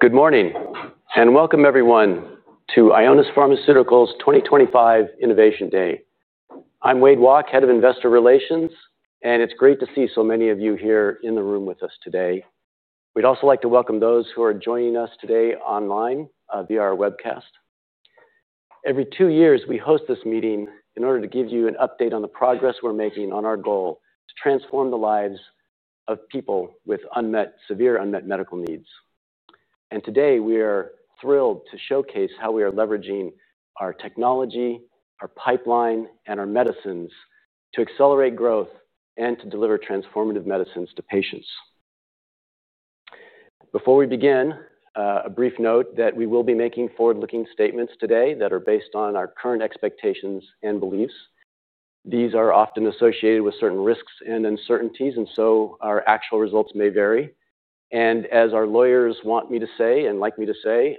Good morning and welcome everyone to Ionis Pharmaceuticals 2025 Innovation Day. I'm Wade Walke, Head of Investor Relations, and it's great to see so many of you here in the room with us today. We'd also like to welcome those who are joining us today online via our webcast. Every two years, we host this meeting in order to give you an update on the progress we're making on our goal to transform the lives of people with severe unmet medical needs. Today, we are thrilled to showcase how we are leveraging our technology, our pipeline, and our medicines to accelerate growth and to deliver transformative medicines to patients. Before we begin, a brief note that we will be making forward-looking statements today that are based on our current expectations and beliefs. These are often associated with certain risks and uncertainties, and our actual results may vary. As our lawyers want me to say and like me to say,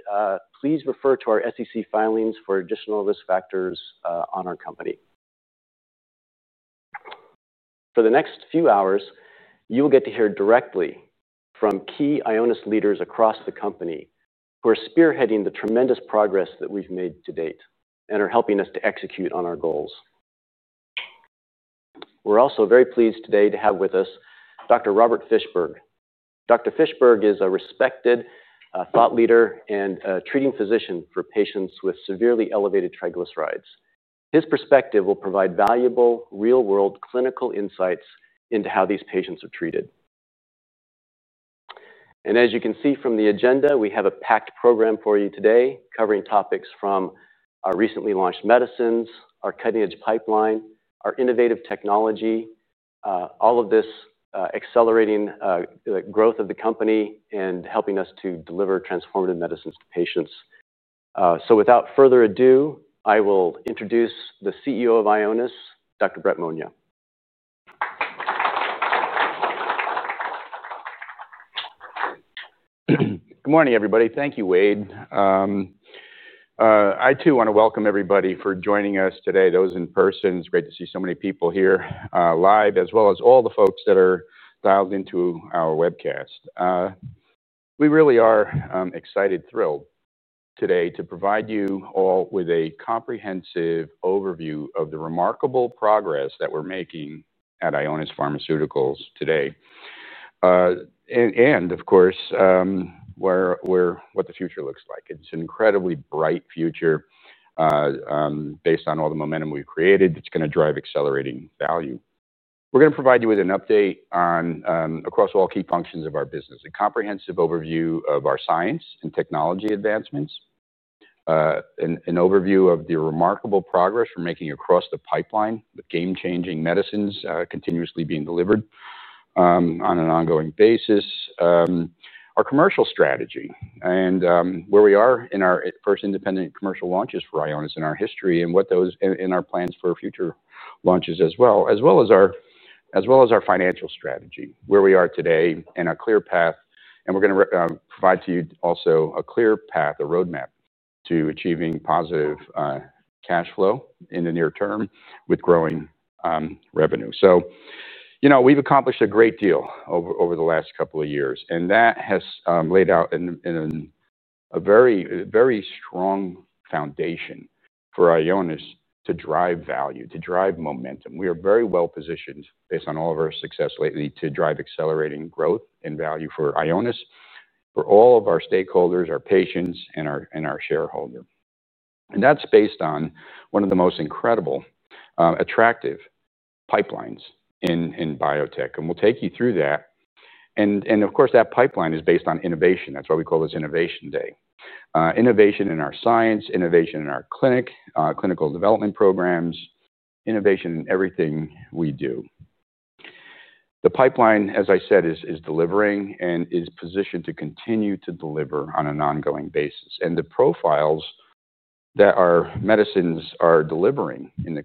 please refer to our SEC filings for additional risk factors on our company. For the next few hours, you will get to hear directly from key Ionis leaders across the company who are spearheading the tremendous progress that we've made to date and are helping us to execute on our goals. We're also very pleased today to have with us Dr. Robert Fischberg. Dr. Fischberg is a respected thought leader and a treating physician for patients with severely elevated triglycerides. His perspective will provide valuable real-world clinical insights into how these patients are treated. As you can see from the agenda, we have a packed program for you today covering topics from our recently launched medicines, our cutting-edge pipeline, our innovative technology, all of this accelerating the growth of the company and helping us to deliver transformative medicines to patients. Without further ado, I will introduce the CEO of Ionis, Dr. Brett Monia. Good morning, everybody. Thank you, Wade. I too want to welcome everybody for joining us today, those in person. It's great to see so many people here live, as well as all the folks that are dialed into our webcast. We really are excited, thrilled today to provide you all with a comprehensive overview of the remarkable progress that we're making at Ionis Pharmaceuticals today. Of course, what the future looks like. It's an incredibly bright future based on all the momentum we've created that's going to drive accelerating value. We're going to provide you with an update on across all key functions of our business, a comprehensive overview of our science and technology advancements, an overview of the remarkable progress we're making across the pipeline with game-changing medicines continuously being delivered on an ongoing basis, our commercial strategy, and where we are in our first independent commercial launches for Ionis in our history, and what those are in our plans for future launches as well, as well as our financial strategy, where we are today and a clear path. We're going to provide to you also a clear path, a roadmap to achieving positive cash flow in the near term with growing revenue. We've accomplished a great deal over the last couple of years, and that has laid out a very, very strong foundation for Ionis to drive value, to drive momentum. We are very well positioned based on all of our success lately to drive accelerating growth and value for Ionis, for all of our stakeholders, our patients, and our shareholders. That's based on one of the most incredible, attractive pipelines in biotech. We'll take you through that. That pipeline is based on innovation. That's why we call this Innovation Day. Innovation in our science, innovation in our clinic, clinical development programs, innovation in everything we do. The pipeline, as I said, is delivering and is positioned to continue to deliver on an ongoing basis. The profiles that our medicines are delivering in the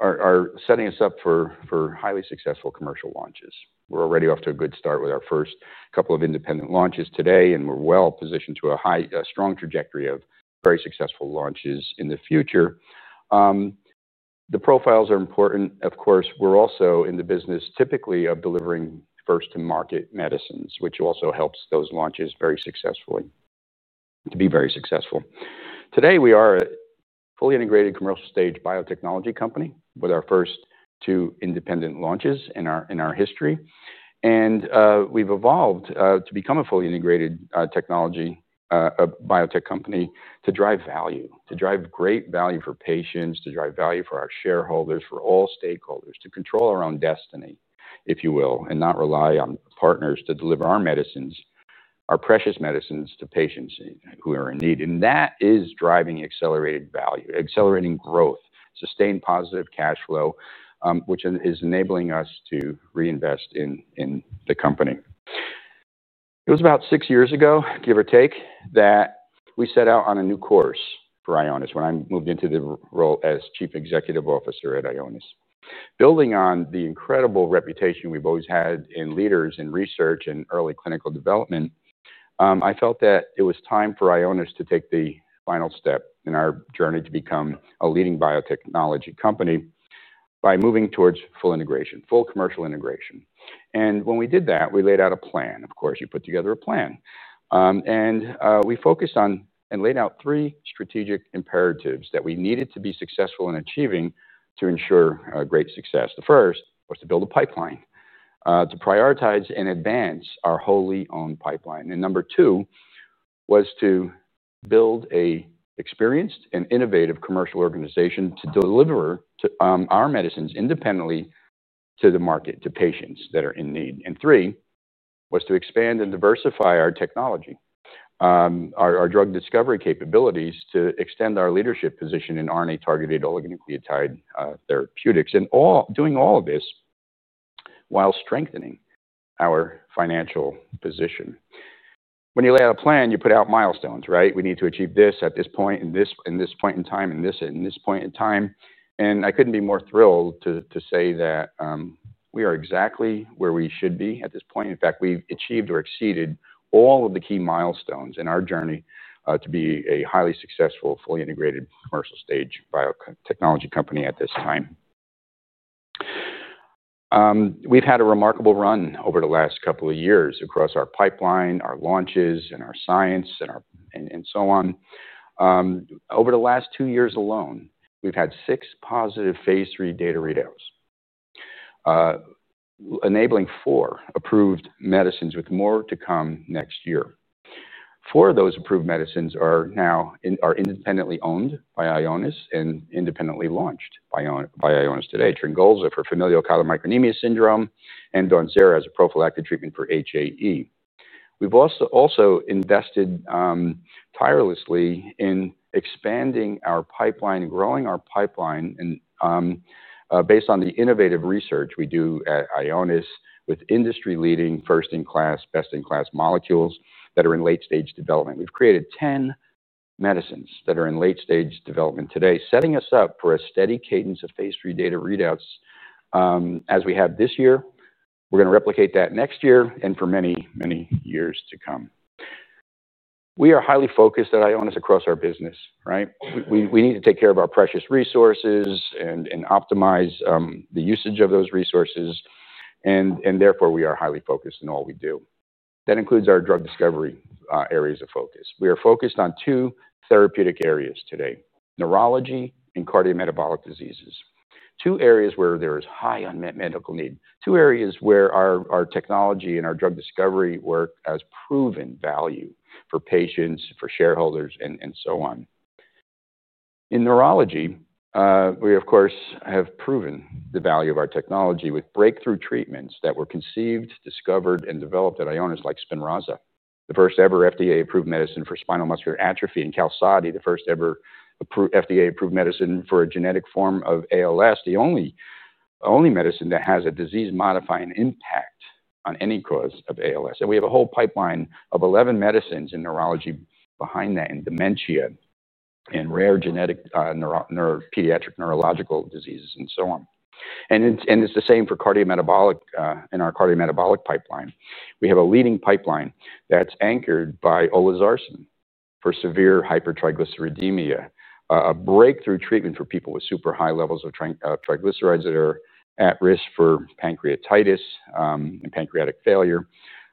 clinic are setting us up for highly successful commercial launches. We're already off to a good start with our first couple of independent launches today, and we're well positioned to a high, strong trajectory of very successful launches in the future. The profiles are important. Of course, we're also in the business typically of delivering first-to-market medicines, which also helps those launches very successfully to be very successful. Today, we are a fully integrated commercial stage biotechnology company with our first two independent launches in our history. We've evolved to become a fully integrated technology biotech company to drive value, to drive great value for patients, to drive value for our shareholders, for all stakeholders, to control our own destiny, if you will, and not rely on partners to deliver our medicines, our precious medicines to patients who are in need. That is driving accelerated value, accelerating growth, sustained positive cash flow, which is enabling us to reinvest in the company. It was about six years ago, give or take, that we set out on a new course for Ionis Pharmaceuticals when I moved into the role as Chief Executive Officer at Ionis. Building on the incredible reputation we've always had in leaders in research and early clinical development, I felt that it was time for Ionis to take the final step in our journey to become a leading biotechnology company by moving towards full integration, full commercial integration. When we did that, we laid out a plan. Of course, you put together a plan. We focused on and laid out three strategic imperatives that we needed to be successful in achieving to ensure great success. The first was to build a pipeline, to prioritize and advance our wholly owned pipeline. Number two was to build an experienced and innovative commercial organization to deliver our medicines independently to the market, to patients that are in need. Three was to expand and diversify our technology, our drug discovery capabilities, to extend our leadership position in RNA-targeted oligonucleotide therapeutics, and doing all of this while strengthening our financial position. When you lay out a plan, you put out milestones, right? We need to achieve this at this point, and this in this point in time, and this in this point in time. I couldn't be more thrilled to say that we are exactly where we should be at this point. In fact, we've achieved or exceeded all of the key milestones in our journey to be a highly successful, fully integrated commercial stage biotechnology company at this time. We've had a remarkable run over the last couple of years across our pipeline, our launches, and our science, and so on. Over the last two years alone, we've had six positive phase III data readouts, enabling four approved medicines with more to come next year. Four of those approved medicines are now independently owned by Ionis and independently launched by Ionis today. Tryngolza for familial chylomicronemia syndrome and DAWNZERA as a prophylactic treatment for HAE. We've also invested tirelessly in expanding our pipeline and growing our pipeline based on the innovative research we do at Ionis with industry-leading, first-in-class, best-in-class molecules that are in late-stage development. We've created 10 medicines that are in late-stage development today, setting us up for a steady cadence of phase III data readouts as we have this year. We're going to replicate that next year and for many, many years to come. We are highly focused at Ionis across our business, right? We need to take care of our precious resources and optimize the usage of those resources, and therefore we are highly focused in all we do. That includes our drug discovery areas of focus. We are focused on two therapeutic areas today: neurology and cardiometabolic diseases. Two areas where there is high unmet medical need. Two areas where our technology and our drug discovery work has proven value for patients, for shareholders, and so on. In neurology, we, of course, have proven the value of our technology with breakthrough treatments that were conceived, discovered, and developed at Ionis like Spinraza, the first ever FDA-approved medicine for spinal muscular atrophy, and Qalsody, the first ever FDA-approved medicine for a genetic form of ALS, the only medicine that has a disease-modifying impact on any cause of ALS. We have a whole pipeline of 11 medicines in neurology behind that in dementia and rare genetic pediatric neurological diseases and so on. It's the same for our cardiometabolic pipeline. We have a leading pipeline that's anchored by Tryngolza for severe hypertriglyceridemia, a breakthrough treatment for people with super high levels of triglycerides that are at risk for pancreatitis and pancreatic failure,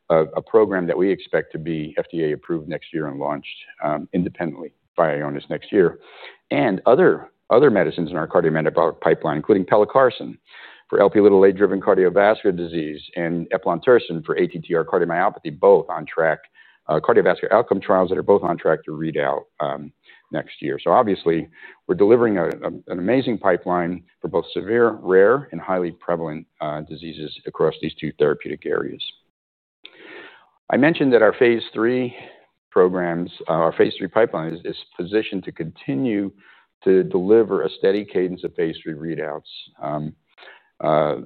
a program that we expect to be FDA-approved next year and launched independently by Ionis next year. Other medicines in our cardiometabolic pipeline include pelacarsen for Lp(a)-driven cardiovascular disease and eplontersen for ATTR cardiomyopathy, both on track, cardiovascular outcome trials that are both on track to read out next year. Obviously, we're delivering an amazing pipeline for both severe, rare, and highly prevalent diseases across these two therapeutic areas. I mentioned that our phase III programs, our phase III pipeline is positioned to continue to deliver a steady cadence of phase III readouts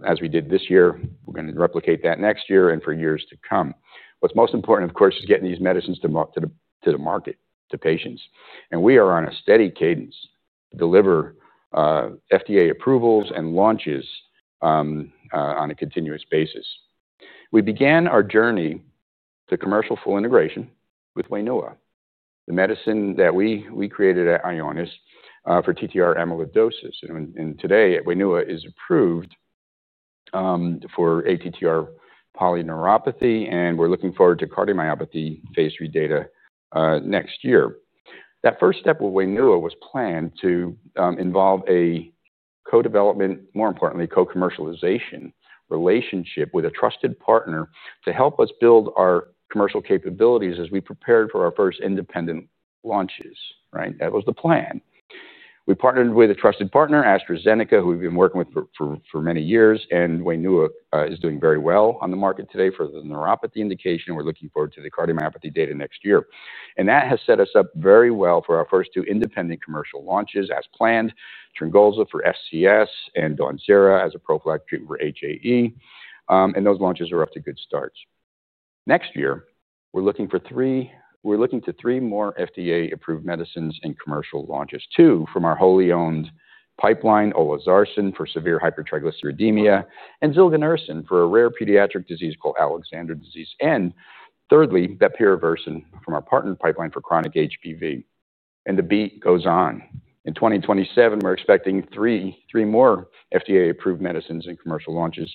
as we did this year. We're going to replicate that next year and for years to come. What's most important, of course, is getting these medicines to the market, to patients. We are on a steady cadence to deliver FDA approvals and launches on a continuous basis. We began our journey to commercial full integration with Wainua, the medicine that we created at Ionis Pharmaceuticals for TTR amyloidosis. Today, Wainua is approved for ATTR polyneuropathy, and we're looking forward to cardiomyopathy phase III data next year. That first step with Wainua was planned to involve a co-development, more importantly, co-commercialization relationship with a trusted partner to help us build our commercial capabilities as we prepared for our first independent launches. That was the plan. We partnered with a trusted partner, AstraZeneca, who we've been working with for many years, and Wainua is doing very well on the market today for the neuropathy indication. We're looking forward to the cardiomyopathy data next year. That has set us up very well for our first two independent commercial launches as planned: Tryngolza for familial chylomicronemia syndrome and DAWNZERA as a prophylactic treatment for hereditary angioedema. Those launches are off to good starts. Next year, we're FDA-approved medicines and commercial launches, two from our wholly owned pipeline, Olezarsen for severe hypertriglyceridemia and Zilganersen for a rare pediatric disease called Alexander disease. Thirdly, Bepirovirsen from our partner pipeline for chronic HPV. The beat goes on. In 2027, we're expecting three more FDA-approved medicines and commercial launches,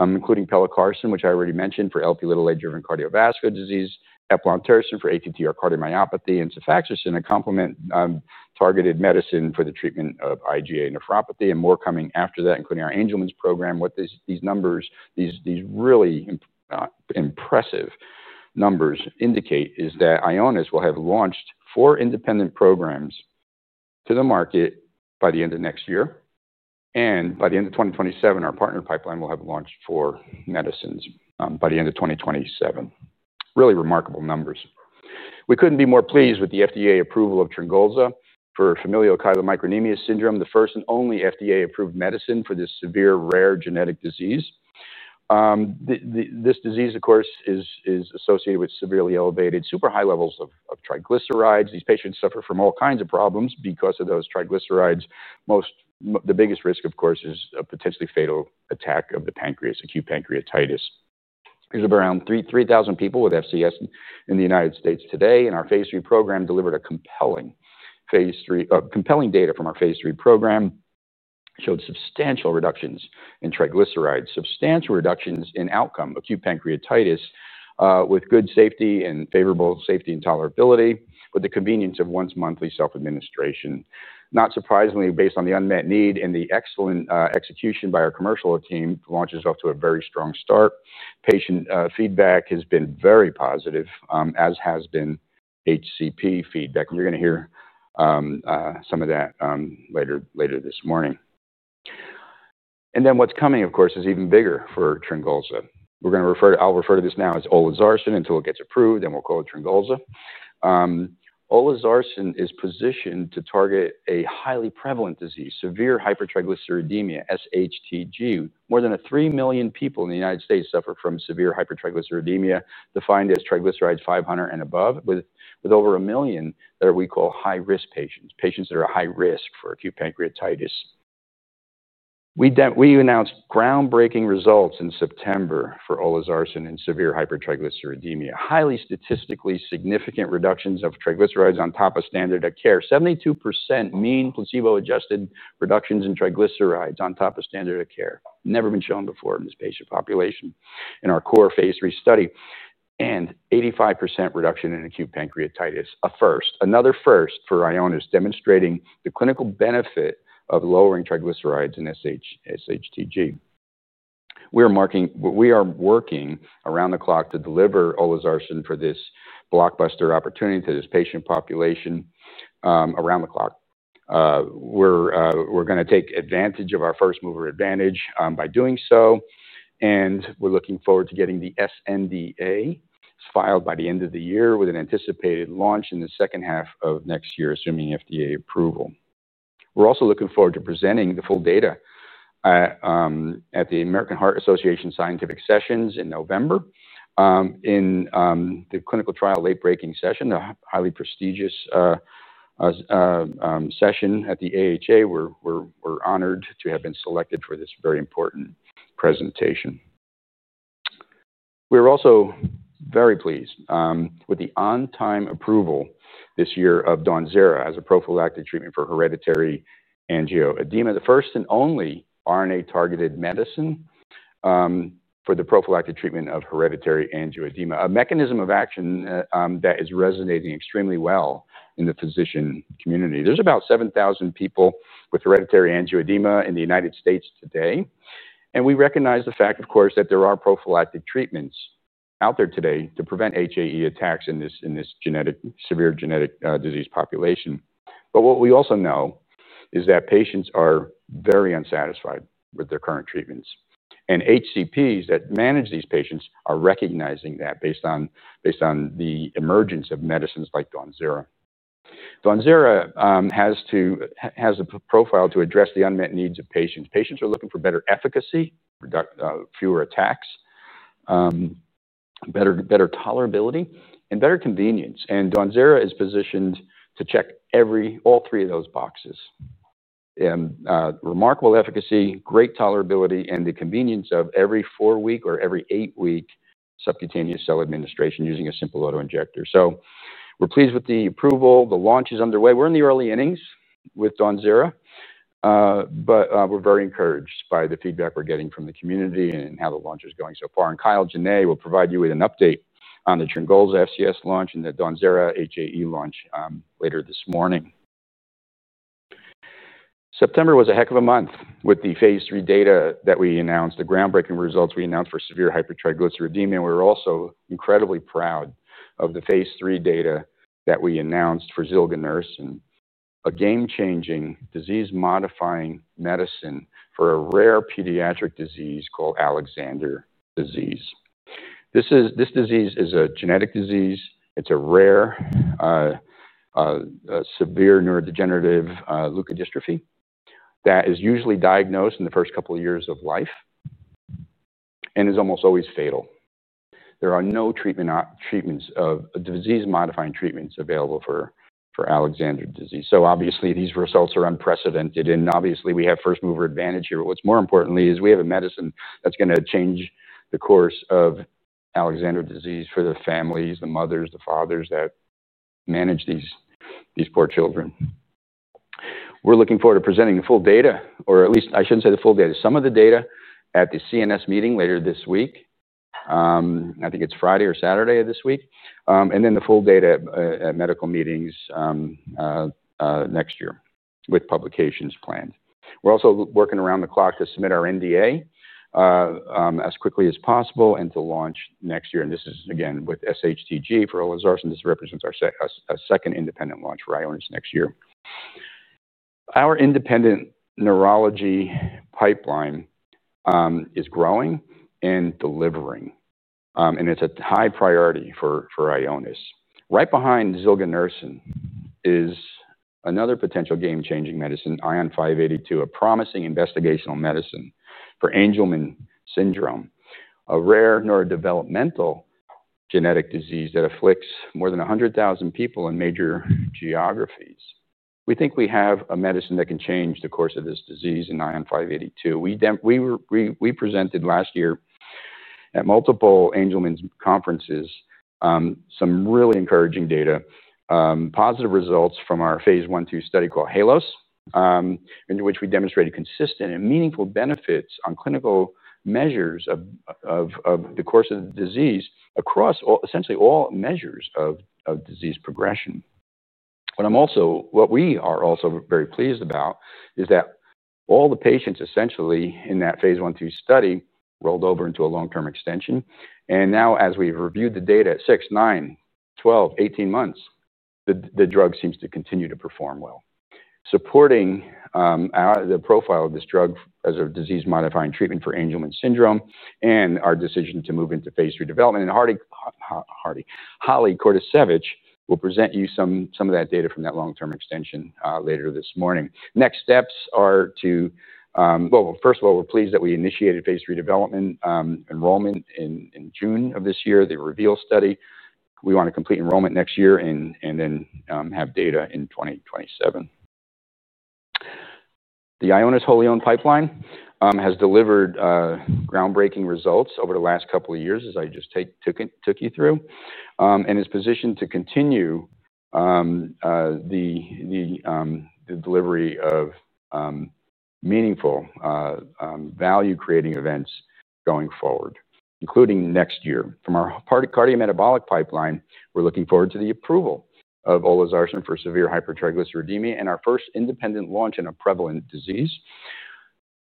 including Pelacarsen, which I already mentioned, for LP(a)-driven cardiovascular disease, Eplontersen for ATTR cardiomyopathy, and Sefaxersen, a complement-targeted medicine for the treatment of IgA nephropathy. More coming after that, including our Angelman's program. What these numbers, these really impressive numbers indicate, is that Ionis Pharmaceuticals will have launched four independent programs to the market by the end of next year. By the end of 2027, our partner pipeline will have launched four medicines by the end of 2027. Really remarkable numbers. We couldn't be more pleased with the FDA approval of Tryngolza for familial chylomicronemia syndrome, the first and only FDA-approved medicine for this severe, rare genetic disease. This disease, of course, is associated with severely elevated, super high levels of triglycerides. These patients suffer from all kinds of problems because of those triglycerides. The biggest risk, of course, is a potentially fatal attack of the pancreas, acute pancreatitis. There are about 3,000 people with FCS in the United States today. Our phase III program delivered compelling data from our phase III program. It showed substantial reductions in triglycerides, substantial reductions in outcome, acute pancreatitis, with good safety and favorable safety and tolerability with the convenience of once monthly self-administration. Not surprisingly, based on the unmet need and the excellent execution by our commercial team, the launch is off to a very strong start. Patient feedback has been very positive, as has been HCP feedback. You're going to hear some of that later this morning. What's coming, of course, is even bigger for Tryngolza. I'll refer to this now as Olezarsen until it gets approved, then we'll call it Tryngolza. Olezarsen is positioned to target a highly prevalent disease, severe hypertriglyceridemia, SHTG. More than 3 million people in the United States suffer from severe hypertriglyceridemia, defined as triglycerides 500 and above, with over a million that we call high-risk patients, patients that are high-risk for acute pancreatitis. We announced groundbreaking results in September for Olezarsen in severe hypertriglyceridemia. Highly statistically significant reductions of triglycerides on top of standard of care. 72% mean placebo-adjusted reductions in triglycerides on top of standard of care. Never been shown before in this patient population in our core phase III study. 85% reduction in acute pancreatitis, a first, another first for Ionis, demonstrating the clinical benefit of lowering triglycerides in SHTG. We are working around the clock to deliver Olezarsen for this blockbuster opportunity to this patient population around the clock. We're going to take advantage of our first mover advantage by doing so. We're looking forward to getting the SNDA filed by the end of the year with an anticipated launch in the second half of next year, assuming FDA approval. We're also looking forward to presenting the full data at the American Heart Association Scientific Sessions in November in the clinical trial late-breaking session, a highly prestigious session at the AHA. We're honored to have been selected for this very important presentation. We're also very pleased with the on-time approval this year of DAWNZERA as a prophylactic treatment for hereditary angioedema, the first and only RNA-targeted medicine for the prophylactic treatment of hereditary angioedema, a mechanism of action that is resonating extremely well in the physician community. There's about 7,000 people with hereditary angioedema in the United States today. We recognize the fact, of course, that there are prophylactic treatments out there today to prevent HAE attacks in this severe genetic disease population. What we also know is that patients are very unsatisfied with their current treatments. HCPs that manage these patients are recognizing that based on the emergence of medicines like DAWNZERA. DAWNZERA has a profile to address the unmet needs of patients. Patients are looking for better efficacy, fewer attacks, better tolerability, and better convenience. DAWNZERA is positioned to check all three of those boxes: remarkable efficacy, great tolerability, and the convenience of every four-week or every eight-week subcutaneous self-administration using a simple autoinjector. We're pleased with the approval. The launch is underway. We're in the early innings with DAWNZERA, but we're very encouraged by the feedback we're getting from the community and how the launch is going so far. Kyle Jenne will provide you with an update on the Tryngolza FCS launch and the DAWNZERA HAE launch later this morning. September was a heck of a month with the phase III data that we announced, the groundbreaking results we announced for severe hypertriglyceridemia. We were also incredibly proud of the phase III data that we announced for Zilganersen, a game-changing, disease-modifying medicine for a rare pediatric disease called Alexander disease. This disease is a genetic disease. It's a rare, severe neurodegenerative leukodystrophy that is usually diagnosed in the first couple of years of life and is almost always fatal. There are no disease-modifying treatments available for Alexander disease. Obviously, these results are unprecedented. We have first mover advantage here. What is more important is we have a medicine that's going to change the course of Alexander disease for the families, the mothers, the fathers that manage these poor children. We're looking forward to presenting the full data, or at least I shouldn't say the full data, some of the data at the CNS meeting later this week. I think it's Friday or Saturday of this week. The full data will be presented at medical meetings next year with publications planned. We're also working around the clock to submit our NDA as quickly as possible and to launch next year. This is, again, with SHTG for Olezarsen. This represents our second independent launch for Ionis Pharmaceuticals next year. Our independent neurology pipeline is growing and delivering, and it's a high priority for Ionis Pharmaceuticals. Right behind Zilganersen is another potential game-changing medicine, ION-582, a promising investigational medicine for Angelman syndrome, a rare neurodevelopmental genetic disease that afflicts more than 100,000 people in major geographies. We think we have a medicine that can change the course of this disease in ION-582. We presented last year at multiple Angelman conferences some really encouraging data, positive results from our phase I-II study called HALOS, in which we demonstrated consistent and meaningful benefits on clinical measures of the course of the disease across essentially all measures of disease progression. We are also very pleased that all the patients essentially in that phase I-II study rolled over into a long-term extension. Now, as we've reviewed the data at six, nine, 12, 18 months, the drug seems to continue to perform well, supporting the profile of this drug as a disease-modifying treatment for Angelman syndrome and our decision to move into phase III development. Dr. Holly Kordasiewicz will present you some of that data from that long-term extension later this morning. Next steps are to, first of all, we're pleased that we initiated phase III development enrollment in June of this year, the REVEAL study. We want to complete enrollment next year and then have data in 2027. The Ionis Pharmaceuticals wholly owned pipeline has delivered groundbreaking results over the last couple of years, as I just took you through, and is positioned to continue the delivery of meaningful value-creating events going forward, including next year. From our cardiometabolic pipeline, we're looking forward to the approval of Olezarsen for severe hypertriglyceridemia and our first independent launch in a prevalent disease.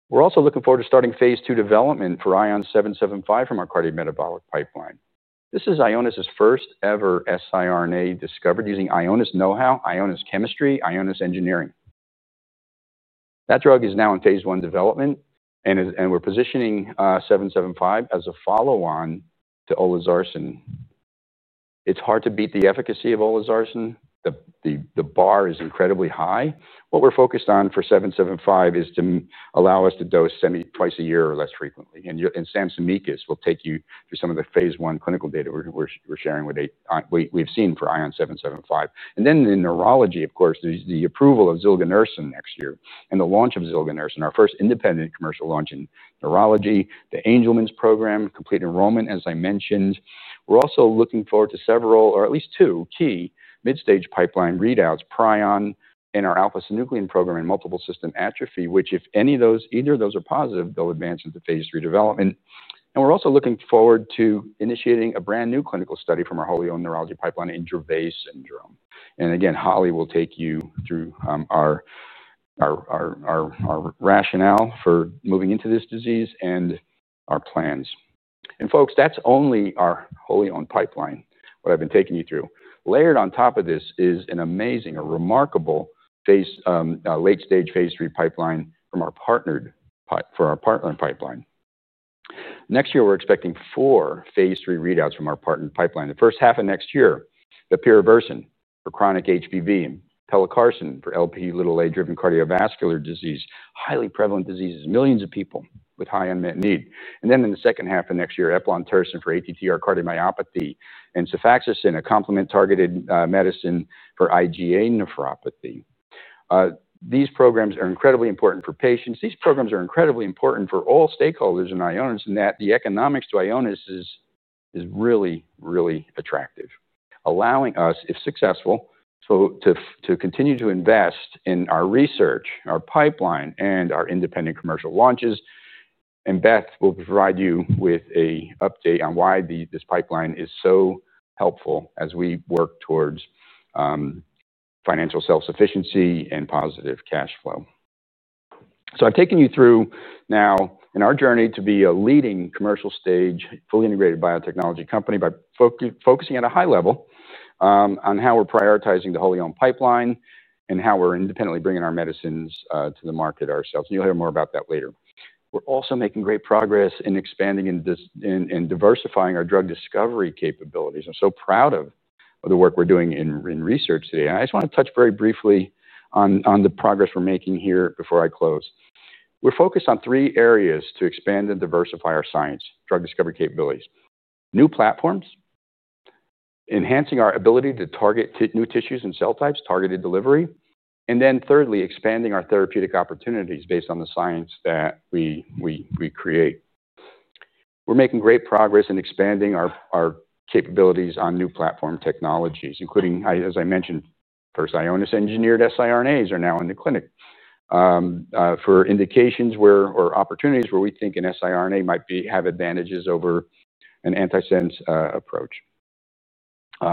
We're also looking forward to starting phase II development for ION-775 from our cardiometabolic pipeline. This is Ionis's first ever siRNA discovered using Ionis know-how, Ionis chemistry, Ionis engineering. That drug is now in phase I development, and we're positioning 775 as a follow-on to Olezarsen. It's hard to beat the efficacy of Olezarsen. The bar is incredibly high. What we're focused on for 775 is to allow us to dose twice a year or less frequently. Sam Tsimikas will take you through some of the phase I clinical data we're sharing with what we've seen for ION-775. In neurology, of course, the approval of Zilganersen next year and the launch of Zilganersen, our first independent commercial launch in neurology, the Angelman's program, complete enrollment, as I mentioned. We're also looking forward to several, or at least two key mid-stage pipeline readouts, PRION, and our alpha-synuclein program in multiple system atrophy, which if any of those, either of those are positive, they'll advance into phase III development. We're also looking forward to initiating a brand new clinical study from our wholly owned neurology pipeline in Gervais syndrome. Holly will take you through our rationale for moving into this disease and our plans. That's only our wholly owned pipeline, what I've been taking you through. Layered on top of this is an amazing, a remarkable late-stage phase III pipeline from our partner pipeline. Next year, we're expecting four phase III readouts from our partner pipeline. The first half of next year, Bepirovirsen for chronic HPV, Pelacarsen for LP(a)-driven cardiovascular disease, highly prevalent diseases, millions of people with high unmet need. In the second half of next year, Eplontersen for ATTR cardiomyopathy and Sefaxersen, a complement-targeted medicine for IgA nephropathy. These programs are incredibly important for patients. These programs are incredibly important for all stakeholders in Ionis in that the economics to Ionis is really, really attractive, allowing us, if successful, to continue to invest in our research, our pipeline, and our independent commercial launches. Beth will provide you with an update on why this pipeline is so helpful as we work towards financial self-sufficiency and positive cash flow. I've taken you through now in our journey to be a leading commercial stage fully integrated biotechnology company by focusing at a high level on how we're prioritizing the wholly owned pipeline and how we're independently bringing our medicines to the market ourselves. You'll hear more about that later. We're also making great progress in expanding and diversifying our drug discovery capabilities. I'm so proud of the work we're doing in research today. I just want to touch very briefly on the progress we're making here before I close. We're focused on three areas to expand and diversify our science, drug discovery capabilities: new platforms, enhancing our ability to target new tissues and cell types, targeted delivery, and then thirdly, expanding our therapeutic opportunities based on the science that we create. We're making great progress in expanding our capabilities on new platform technologies, including, as I mentioned, first Ionis-engineered siRNAs are now in the clinic for indications or opportunities where we think an siRNA might have advantages over an antisense approach.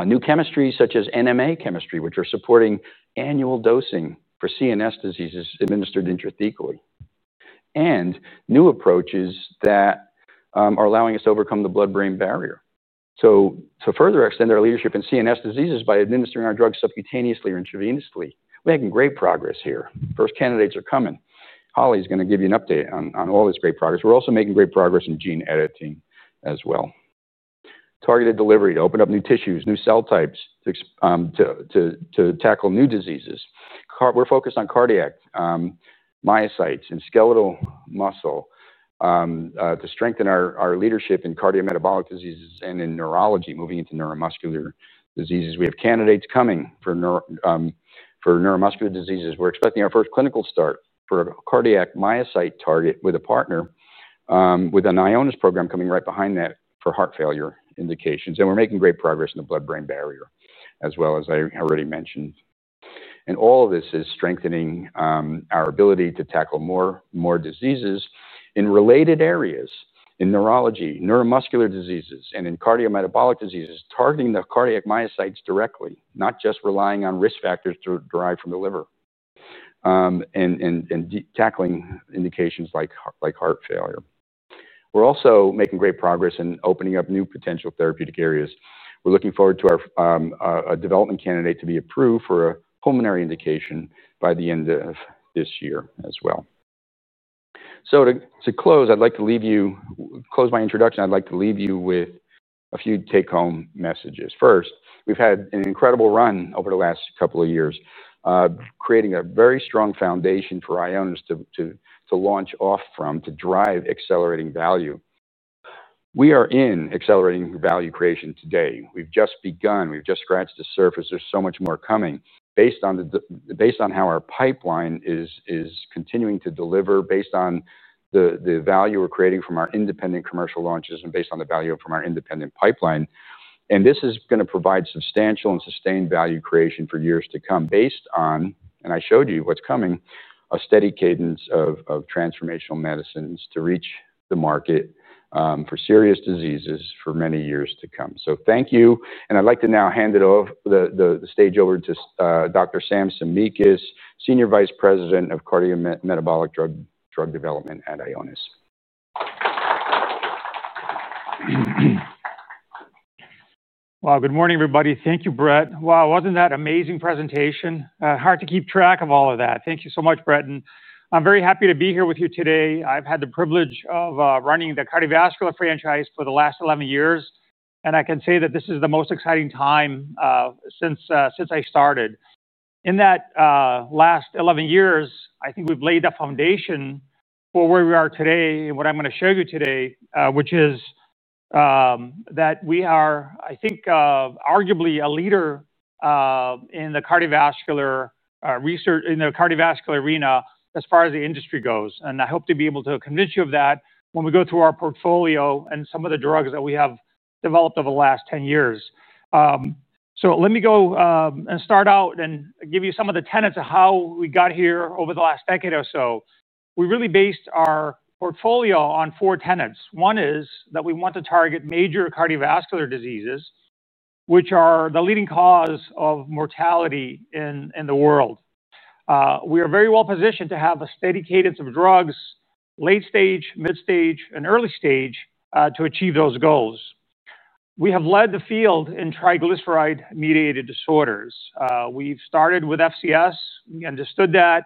New chemistries such as NMA chemistry, which are supporting annual dosing for CNS diseases administered intrathecally, and new approaches that are allowing us to overcome the blood-brain barrier. To further extend our leadership in CNS diseases by administering our drug subcutaneously or intravenously, we're making great progress here. First candidates are coming. Holly is going to give you an update on all this great progress. We're also making great progress in gene editing as well. Targeted delivery to open up new tissues, new cell types to tackle new diseases. We're focused on cardiac myocytes and skeletal muscle to strengthen our leadership in cardiometabolic diseases and in neurology, moving into neuromuscular diseases. We have candidates coming for neuromuscular diseases. We're expecting our first clinical start for a cardiac myocyte target with a partner with an Ionis program coming right behind that for heart failure indications. We're making great progress in the blood-brain barrier, as well as I already mentioned. All of this is strengthening our ability to tackle more diseases in related areas in neurology, neuromuscular diseases, and in cardiometabolic diseases, targeting the cardiac myocytes directly, not just relying on risk factors derived from the liver and tackling indications like heart failure. We're also making great progress in opening up new potential therapeutic areas. We're looking forward to a development candidate to be approved for a pulmonary indication by the end of this year as well. To close my introduction, I'd like to leave you with a few take-home messages. First, we've had an incredible run over the last couple of years, creating a very strong foundation for Ionis Pharmaceuticals to launch off from, to drive accelerating value. We are in accelerating value creation today. We've just begun. We've just scratched the surface. There's so much more coming, based on how our pipeline is continuing to deliver, based on the value we're creating from our independent commercial launches, and based on the value from our independent pipeline. This is going to provide substantial and sustained value creation for years to come, based on, and I showed you what's coming, a steady cadence of transformational medicines to reach the market for serious diseases for many years to come. Thank you. I'd like to now hand the stage over to Dr. Sam Tsimikas, Senior Vice President of Cardiometabolic Drug Development at Ionis Pharmaceuticals. Good morning, everybody. Thank you, Brett. Wow, wasn't that an amazing presentation? Hard to keep track of all of that. Thank you so much, Brett. I'm very happy to be here with you today. I've had the privilege of running the cardiovascular franchise for the last 11 years. I can say that this is the most exciting time since I started. In that last 11 years, I think we've laid the foundation for where we are today and what I'm going to show you today, which is that we are, I think, arguably a leader in cardiovascular research in the cardiovascular arena as far as the industry goes. I hope to be able to convince you of that when we go through our portfolio and some of the drugs that we have developed over the last 10 years. Let me go and start out and give you some of the tenets of how we got here over the last decade or so. We really based our portfolio on four tenets. One is that we want to target major cardiovascular diseases, which are the leading cause of mortality in the world. We are very well positioned to have a steady cadence of drugs, late stage, mid stage, and early stage to achieve those goals. We have led the field in triglyceride-mediated disorders. We've started with FCS. We understood that.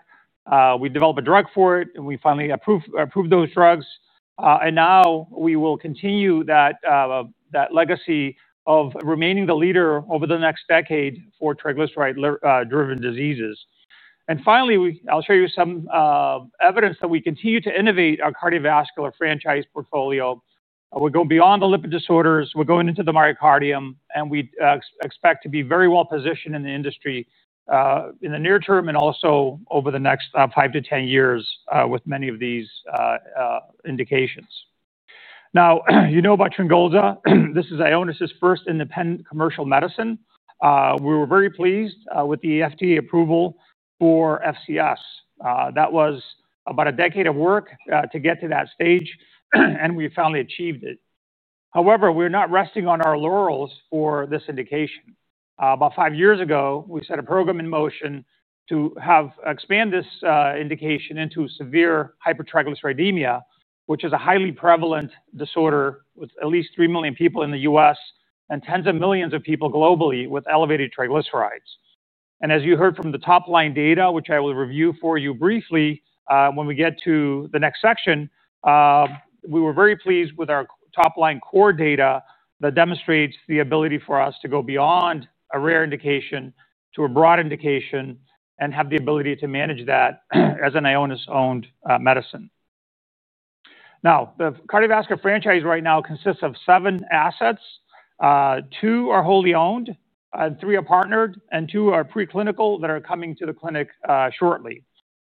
We developed a drug for it, and we finally approved those drugs. We will continue that legacy of remaining the leader over the next decade for triglyceride-driven diseases. Finally, I'll show you some evidence that we continue to innovate our cardiovascular franchise portfolio. We go beyond the lipid disorders. We're going into the myocardium. We expect to be very well positioned in the industry in the near term and also over the next five to 10 years with many of these indications. You know about Tryngolza. This is Ionis Pharmaceuticals' first independent commercial medicine. We were very pleased with the FDA for FCS. that was about a decade of work to get to that stage. We finally achieved it. However, we're not resting on our laurels for this indication. About five years ago, we set a program in motion to expand this indication into severe hypertriglyceridemia, which is a highly prevalent disorder with at least 3 million people in the U.S. and tens of millions of people globally with elevated triglycerides. As you heard from the top line data, which I will review for you briefly when we get to the next section, we were very pleased with our top line core data that demonstrates the ability for us to go beyond a rare indication to a broad indication and have the ability to manage that as an Ionis-owned medicine. The cardiovascular franchise right now consists of seven assets. Two are wholly owned, three are partnered, and two are preclinical that are coming to the clinic shortly.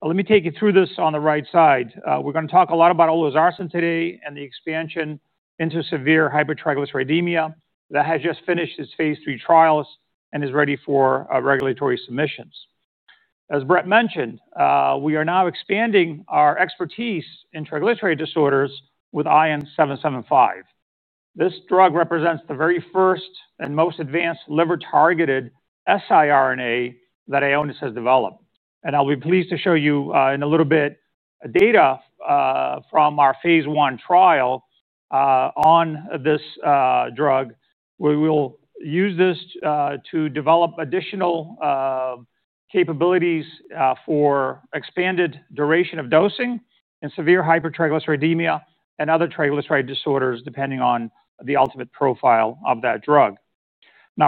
Let me take you through this on the right side. We're going to talk a lot about Olezarsen today and the expansion into severe hypertriglyceridemia that has just finished its phase III trials and is ready for regulatory submissions. As Brett mentioned, we are now expanding our expertise in triglyceride disorders with ION-775. This drug represents the very first and most advanced liver-targeted siRNA that Ionis has developed. I'll be pleased to show you a little bit of data from our phase I trial on this drug. We will use this to develop additional capabilities for expanded duration of dosing in severe hypertriglyceridemia and other triglyceride disorders, depending on the ultimate profile of that drug.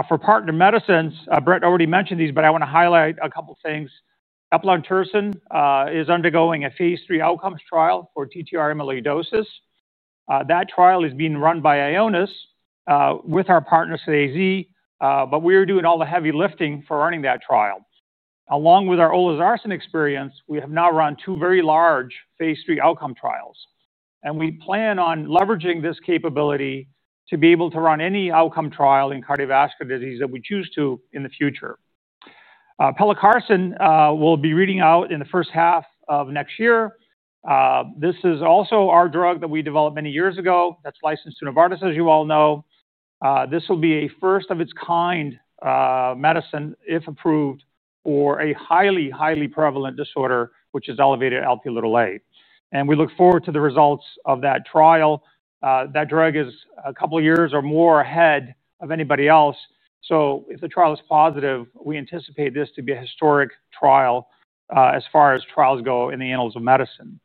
For partner medicines, Brett already mentioned these, but I want to highlight a couple of things. Eplontersen is undergoing a phase III outcomes trial for TTR amyloidosis. That trial is being run by Ionis with our partners at AstraZeneca, but we are doing all the heavy lifting for running that trial. Along with our Olezarsen experience, we have now run two very large phase III outcome trials. We plan on leveraging this capability to be able to run any outcome trial in cardiovascular disease that we choose to in the future. Pelacarsen will be reading out in the first half of next year. This is also our drug that we developed many years ago that's licensed to Novartis, as you all know. This will be a first of its kind medicine, if approved, for a highly, highly prevalent disorder, which is elevated LP(a). We look forward to the results of that trial. That drug is a couple of years or more ahead of anybody else. If the trial is positive, we anticipate this to be a historic trial as far as trials go in the annals of medicine.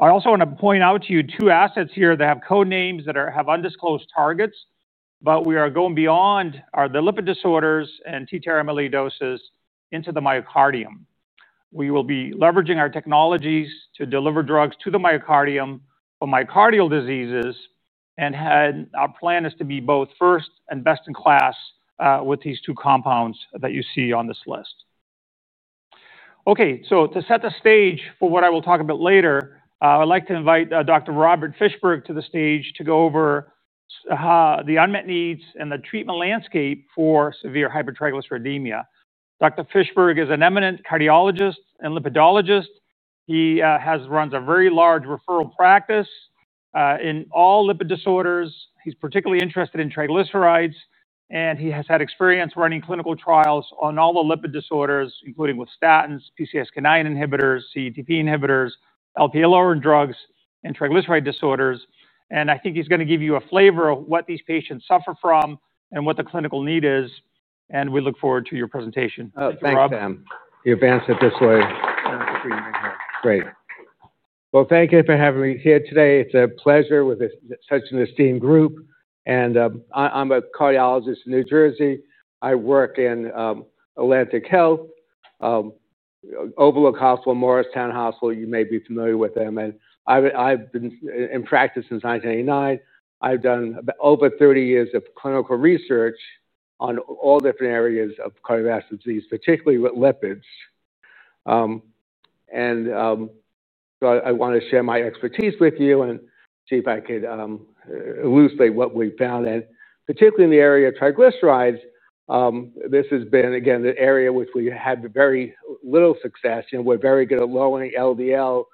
I also want to point out to you two assets here that have code names that have undisclosed targets, but we are going beyond the lipid disorders and TTR amyloidosis into the myocardium. We will be leveraging our technologies to deliver drugs to the myocardium for myocardial diseases. Our plan is to be both first and best in class with these two compounds that you see on this list. To set the stage for what I will talk about later, I'd like to invite Dr. Robert Fischberg to the stage to go over the unmet needs and the treatment landscape for severe hypertriglyceridemia. Dr. Fischberg is an eminent cardiologist and lipidologist. He runs a very large referral practice in all lipid disorders. He's particularly interested in triglycerides. He has had experience running clinical trials on all the lipid disorders, including with statins, PCSK9 inhibitors, CETP inhibitors, LP-L1 drugs, and triglyceride disorders. I think he's going to give you a flavor of what these patients suffer from and what the clinical need is. We look forward to your presentation. Thanks, Sam. You advance it this way. Thank you. Great. Thank you for having me here today. It's a pleasure with such an esteemed group. I'm a cardiologist in New Jersey. I work in Atlantic Health, Overlook Hospital, Morristown Hospital. You may be familiar with them. I've been in practice since 1989. I've done over 30 years of clinical research on all different areas of cardiovascular disease, particularly with lipids. I want to share my expertise with you and see if I could elucidate what we found. Particularly in the area of triglycerides, this has been, again, the area in which we had very little success. We're very good at lowering LDL.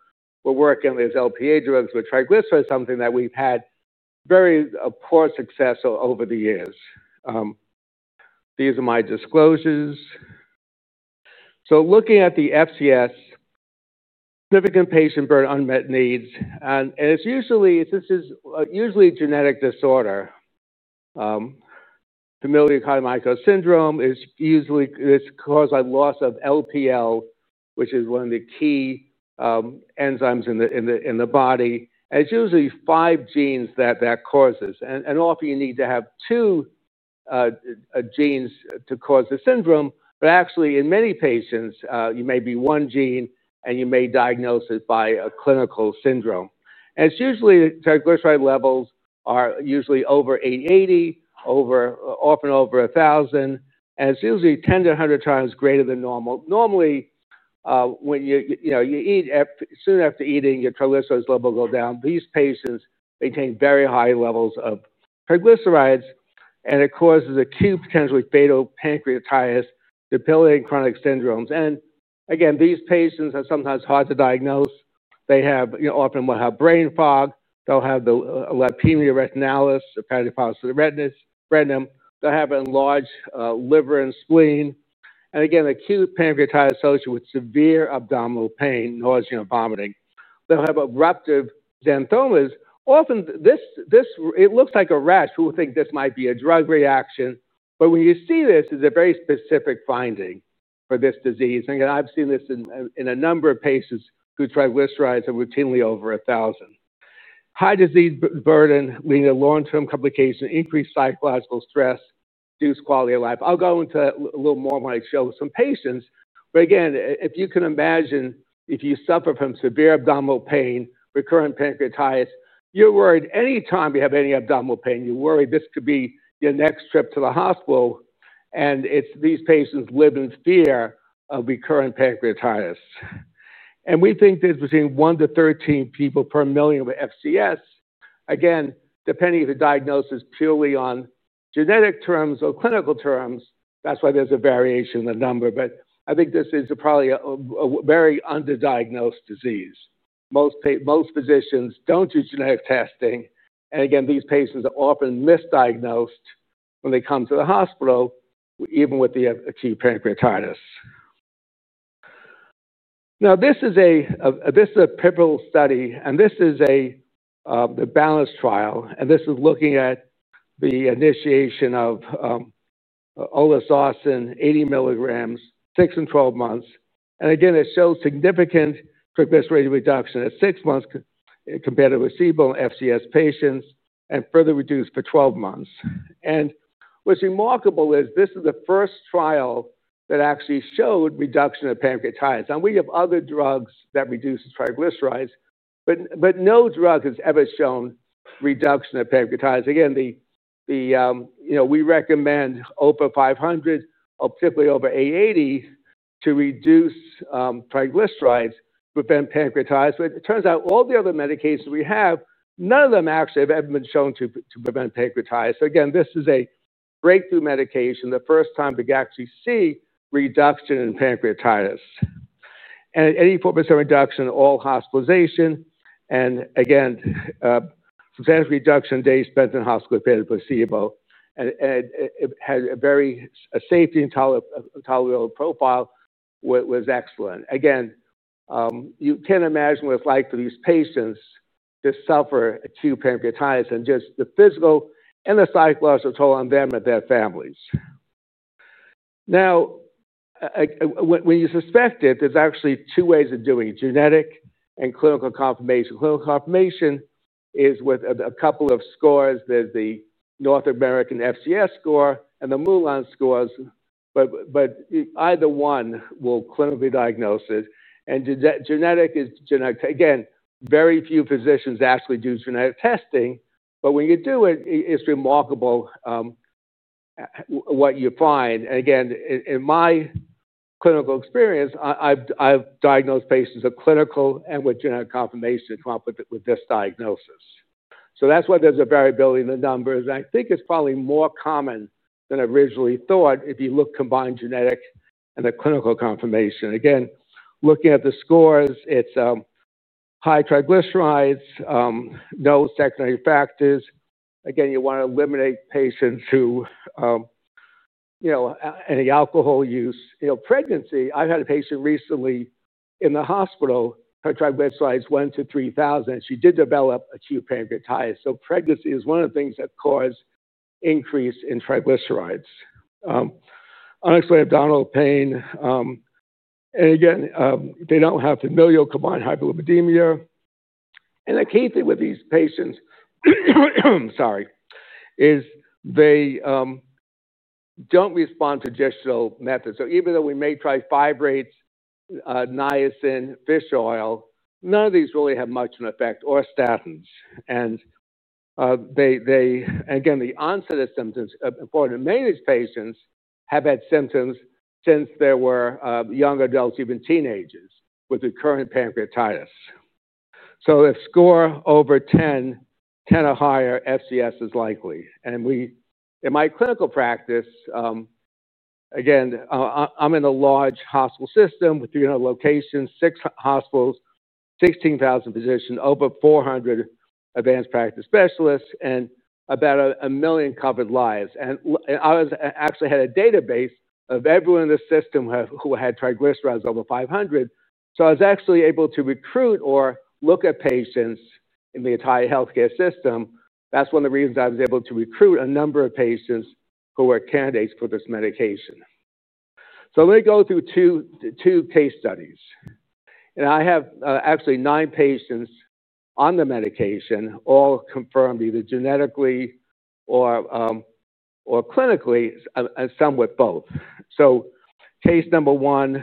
We're working on these Lp(a) drugs, but triglyceride is something that we've had very poor success over the years. These are my disclosures. Looking at the FCS, significant patient burden, unmet needs. It's usually, this is usually a genetic disorder. Familial chylomicronemia syndrome is usually, it's caused by loss of LPL, which is one of the key enzymes in the body. It's usually five genes that cause this. Often you need to have two genes to cause the syndrome. Actually, in many patients, you may be one gene, and you may diagnose it by a clinical syndrome. It's usually, triglyceride levels are usually over 880, often over 1,000. It's usually 10x-100x greater than normal. Normally, when you eat, soon after eating, your triglycerides level goes down. These patients maintain very high levels of triglycerides. It causes acute, potentially fatal pancreatitis, debilitating chronic syndromes. These patients are sometimes hard to diagnose. They often will have brain fog. They'll have the lipemia retinalis or peripapillary retinum. They'll have an enlarged liver and spleen. Acute pancreatitis is associated with severe abdominal pain, nausea, and vomiting. They'll have eruptive xanthomas. Often, it looks like a rash. People think this might be a drug reaction. When you see this, it's a very specific finding for this disease. I've seen this in a number of patients whose triglycerides are routinely over 1,000. High disease burden leading to long-term complications, increased psychological stress, reduced quality of life. I'll go into a little more when I show some patients. If you can imagine, if you suffer from severe abdominal pain, recurrent pancreatitis, you're worried any time you have any abdominal pain, you're worried this could be your next trip to the hospital. These patients live in fear of recurrent pancreatitis. We think there's between 1 to 13 people per FCS. depending if the diagnosis is purely on genetic terms or clinical terms, that's why there's a variation in the number. I think this is probably a very underdiagnosed disease. Most physicians don't do genetic testing. These patients are often misdiagnosed when they come to the hospital, even with acute pancreatitis. This is a pivotal study. This is the BALANCE trial. This is looking at the initiation of Olezarsen, 80 mg, 6 and 12 months. It shows significant triglyceride reduction at 6 months compared to receivable FCS patients and further reduced for 12 months. What's remarkable is this is the first trial that actually showed reduction of pancreatitis. We have other drugs that reduce triglycerides, but no drug has ever shown reduction of pancreatitis. We recommend OPA 500, particularly over 880, to reduce triglycerides and prevent pancreatitis. It turns out all the other medications we have, none of them actually have ever been shown to prevent pancreatitis. This is a breakthrough medication, the first time to actually see reduction in pancreatitis, and at 84% reduction in all hospitalizations. There is substantial reduction in days spent in hospital compared to placebo. It had a very safety and tolerability profile that was excellent. You can't imagine what it's like for these patients to suffer acute pancreatitis and just the physical and the psychological toll on them and their families. When you suspect it, there's actually two ways of doing it: genetic and clinical confirmation. Clinical confirmation is with a couple of scores. There's the North American FCS score and the MULAN score, but either one will clinically diagnose it. Genetic is genetic. Very few physicians actually do genetic testing. When you do it, it's remarkable what you find. In my clinical experience, I've diagnosed patients with clinical and with genetic confirmation to come up with this diagnosis. That's why there's a variability in the numbers. I think it's probably more common than I originally thought if you look at combined genetic and the clinical confirmation. Again, looking at the scores, it's high triglycerides, no secondary factors. You want to eliminate patients who have any alcohol use. Pregnancy, I had a patient recently in the hospital. Her triglycerides went to 3,000. She did develop acute pancreatitis. Pregnancy is one of the things that causes an increase in triglycerides. Unexplained abdominal pain. They don't have familial combined hyperlipidemia. The key thing with these patients is they don't respond to gestational methods. Even though we may try fibrates, niacin, fish oil, none of these really have much of an effect, or statins. The onset of symptoms for many of these patients have had symptoms since they were young adults, even teenagers, with recurrent pancreatitis. If score over 10, 10 or higher, FCS is likely. In my clinical practice, I'm in a large hospital system with 300 locations, six hospitals, 16,000 physicians, over 400 advanced practice specialists, and about a million covered lives. I actually had a database of everyone in the system who had triglycerides over 500. I was actually able to recruit or look at patients in the entire health care system. That's one of the reasons I was able to recruit a number of patients who were candidates for this medication. Let me go through two case studies. I have actually nine patients on the medication, all confirmed either genetically or clinically, and some with both. Case number one,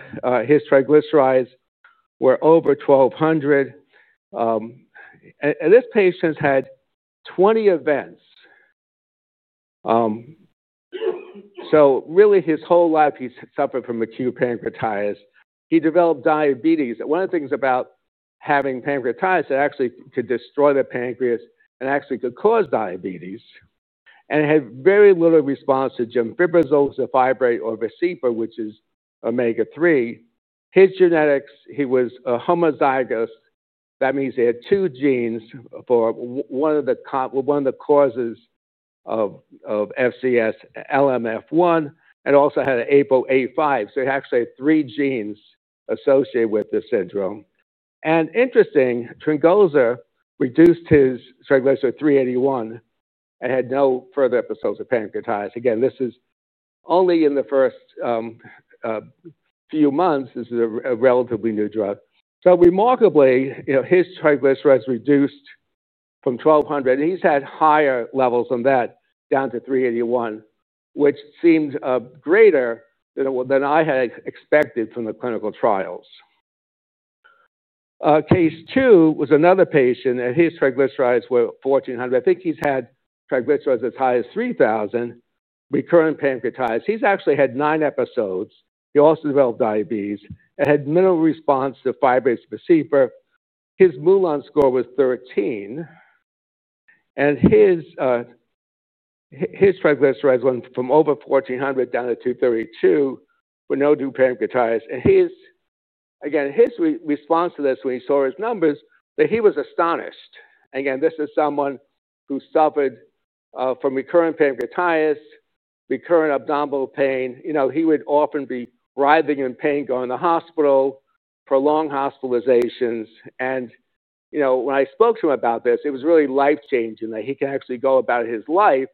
his triglycerides were over 1,200. This patient had 20 events. His whole life, he suffered from acute pancreatitis. He developed diabetes. One of the things about having pancreatitis is it actually could destroy the pancreas and actually could cause diabetes. It had very little response to gemfibrozil, the fibrate, or Vascepa, which is omega-3. His genetics, he was homozygous. That means he had two genes for one of the causes of FCS, LMF1, and also had APO A5. He actually had three genes associated with this syndrome. Tryngolza reduced his triglyceride 381 and had no further episodes of pancreatitis. This is only in the first few months. This is a relatively new drug. Remarkably, his triglycerides reduced from 1,200. He's had higher levels than that, down to 381, which seemed greater than I had expected from the clinical trials. Case two was another patient that his triglycerides were 1,400. I think he's had triglycerides as high as 3,000, recurrent pancreatitis. He's actually had nine episodes. He also developed diabetes and had minimal response to fibrates and Vascepa. His MULAN score was 13. His triglycerides went from over 1,400 down to 232 with no true pancreatitis. His response to this when he saw his numbers, he was astonished. This is someone who suffered from recurrent pancreatitis, recurrent abdominal pain. He would often be writhing in pain, going to the hospital, prolonged hospitalizations. When I spoke to him about this, it was really life-changing that he could actually go about his life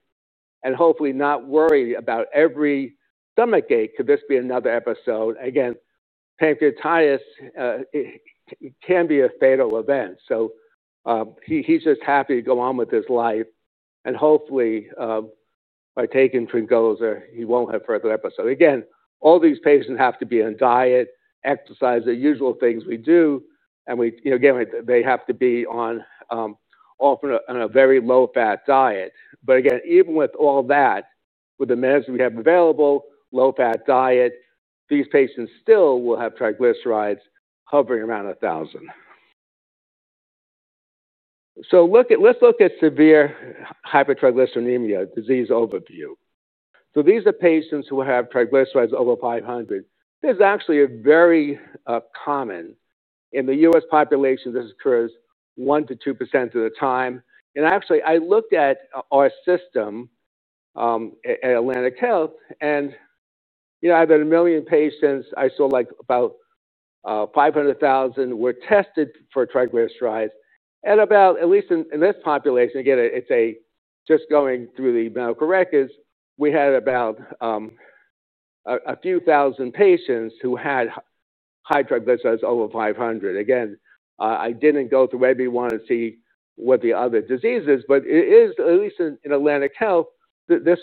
and hopefully not worry about every stomach ache. Could this be another episode? Pancreatitis can be a fatal event. He's just happy to go on with his life. Hopefully, by taking Tryngolza, he won't have further episodes. All these patients have to be on diet, exercise, the usual things we do. They have to be often on a very low-fat diet. Even with all that, with the medicine we have available, low-fat diet, these patients still will have triglycerides hovering around 1,000. Let's look at severe hypertriglyceridemia, disease overview. These are patients who have triglycerides over 500. This is actually very common. In the U.S. population, this occurs 1%-2% of the time. I looked at our system at Atlantic Health. Out of a million patients, I saw about 500,000 were tested for triglycerides. At least in this population, just going through the medical records, we had about a few thousand patients who had high triglycerides over 500. I didn't go through every one to see what the other diseases are, but at least in Atlantic Health, this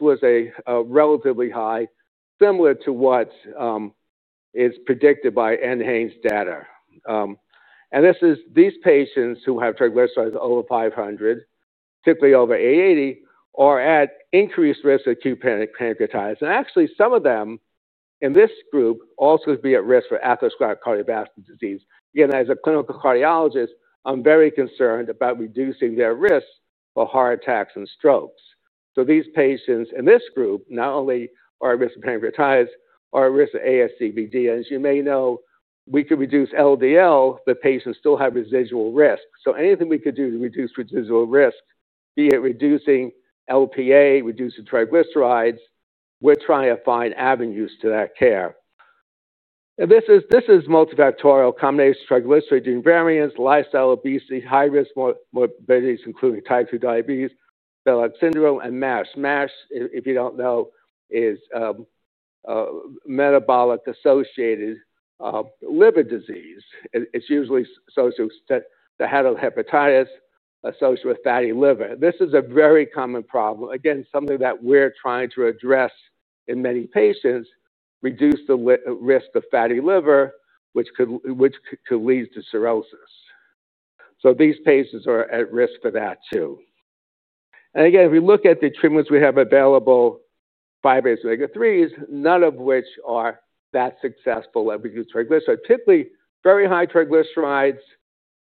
was relatively high, similar to what is predicted by NHANES data. These patients who have triglycerides over 500, typically over 880, are at increased risk of acute pancreatitis. Some of them in this group also could be at risk for atherosclerotic cardiovascular disease. As a clinical cardiologist, I'm very concerned about reducing their risk for heart attacks and strokes. These patients in this group not only are at risk of pancreatitis, they are at risk of ASCVD. As you may know, we can reduce LDL, but patients still have residual risk. Anything we could do to reduce residual risk, be it reducing LPA, reducing triglycerides, we're trying to find avenues to that care. This is multifactorial, a combination of triglyceride gene variants, lifestyle, obesity, high-risk morbidities including type 2 diabetes, Bell's syndrome, and MASH. MASH, if you don't know, is metabolic-associated liver disease. It's usually associated with the hepatitis associated with fatty liver. This is a very common problem, something that we're trying to address in many patients, reduce the risk of fatty liver, which could lead to cirrhosis. These patients are at risk for that too. If we look at the treatments we have available, fibrates, omega-3s, none of which are that successful at reducing triglycerides. Typically, very high triglycerides,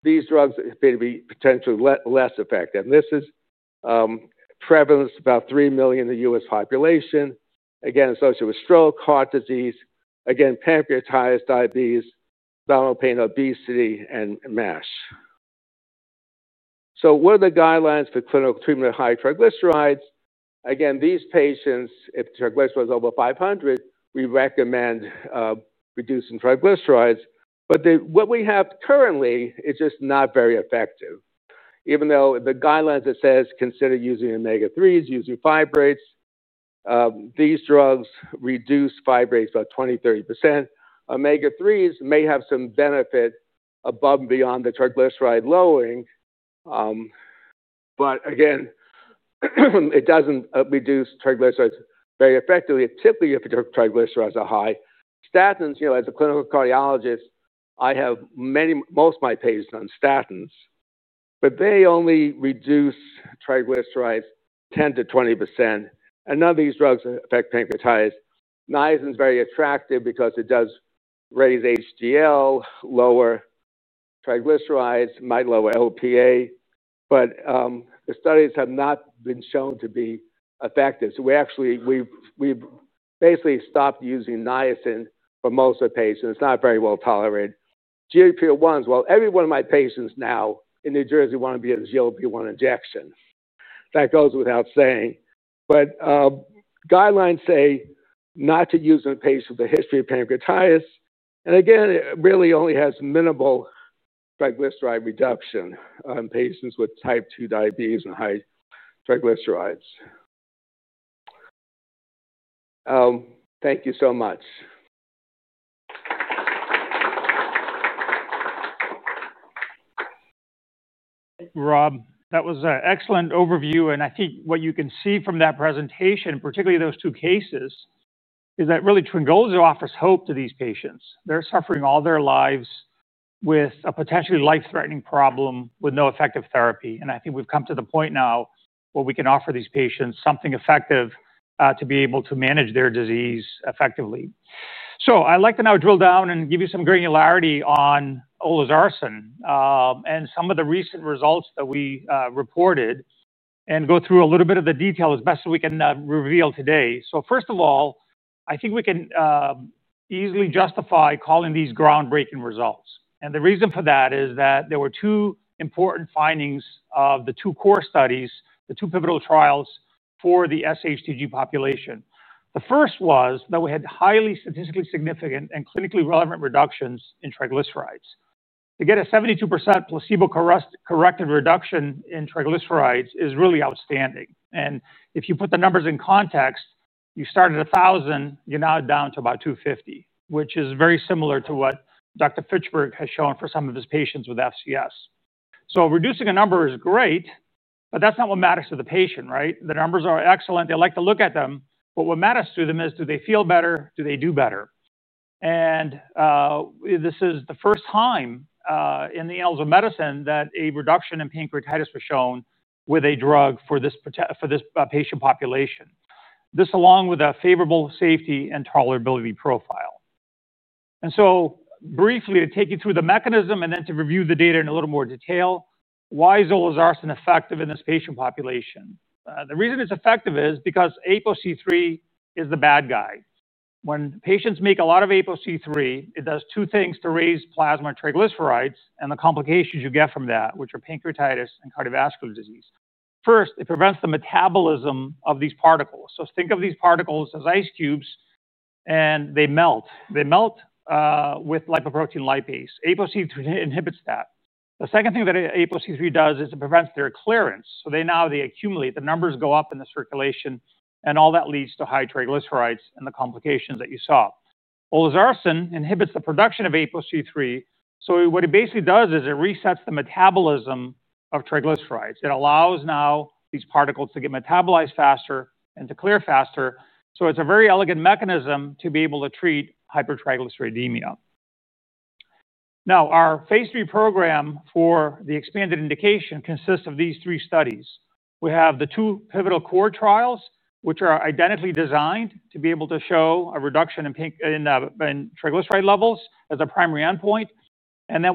these drugs may be potentially less effective. This is prevalence about 3 million in the U.S. population, associated with stroke, heart disease, pancreatitis, diabetes, abdominal pain, obesity, and MASH. What are the guidelines for clinical treatment of high triglycerides? These patients, if triglycerides are over 500, we recommend reducing triglycerides. What we have currently is just not very effective. Even though the guidelines say consider using omega-3s, using fibrates, these drugs reduce triglycerides by 20%-30%. Omega-3s may have some benefit above and beyond the triglyceride lowering, but it doesn't reduce triglycerides very effectively, typically if your triglycerides are high. Statins, you know, as a clinical cardiologist, I have most of my patients on statins, but they only reduce triglycerides 10%-20%. None of these drugs affect pancreatitis. Niacin is very attractive because it does raise HDL, lower triglycerides, might lower LPA, but the studies have not been shown to be effective. We basically stopped using niacin for most of the patients. It's not very well tolerated. GLP-1s, every one of my patients now in New Jersey wanted to be on a GLP-1 injection, that goes without saying, but guidelines say not to use in a patient with a history of pancreatitis. It really only has minimal triglyceride reduction in patients with type 2 diabetes and high triglycerides. Thank you so much. Rob, that was an excellent overview. I think what you can see from that presentation, and particularly those two cases, is that really Tryngolza offers hope to these patients. They're suffering all their lives with a potentially life-threatening problem with no effective therapy. I think we've come to the point now where we can offer these patients something effective to be able to manage their disease effectively. I'd like to now drill down and give you some granularity on Olezarsen and some of the recent results that we reported and go through a little bit of the detail as best as we can reveal today. First of all, I think we can easily justify calling these groundbreaking results. The reason for that is that there were two important findings of the two core studies, the two pivotal trials for the SHTG population. The first was that we had highly statistically significant and clinically relevant reductions in triglycerides. To get a 72% placebo-corrected reduction in triglycerides is really outstanding. If you put the numbers in context, you start at 1,000. You're now down to about 250, which is very similar to what Dr. Fischberg has shown for some of his patients with FCS. Reducing a number is great, but that's not what matters to the patient, right? The numbers are excellent. They like to look at them. What matters to them is, do they feel better? Do they do better? This is the first time in the elderly medicine that a reduction in pancreatitis was shown with a drug for this patient population, this along with a favorable safety and tolerability profile. Briefly, to take you through the mechanism and then to review the data in a little more detail, why is Olezarsen effective in this patient population? The reason it's effective is because APO-C3 is the bad guy. When patients make a lot of APO-C3, it does two things to raise plasma and triglycerides and the complications you get from that, which are pancreatitis and cardiovascular disease. First, it prevents the metabolism of these particles. Think of these particles as ice cubes, and they melt. They melt with lipoprotein lipase. APO-C3 inhibits that. The second thing that APO-C3 does is it prevents their clearance. Now they accumulate. The numbers go up in the circulation. All that leads to high triglycerides and the complications that you saw. Olezarsen inhibits the production of APO-C3. What it basically does is it resets the metabolism of triglycerides. It allows these particles to get metabolized faster and to clear faster. It's a very elegant mechanism to be able to treat hypertriglyceridemia. Our phase III program for the expanded indication consists of these three studies. We have the two pivotal core trials, which are identically designed to be able to show a reduction in triglyceride levels as a primary endpoint.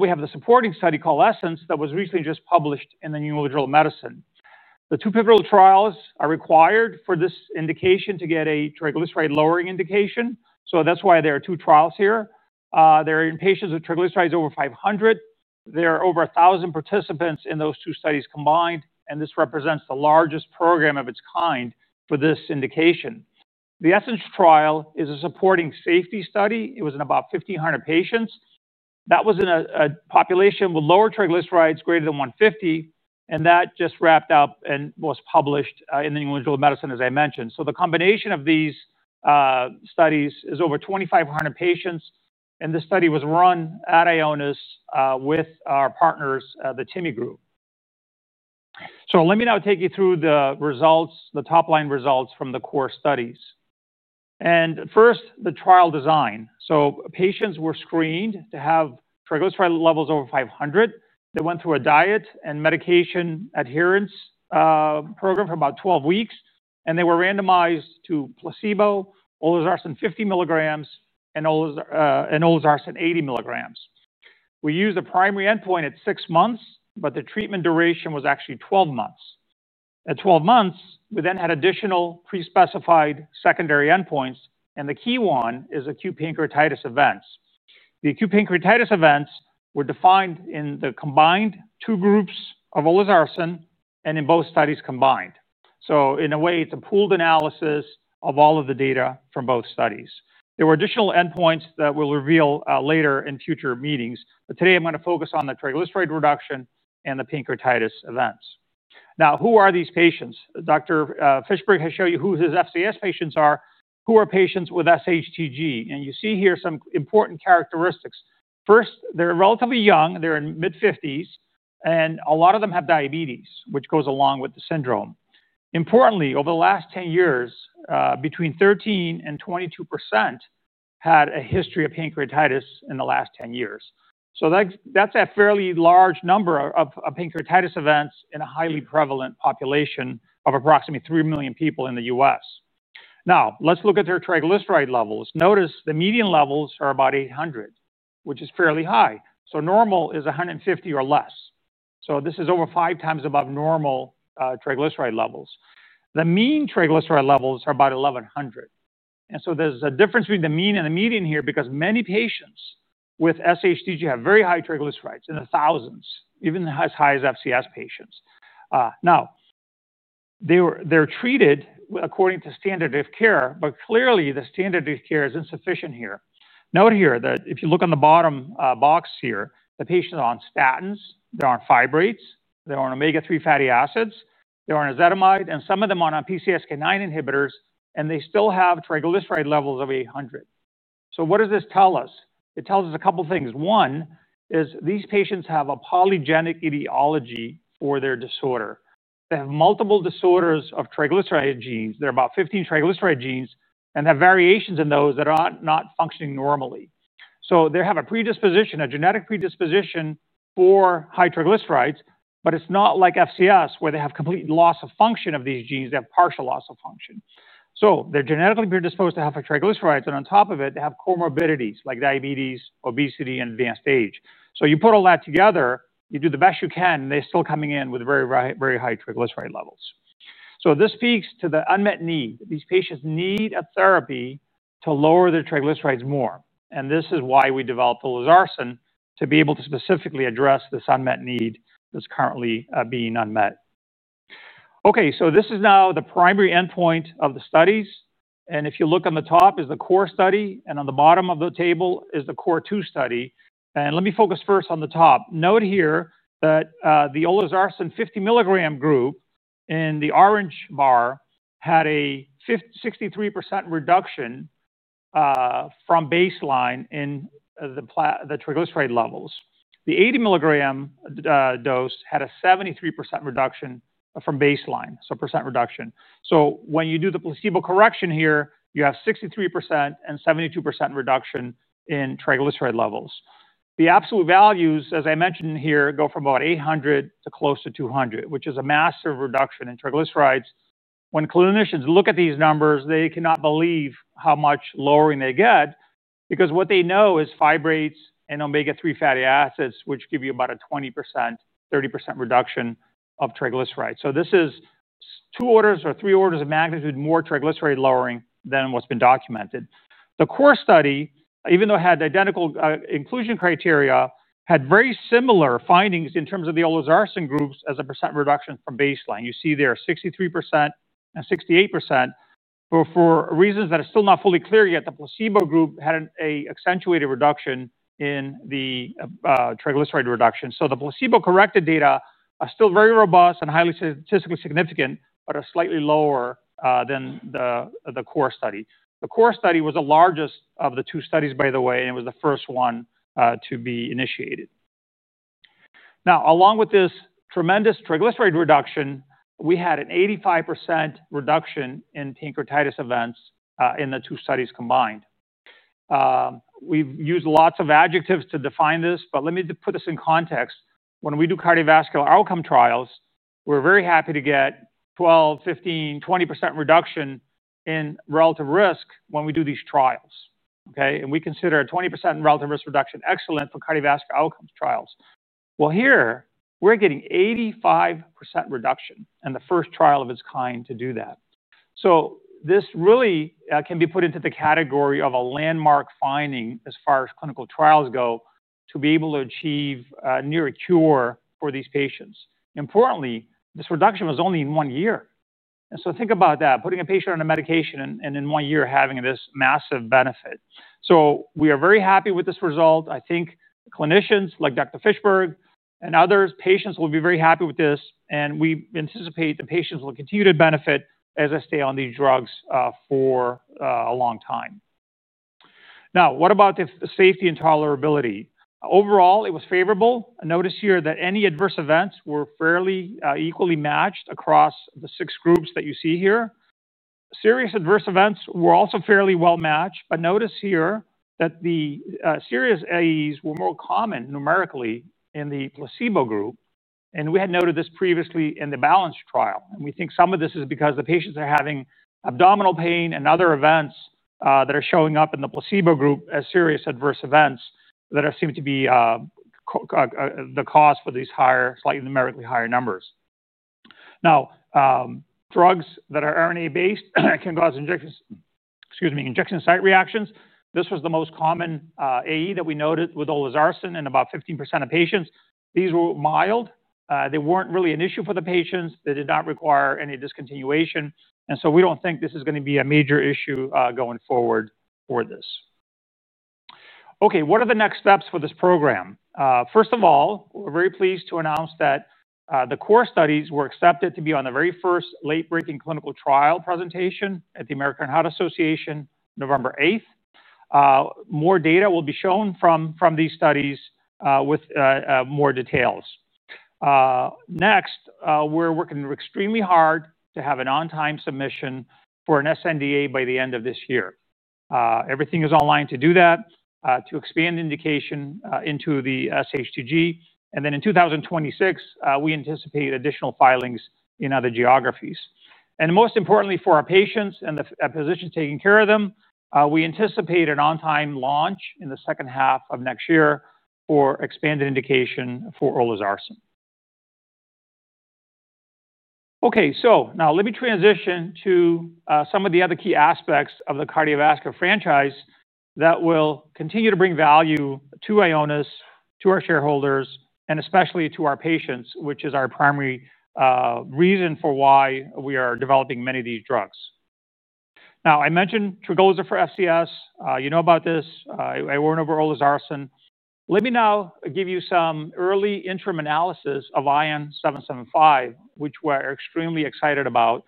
We have the supporting study called ESSENCE that was recently published in the New England Journal of Medicine. The two pivotal trials are required for this indication to get a triglyceride-lowering indication. That's why there are two trials here. They're in patients with triglycerides over 500. There are over 1,000 participants in those two studies combined. This represents the largest program of its kind for this indication. The ESSENCE trial is a supporting safety study. It was in about 1,500 patients. That was in a population with lower triglycerides, greater than 150. That just wrapped up and was published in the New England Journal of Medicine, as I mentioned. The combination of these studies is over 2,500 patients. This study was run at Ionis Pharmaceuticals with our partners, the TIMI group. Let me now take you through the results, the top line results from the core studies. First, the trial design. Patients were screened to have triglyceride levels over 500. They went through a diet and medication adherence program for about 12 weeks. They were randomized to placebo, Olezarsen 50 mg, and Olezarsen 80 mg. We used a primary endpoint at six months, but the treatment duration was actually 12 months. At 12 months, we then had additional pre-specified secondary endpoints. The key one is acute pancreatitis events. The acute pancreatitis events were defined in the combined two groups of Olezarsen and in both studies combined. In a way, it's a pooled analysis of all of the data from both studies. There were additional endpoints that we'll reveal later in future meetings. Today, I'm going to focus on the triglyceride reduction and the pancreatitis events. Who are these patients? Dr. Fischberg has shown you who his FCS patients are, who are patients with SHTG. You see here some important characteristics. First, they're relatively young. They're in their mid-50s. A lot of them have diabetes, which goes along with the syndrome. Importantly, over the last 10 years, between 13% and 22% had a history of pancreatitis in the last 10 years. That's a fairly large number of pancreatitis events in a highly prevalent population of approximately 3 million people in the U.S. Now, let's look at their triglyceride levels. Notice the median levels are about 800, which is fairly high. Normal is 150 or less. This is over 5x above normal triglyceride levels. The mean triglyceride levels are about 1,100. There's a difference between the mean and the median here because many patients with SHTG have very high triglycerides in the thousands, even as high as FCS patients. They're treated according to standard of care, but clearly, the standard of care is insufficient here. Note here that if you look on the bottom box here, the patients are on statins, they're on fibrates, they're on omega-3 fatty acids, they're on ezetimibe, and some of them are on PCSK9 inhibitors. They still have triglyceride levels of 800. What does this tell us? It tells us a couple of things. One is these patients have a polygenic etiology for their disorder. They have multiple disorders of triglyceride genes. There are about 15 triglyceride genes and have variations in those that are not functioning normally. They have a predisposition, a genetic predisposition for high triglycerides. It's not like FCS, where they have complete loss of function of these genes. They have partial loss of function. They're genetically predisposed to high triglycerides. On top of it, they have comorbidities like diabetes, obesity, and advanced age. You put all that together, you do the best you can, and they're still coming in with very, very high triglyceride levels. This speaks to the unmet need. These patients need a therapy to lower their triglycerides more. This is why we developed Olezarsen to be able to specifically address this unmet need that's currently being unmet. OK, this is now the primary endpoint of the studies. If you look on the top, it's the core study. On the bottom of the table is the core two study. Let me focus first on the top. Note here that the Olezarsen 50 mg group in the orange bar had a 63% reduction from baseline in the triglyceride levels. The 80 mg dose had a 73% reduction from baseline, so a percent reduction. When you do the placebo correction here, you have 63% and 72% reduction in triglyceride levels. The absolute values, as I mentioned here, go from about 800 to close to 200, which is a massive reduction in triglycerides. When clinicians look at these numbers, they cannot believe how much lowering they get because what they know is fibrates and omega-3 fatty acids, which give you about a 20%, 30% reduction of triglycerides. This is two orders or three orders of magnitude more triglyceride lowering than what's been documented. The core study, even though it had identical inclusion criteria, had very similar findings in terms of the Olezarsen groups as a percent reduction from baseline. You see there are 63% and 68%. For reasons that are still not fully clear yet, the placebo group had an accentuated reduction in the triglyceride reduction. The placebo-corrected data are still very robust and highly statistically significant, but are slightly lower than the core study. The core study was the largest of the two studies, by the way, and it was the first one to be initiated. Now, along with this tremendous triglyceride reduction, we had an 85% reduction in pancreatitis events in the two studies combined. We've used lots of adjectives to define this, but let me put this in context. When we do cardiovascular outcome trials, we're very happy to get 12%, 15%, 20% reduction in relative risk when we do these trials. We consider a 20% relative risk reduction excellent for cardiovascular outcomes trials. Here, we're getting 85% reduction in the first trial of its kind to do that. This really can be put into the category of a landmark finding as far as clinical trials go to be able to achieve near a cure for these patients. Importantly, this reduction was only in one year. Think about that, putting a patient on a medication and in one year having this massive benefit. We are very happy with this result. I think clinicians like Dr. Fischberg and others, patients will be very happy with this. We anticipate the patients will continue to benefit as they stay on these drugs for a long time. Now, what about the safety and tolerability? Overall, it was favorable. Notice here that any adverse events were fairly equally matched across the six groups that you see here. Serious adverse events were also fairly well matched. Notice here that the serious AEs were more common numerically in the placebo group. We had noted this previously in the balanced trial. We think some of this is because the patients are having abdominal pain and other events that are showing up in the placebo group as serious adverse events that seem to be the cause for these higher, slightly numerically higher numbers. Drugs that are RNA-based can cause injection site reactions. This was the most common AE that we noted with Olezarsen in about 15% of patients. These were mild. They weren't really an issue for the patients. They did not require any discontinuation. We don't think this is going to be a major issue going forward for this. What are the next steps for this program? First of all, we're very pleased to announce that the core studies were accepted to be on the very first late-breaking clinical trial presentation at the American Heart Association, November 8. More data will be shown from these studies with more details. Next, we're working extremely hard to have an on-time submission for an sNDA by the end of this year. Everything is online to do that, to expand indication into the SHTG. In 2026, we anticipate additional filings in other geographies. Most importantly, for our patients and the physicians taking care of them, we anticipate an on-time launch in the second half of next year for expanded indication for Olezarsen. Now let me transition to some of the other key aspects of the cardiovascular franchise that will continue to bring value to Ionis, to our shareholders, and especially to our patients, which is our primary reason for why we are developing many of these drugs. I mentioned Tryngolza for FCS. You know about this. I warned over Olezarsen. Let me now give you some early interim analysis of ION-775, which we're extremely excited about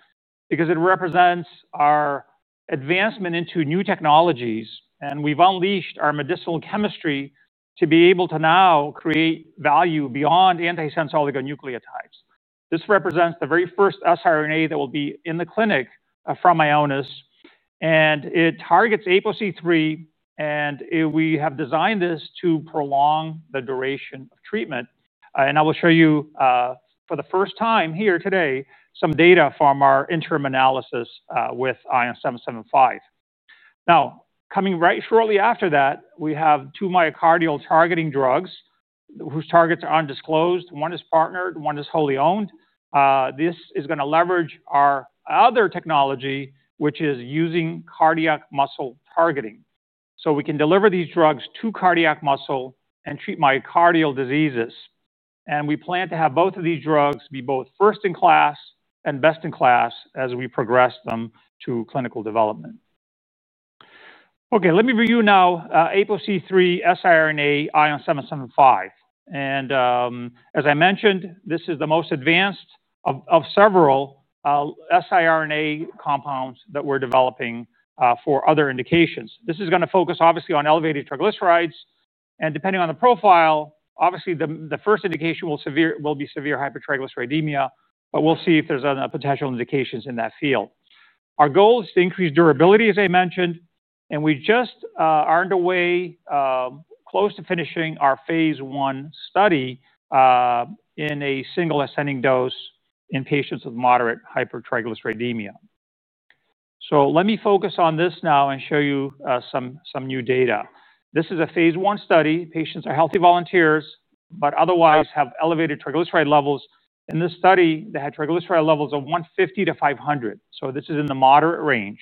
because it represents our advancement into new technologies. We've unleashed our medicinal chemistry to be able to now create value beyond antisense oligonucleotides. This represents the very first sRNA that will be in the clinic from Ionis. It targets APO-C3. We have designed this to prolong the duration of treatment. I will show you for the first time here today some data from our interim analysis with ION-775. Coming right shortly after that, we have two myocardial targeting drugs whose targets are undisclosed. One is partnered. One is wholly owned. This is going to leverage our other technology, which is using cardiac muscle targeting. We can deliver these drugs to cardiac muscle and treat myocardial diseases. We plan to have both of these drugs be both first-in-class and best-in-class as we progress them to clinical development. Let me review now APO-C3 SRNA ION-775. As I mentioned, this is the most advanced of several SRNA compounds that we're developing for other indications. This is going to focus, obviously, on elevated triglycerides. Depending on the profile, the first indication will be severe hypertriglyceridemia. We'll see if there's other potential indications in that field. Our goal is to increase durability, as I mentioned. We just aren't away close to finishing our phase I study in a single ascending dose in patients with moderate hypertriglyceridemia. Let me focus on this now and show you some new data. This is a phase I study. Patients are healthy volunteers, but otherwise have elevated triglyceride levels. In this study, they had triglyceride levels of 150-500. This is in the moderate range.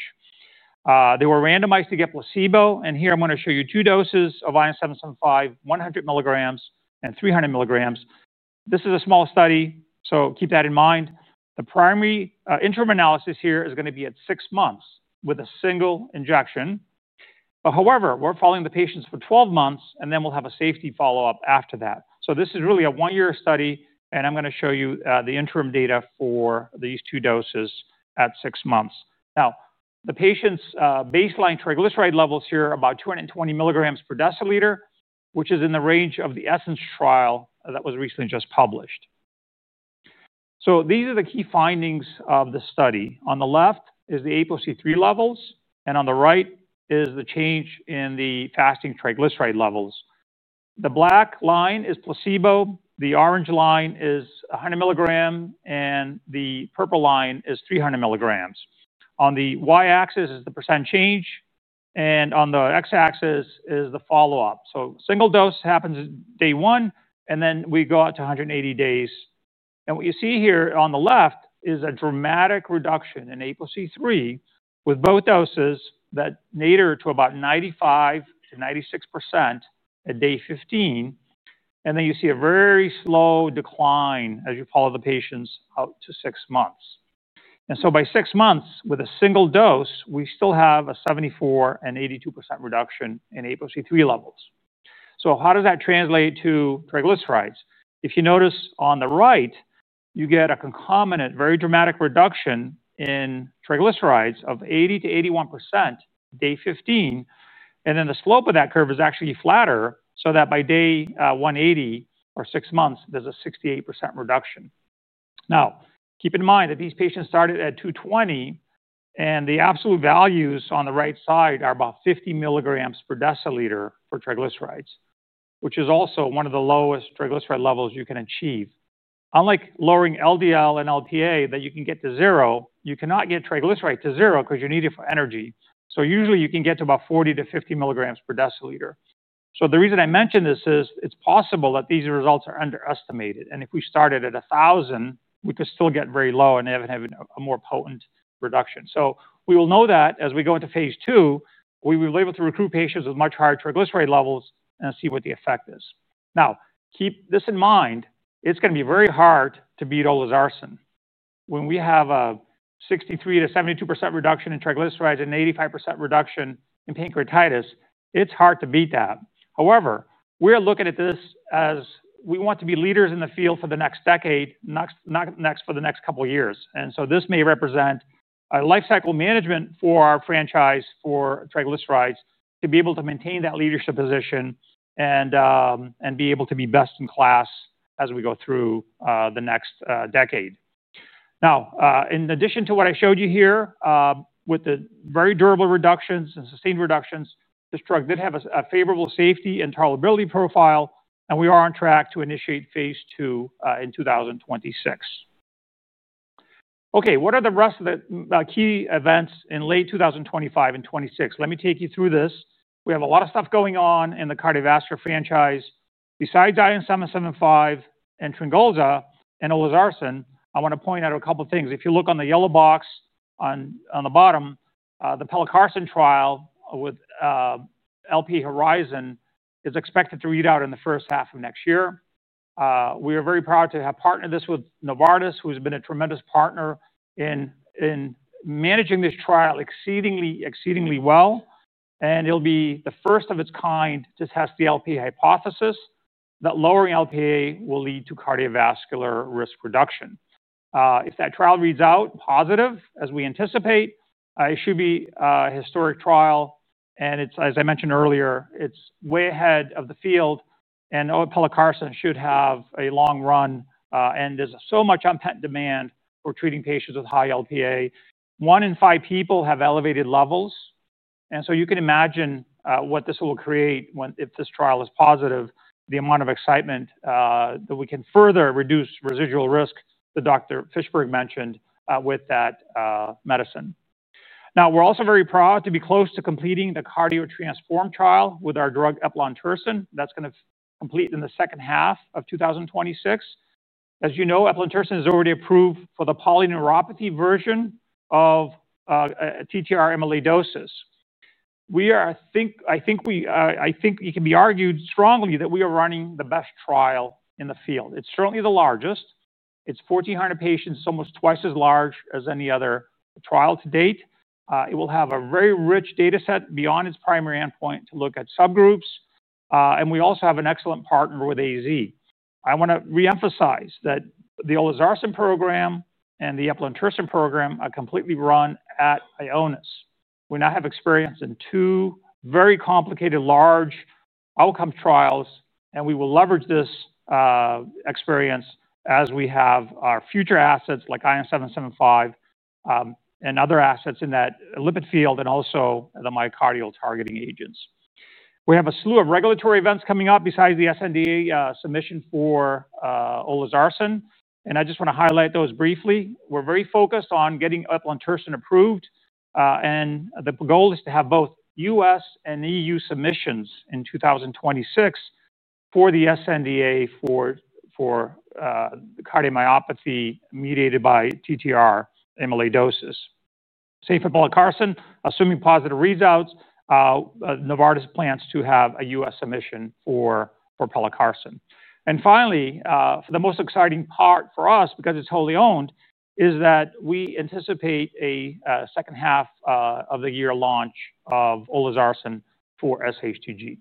They were randomized to get placebo. Here, I'm going to show you two doses of ION-775, 100 mg and 300 mg. This is a small study. Keep that in mind. The primary interim analysis here is going to be at six months with a single injection. However, we're following the patients for 12 months, and then we'll have a safety follow-up after that. This is really a one-year study. I'm going to show you the interim data for these two doses at six months. The patient's baseline triglyceride levels here are about 220 mg. which is in the range of the ESSENCE trial that was recently just published. These are the key findings of the study. On the left is the apoC3 levels, and on the right is the change in the fasting triglyceride levels. The black line is placebo, the orange line is 100 mg, and the purple line is 300 mg. On the y-axis is thepercent change, and on the x-axis is the follow-up. Single dose happens at day one, and then we go out to 180 days. What you see here on the left is a dramatic reduction in apoC3, with both doses that nadir to about 95%-96% at day 15. You see a very slow decline as you follow the patients out to six months. By six months, with a single dose, we still have a 74% and 82% reduction in apoC3 levels. How does that translate to triglycerides? If you notice on the right, you get a concomitant, very dramatic reduction in triglycerides of 80%-81% at day 15. The slope of that curve is actually flatter, so that by day 180, or six months, there's a 68% reduction. Keep in mind that these patients started at 220, and the absolute values on the right side are about 50 mg/dL for triglycerides, which is also one of the lowest triglyceride levels you can achieve. Unlike lowering LDL and LPA that you can get to zero, you cannot get triglycerides to zero because you need it for energy. Usually, you can get to about 40 mg/dL-50 mg/dL. The reason I mention this is it's possible that these results are underestimated. If we started at 1,000, we could still get very low and have a more potent reduction. We will know that as we go into phase II, we will be able to recruit patients with much higher triglyceride levels and see what the effect is. Keep this in mind, it's going to be very hard to beat Tryngolza. When we have a 63%-72% reduction in triglycerides and an 85% reduction in pancreatitis, it's hard to beat that. However, we're looking at this as we want to be leaders in the field for the next decade, not for the next couple of years. This may represent a lifecycle management for our franchise for triglycerides to be able to maintain that leadership position and be able to be best in class as we go through the next decade. Now, in addition to what I showed you here with the very durable reductions and sustained reductions, this drug did have a favorable safety and tolerability profile, and we are on track to initiate phase II in 2026. OK, what are the rest of the key events in late 2025 and 2026? Let me take you through this. We have a lot of stuff going on in the cardiovascular franchise. Besides IM-775 and Tryngolza and olezarsen, I want to point out a couple of things. If you look on the yellow box on the bottom, the pelacarsen trial with LP Horizon is expected to read out in the first half of next year. We are very proud to have partnered this with Novartis, who has been a tremendous partner in managing this trial exceedingly well. It will be the first of its kind to test the LP hypothesis that lowering LPA will lead to cardiovascular risk reduction. If that trial reads out positive, as we anticipate, it should be a historic trial. As I mentioned earlier, it's way ahead of the field. pelacarsen should have a long run. There is so much unmet demand for treating patients with high LPA. One in five people have elevated levels. You can imagine what this will create if this trial is positive, the amount of excitement that we can further reduce residual risk that Dr. Fischberg mentioned with that medicine. We are also very proud to be close to completing the cardio-transform trial with our drug Eplontersen that's going to complete in the second half of 2026. As you know, Eplontersen is already approved for the polyneuropathy version of TTR amyloidosis. I think it can be argued strongly that we are running the best trial in the field. It's certainly the largest. It's 1,400 patients, almost twice as large as any other trial to date. It will have a very rich data set beyond its primary endpoint to look at subgroups. We also have an excellent partner with AstraZeneca. I want to reemphasize that the olezarsen program and the Eplontersen program are completely run at Ionis. We now have experience in two very complicated, large outcome trials. We will leverage this experience as we have our future assets like IM-775 and other assets in that lipid field and also the myocardial targeting agents. We have a slew of regulatory events coming up besides the SNDA submission for olezarsen. I just want to highlight those briefly. We're very focused on getting Eplontersen approved. The goal is to have both U.S. and EU submissions in 2026 for the sNDA for cardiomyopathy mediated by TTR amyloidosis. Safe at pelacarsen, assuming positive readouts, Novartis plans to have a U.S. submission for pelacarsen. Finally, the most exciting part for us, because it's wholly owned, is that we anticipate a second half of the year launch of Tryngolza for SHTG.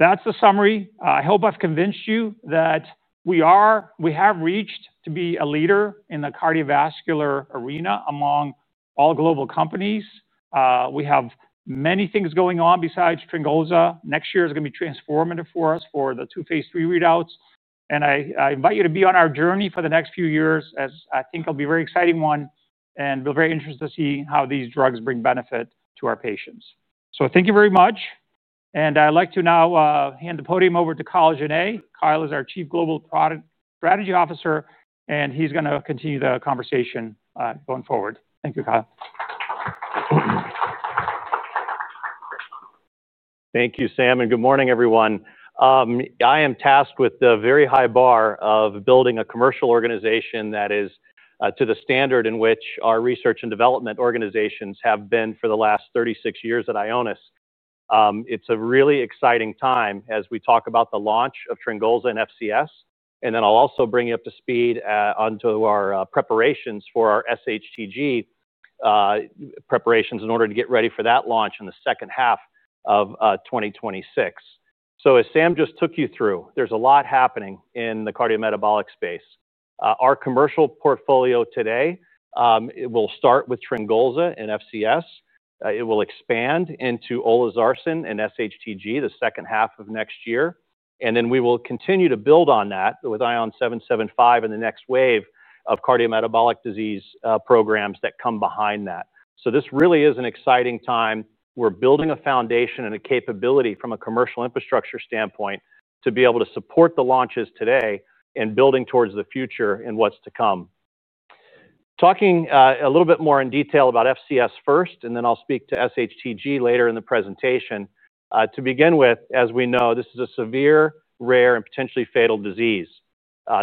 That's the summary. I hope I've convinced you that we are, we have reached to be a leader in the cardiovascular arena among all global companies. We have many things going on besides Tryngolza. Next year is going to be transformative for us for the two phase III readouts. I invite you to be on our journey for the next few years, as I think it'll be a very exciting one. We're very interested to see how these drugs bring benefit to our patients. Thank you very much. I'd like to now hand the podium over to Kyle Jenne. Kyle is our Chief Global Product Strategy Officer, and he's going to continue the conversation going forward. Thank you, Kyle. Thank you, Sam. Good morning, everyone. I am tasked with the very high bar of building a commercial organization that is to the standard in which our research and development organizations have been for the last 36 years at Ionis Pharmaceuticals. It's a really exciting time as we talk about the launch of Tryngolza and FCS. I'll also bring you up to speed on our preparations for our SHTG preparations in order to get ready for that launch in the second half of 2026. As Sam just took you through, there's a lot happening in the cardiometabolic space. Our commercial portfolio today will start with Tryngolza and FCS. It will expand into Tryngolza and SHTG in the second half of next year. We will continue to build on that with ION-775 and the next wave of cardiometabolic disease programs that come behind that. This really is an exciting time. We're building a foundation and a capability from a commercial infrastructure standpoint to be able to support the launches today and building towards the future and what's to come. Talking a little bit more in detail about FCS first, I'll speak to SHTG later in the presentation. To begin with, as we know, this is a severe, rare, and potentially fatal disease.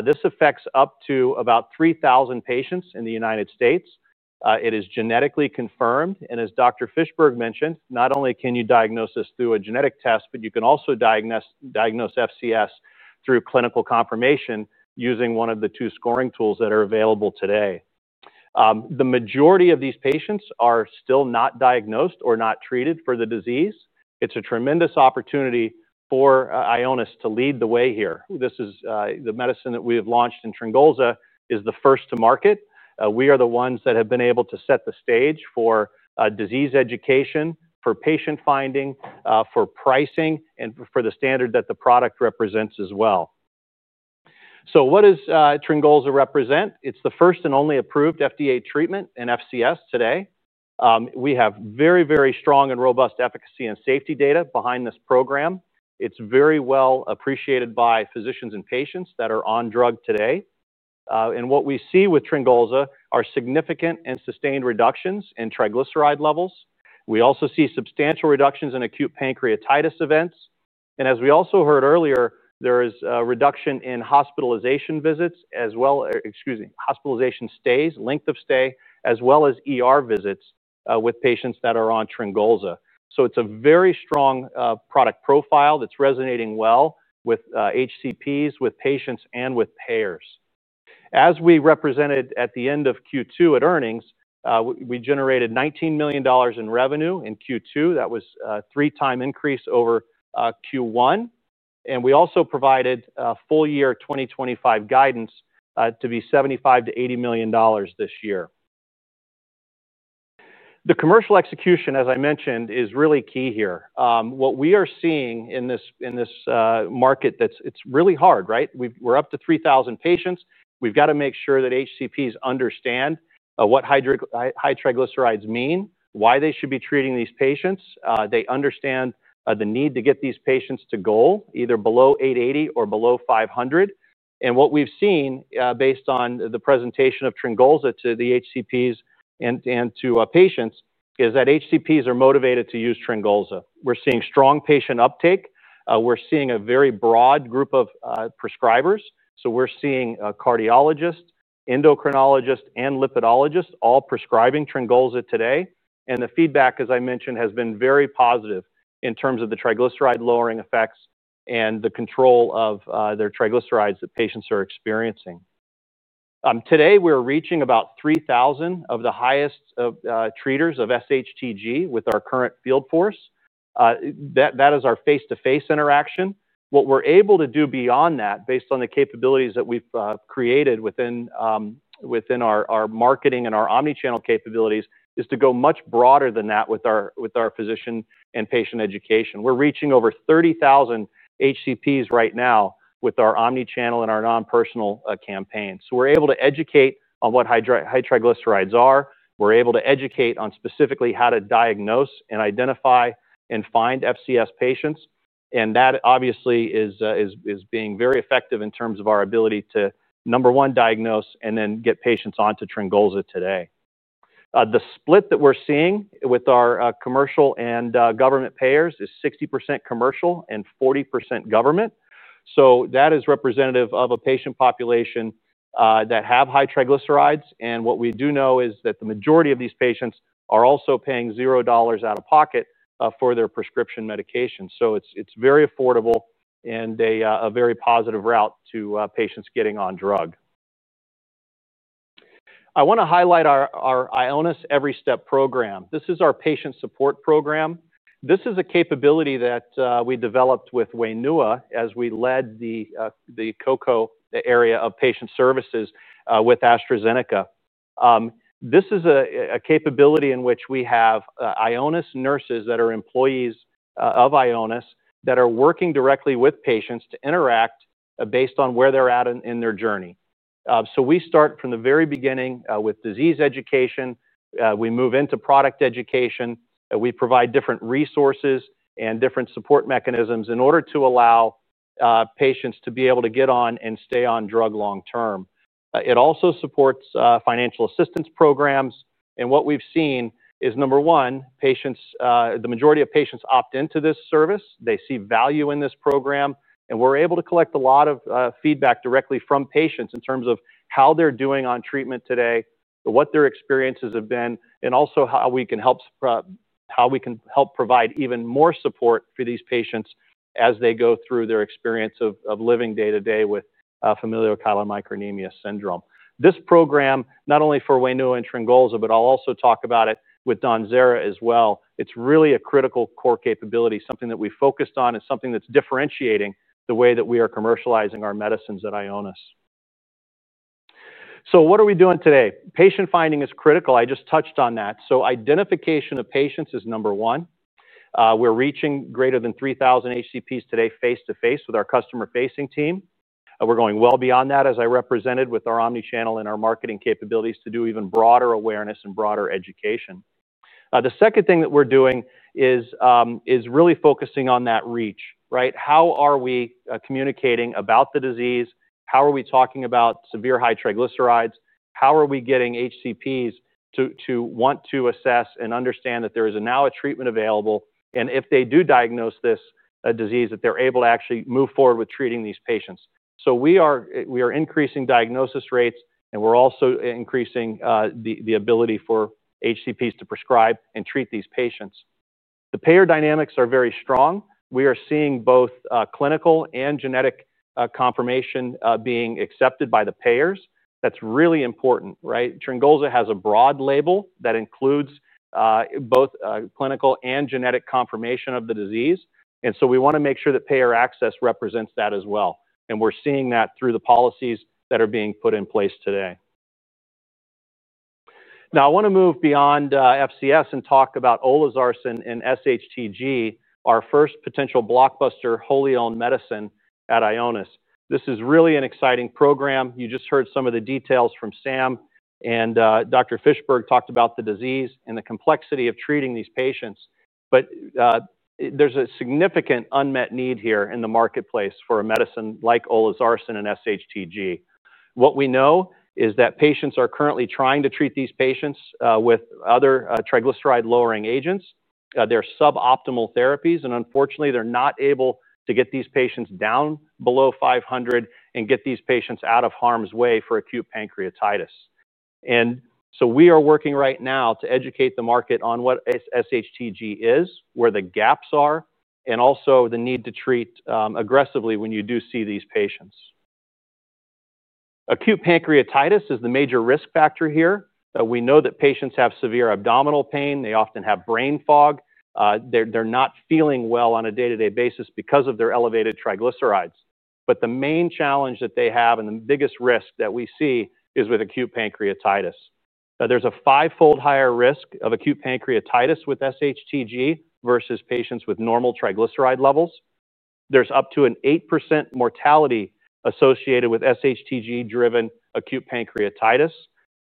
This affects up to about 3,000 patients in the United States. It is genetically confirmed. As Dr. Fischberg mentioned, not only can you diagnose this through a genetic test, but you can also diagnose FCS through clinical confirmation using one of the two scoring tools that are available today. The majority of these patients are still not diagnosed or not treated for the disease. It's a tremendous opportunity for Ionis Pharmaceuticals to lead the way here. The medicine that we have launched in Tryngolza is the first to market. We are the ones that have been able to set the stage for disease education, for patient finding, for pricing, and for the standard that the product represents as well. What does Tryngolza represent? It's the first and only approved FDA treatment in FCS today. We have very, very strong and robust efficacy and safety data behind this program. It's very well appreciated by physicians and patients that are on drug today. What we see with Tryngolza are significant and sustained reductions in triglyceride levels. We also see substantial reductions in acute pancreatitis events. As we also heard earlier, there is a reduction in hospitalization stays, length of stay, as well as visits with patients that are on Tryngolza. It is a very strong product profile that's resonating well with HCPs, with patients, and with payers. As we represented at the end of Q2 at earnings, we generated $19 million in revenue in Q2. That was a 3x increase over Q1. We also provided full-year 2025 guidance to be $75 million-$80 million this year. The commercial execution, as I mentioned, is really key here. What we are seeing in this market, it's really hard, right? We're up to 3,000 patients. We've got to make sure that HCPs understand what high triglycerides mean, why they should be treating these patients. They understand the need to get these patients to goal either below 880 or below 500. What we've seen based on the presentation of Tryngolza to the HCPs and to patients is that HCPs are motivated to use Tryngolza. We're seeing strong patient uptake. We're seeing a very broad group of prescribers. We're seeing cardiologists, endocrinologists, and lipidologists all prescribing Tryngolza today. The feedback, as I mentioned, has been very positive in terms of the triglyceride lowering effects and the control of their triglycerides that patients are experiencing. Today, we're reaching about 3,000 of the highest treaters of SHTG with our current field force. That is our face-to-face interaction. What we're able to do beyond that, based on the capabilities that we've created within our marketing and our omnichannel capabilities, is to go much broader than that with our physician and patient education. We're reaching over 30,000 HCPs right now with our omnichannel and our non-personal campaigns. We're able to educate on what high triglycerides are. We're able to educate on specifically how to diagnose and identify and find FCS patients. That obviously is being very effective in terms of our ability to, number one, diagnose and then get patients onto Tryngolza today. The split that we're seeing with our commercial and government payers is 60% commercial and 40% government. That is representative of a patient population that have high triglycerides. What we do know is that the majority of these patients are also paying $0 out of pocket for their prescription medication. It is very affordable and a very positive route to patients getting on drug. I want to highlight our Ionis Every Step program. This is our patient support program. This is a capability that we developed with Wenua, as we led the COCO area of patient services with AstraZeneca. This is a capability in which we have Ionis nurses that are employees of Ionis that are working directly with patients to interact based on where they're at in their journey. We start from the very beginning with disease education. We move into product education. We provide different resources and different support mechanisms in order to allow patients to be able to get on and stay on drug long term. It also supports financial assistance programs. What we've seen is, number one, the majority of patients opt into this service. They see value in this program. We're able to collect a lot of feedback directly from patients in terms of how they're doing on treatment today, what their experiences have been, and also how we can help provide even more support for these patients as they go through their experience of living day to day with familial chylomicronemia syndrome. This program, not only for Wenua and Tryngolza, but I'll also talk about it with DAWNZERA as well, it's really a critical core capability, something that we focused on, and something that's differentiating the way that we are commercializing our medicines at Ionis. What are we doing today? Patient finding is critical. I just touched on that. Identification of patients is number one. We're reaching greater than 3,000 HCPs today face to face with our customer-facing team. We're going well beyond that, as I represented with our omnichannel and our marketing capabilities, to do even broader awareness and broader education. The second thing that we're doing is really focusing on that reach, right? How are we communicating about the disease? How are we talking about severe high triglycerides? How are we getting HCPs to want to assess and understand that there is now a treatment available? If they do diagnose this disease, they're able to actually move forward with treating these patients. We are increasing diagnosis rates. We're also increasing the ability for HCPs to prescribe and treat these patients. The payer dynamics are very strong. We are seeing both clinical and genetic confirmation being accepted by the payers. That's really important, right? Tryngolza has a broad label that includes both clinical and genetic confirmation of the disease. We want to make sure that payer access represents that as well. We're seeing that through the policies that are being put in place today. I want to move beyond FCS and talk about Tryngolza and SHTG, our first potential blockbuster wholly owned medicine at Ionis. This is really an exciting program. You just heard some of the details from Sam. Dr. Fischberg talked about the disease and the complexity of treating these patients. There's a significant unmet need here in the marketplace for a medicine like Tryngolza and SHTG. What we know is that patients are currently trying to treat these patients with other triglyceride-lowering agents. They're suboptimal therapies. Unfortunately, they're not able to get these patients down below 500 and get these patients out of harm's way for acute pancreatitis. We are working right now to educate the market on what SHTG is, where the gaps are, and also the need to treat aggressively when you do see these patients. Acute pancreatitis is the major risk factor here. We know that patients have severe abdominal pain. They often have brain fog. They're not feeling well on a day-to-day basis because of their elevated triglycerides. The main challenge that they have and the biggest risk that we see is with acute pancreatitis. There's a five-fold higher risk of acute pancreatitis with SHTG versus patients with normal triglyceride levels. There's up to an 8% mortality associated with SHTG-driven acute pancreatitis.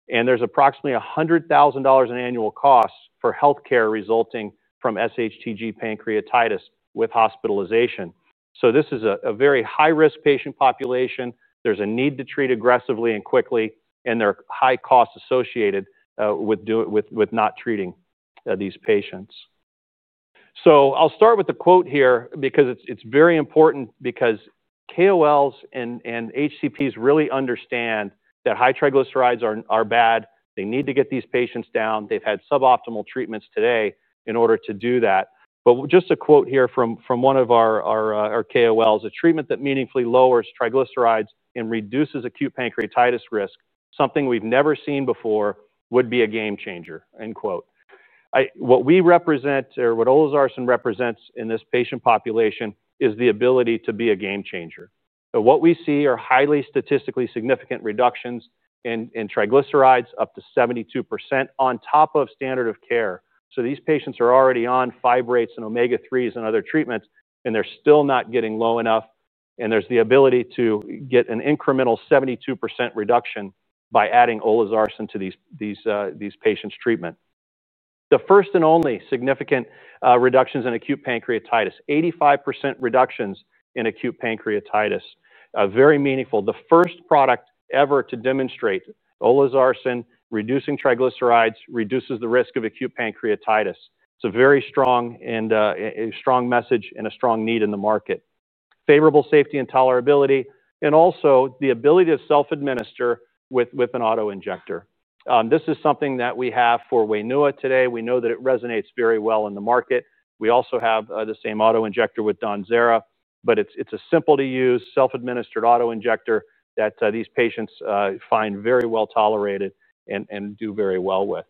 There's approximately $100,000 in annual costs for health care resulting from SHTG pancreatitis with hospitalization. This is a very high-risk patient population. There's a need to treat aggressively and quickly. There are high costs associated with not treating these patients. I'll start with a quote here because it's very important because KOLs and HCPs really understand that high triglycerides are bad. They need to get these patients down. They've had suboptimal treatments today in order to do that. Just a quote here from one of our KOLs, "A treatment that meaningfully lowers triglycerides and reduces acute pancreatitis risk, something we've never seen before, would be a game changer." What we represent or what Tryngolza represents in this patient population is the ability to be a game changer. What we see are highly statistically significant reductions in triglycerides, up to 72% on top of standard of care. These patients are already on fibrates and omega-3s and other treatments, and they're still not getting low enough. There's the ability to get an incremental 72% reduction by adding Olezarsen to these patients' treatment. The first and only significant reductions in acute pancreatitis, 85% reductions in acute pancreatitis, are very meaningful. The first product ever to demonstrate Olezarsen reducing triglycerides reduces the risk of acute pancreatitis. It's a very strong message and a strong need in the market. Favorable safety and tolerability, and also the ability to self-administer with an autoinjector. This is something that we have for Wenua today. We know that it resonates very well in the market. We also have the same autoinjector with DAWNZERA. It's a simple-to-use, self-administered autoinjector that these patients find very well tolerated and do very well with.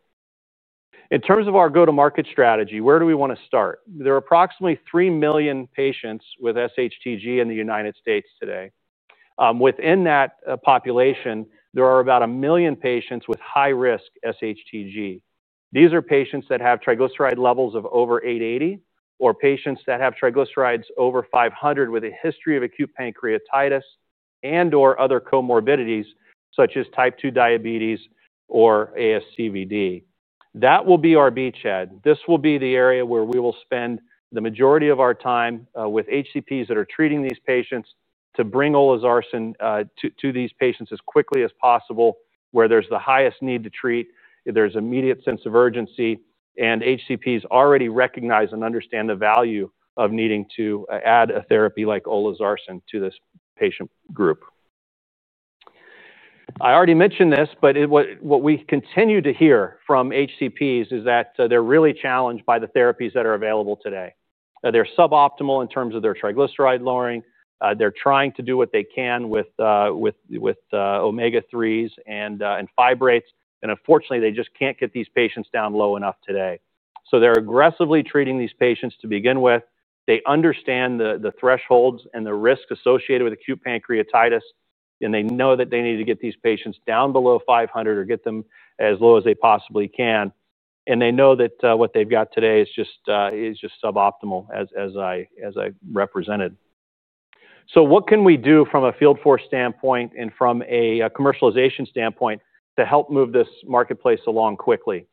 In terms of our go-to-market strategy, where do we want to start? There are approximately 3 million patients with SHTG in the United States today. Within that population, there are about 1 million patients with high-risk SHTG. These are patients that have triglyceride levels of over 880, or patients that have triglycerides over 500 with a history of acute pancreatitis and/or other comorbidities such as type 2 diabetes or ASCVD. That will be our beachhead. This will be the area where we will spend the majority of our time with HCPs that are treating these patients to bring Olezarsen to these patients as quickly as possible, where there's the highest need to treat, there's an immediate sense of urgency, and HCPs already recognize and understand the value of needing to add a therapy like Olezarsen to this patient group. I already mentioned this, but what we continue to hear from HCPs is that they're really challenged by the therapies that are available today. They're suboptimal in terms of their triglyceride lowering. They're trying to do what they can with omega-3s and fibrates. Unfortunately, they just can't get these patients down low enough today. They're aggressively treating these patients to begin with. They understand the thresholds and the risk associated with acute pancreatitis. They know that they need to get these patients down below 500 or get them as low as they possibly can. They know that what they've got today is just suboptimal, as I represented. What can we do from a field force standpoint and from a commercialization standpoint to help move this marketplace along quickly?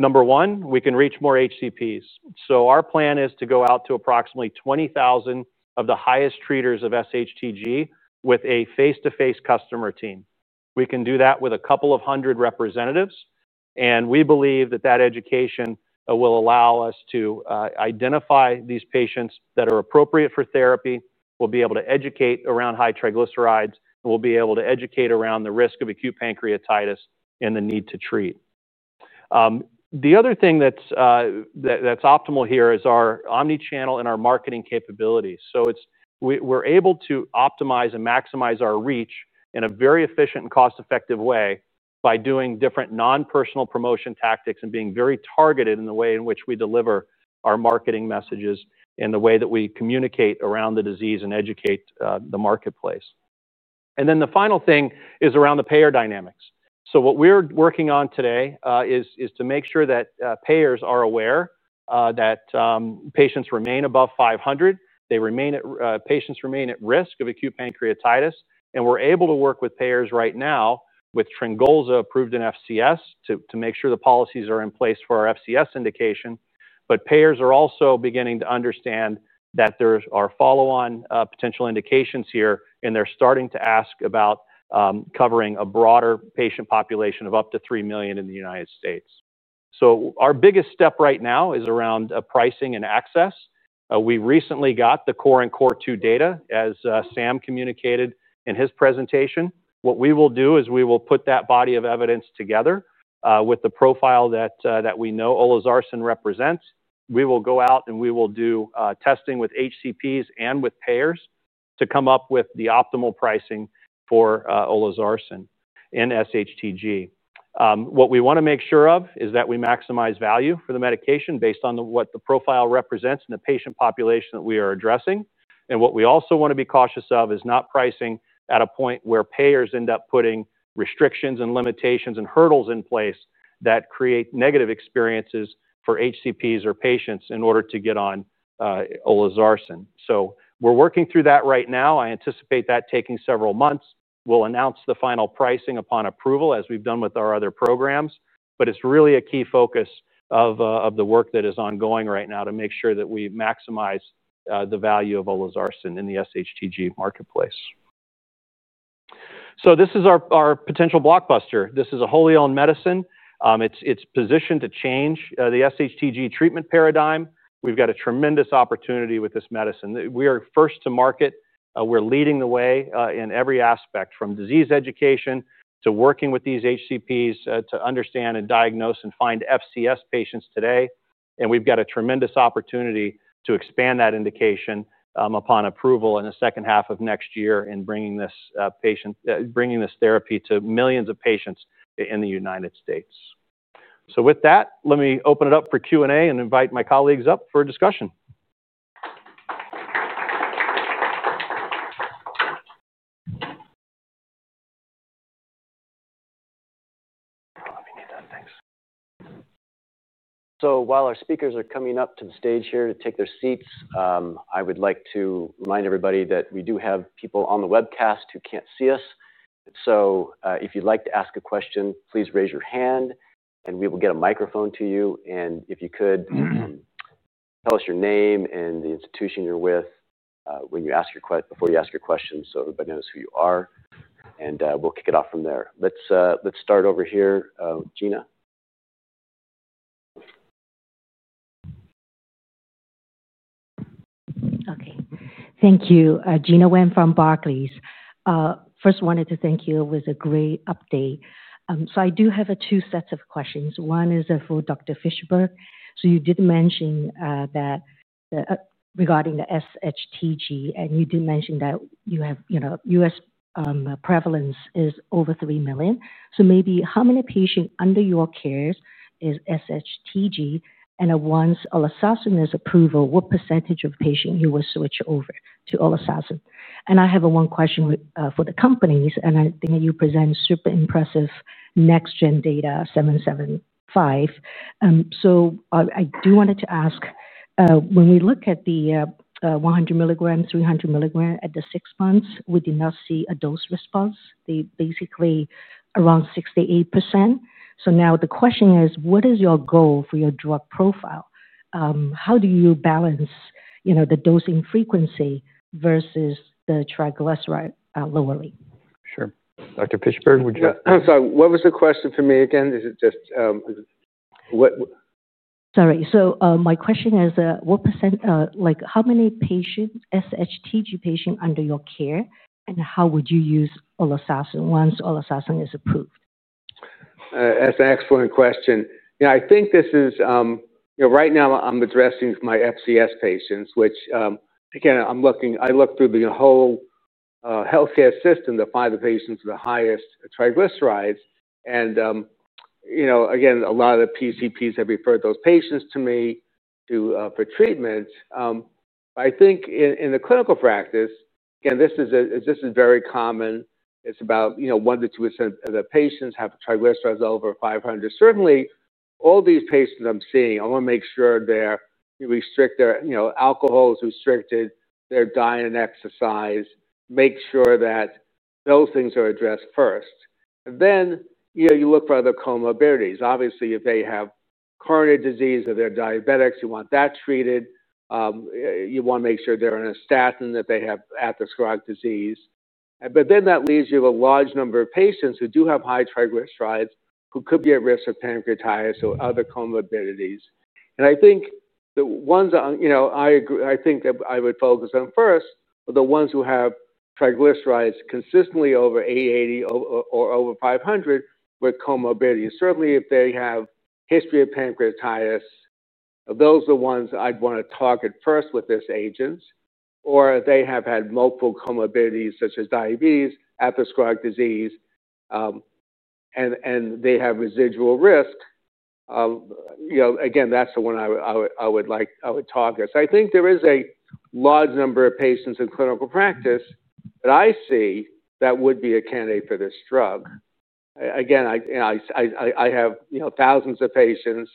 Number one, we can reach more HCPs. Our plan is to go out to approximately 20,000 of the highest treaters of SHTG with a face-to-face customer team. We can do that with a couple of hundred representatives. We believe that that education will allow us to identify these patients that are appropriate for therapy. We'll be able to educate around high triglycerides, and we'll be able to educate around the risk of acute pancreatitis and the need to treat. The other thing that's optimal here is our omnichannel and our marketing capabilities. We're able to optimize and maximize our reach in a very efficient and cost-effective way by doing different non-personal promotion tactics and being very targeted in the way in which we deliver our marketing messages and the way that we communicate around the disease and educate the marketplace. The final thing is around the payer dynamics. What we're working on today is to make sure that payers are aware that patients remain above 500, patients remain at risk of acute pancreatitis, and we're able to work with payers right now with Tryngolza approved in FCS to make sure the policies are in place for our FCS indication. Payers are also beginning to understand that there are follow-on potential indications here, and they're starting to ask about covering a broader patient population of up to 3 million in the United States. Our biggest step right now is around pricing and access. We recently got the CORE and CORE2 data, as Sam communicated in his presentation. What we will do is we will put that body of evidence together with the profile that we know Olezarsen represents. We will go out and we will do testing with HCPs and with payers to come up with the optimal pricing for Olezarsen and SHTG. What we want to make sure of is that we maximize value for the medication based on what the profile represents and the patient population that we are addressing. We also want to be cautious of not pricing at a point where payers end up putting restrictions and limitations and hurdles in place that create negative experiences for HCPs or patients in order to get on Olezarsen. We're working through that right now. I anticipate that taking several months. We'll announce the final pricing upon approval, as we've done with our other programs. It is really a key focus of the work that is ongoing right now to make sure that we maximize the value of Tryngolza in the SHTG marketplace. This is our potential blockbuster. This is a wholly owned medicine. It's positioned to change the SHTG treatment paradigm. We've got a tremendous opportunity with this medicine. We are first to market. We're leading the way in every aspect, from disease education to working with these HCPs to understand and diagnose and find FCS patients today. We've got a tremendous opportunity to expand that indication upon approval in the second half of next year in bringing this therapy to millions of patients in the United States. With that, let me open it up for Q&A and invite my colleagues up for discussion. While our speakers are coming up to the stage here to take their seats, I would like to remind everybody that we do have people on the webcast who can't see us. If you'd like to ask a question, please raise your hand. We will get a microphone to you. If you could tell us your name and the institution you're with before you ask your question so everybody knows who you are, we'll kick it off from there. Let's start over here. Gina. OK. Thank you. Gina Nguyen from Barclays. First, I wanted to thank you. It was a great update. I do have two sets of questions. One is for Dr. Fischberg. You did mention that regarding the SHTG. You did mention that you have U.S. prevalence is over 3 million. Maybe how many patients under your care is SHTG? Once olezarsen is approved, what percent of patients will you switch over to olezarsen? I have one question for the companies. I think you present super impressive NextGen data, 775. I do want to ask, when we look at the 100 mg, 300 mg at the six months, we do not see a dose response. They're basically around 68%. The question is, what is your goal for your drug profile? How do you balance the dosing frequency versus the triglyceride lowering? Sure. Dr. Fischberg, would you— I'm sorry, what was the question for me again? Sorry. My question is, whatpercent, like how many patients, SHTG patients under your care? How would you use Tryngolza once Tryngolza is approved? That's an excellent question. I think this is right now I'm addressing my FCS patients, which, again, I look through the whole health care system to find the patients with the highest triglycerides. A lot of the PCPs have referred those patients to me for treatment. I think in the clinical practice, this is very common. It's about 1%-2% of the patients have triglycerides over 500. Certainly, all these patients I'm seeing, I want to make sure their alcohol is restricted, their diet and exercise, make sure that those things are addressed first. Then you look for other comorbidities. Obviously, if they have coronary disease or they're diabetics, you want that treated. You want to make sure they're on a statin, that they have atherosclerotic disease. That leaves you with a large number of patients who do have high triglycerides who could be at risk of pancreatitis or other comorbidities. I think the ones I would focus on first are the ones who have triglycerides consistently over 880 or over 500 with comorbidities. Certainly, if they have a history of pancreatitis, those are the ones I'd want to target first with this agent. Or they have had multiple comorbidities such as diabetes, atherosclerotic disease, and they have residual risk. That's the one I would target. I think there is a large number of patients in clinical practice that I see that would be a candidate for this drug. I have thousands of patients.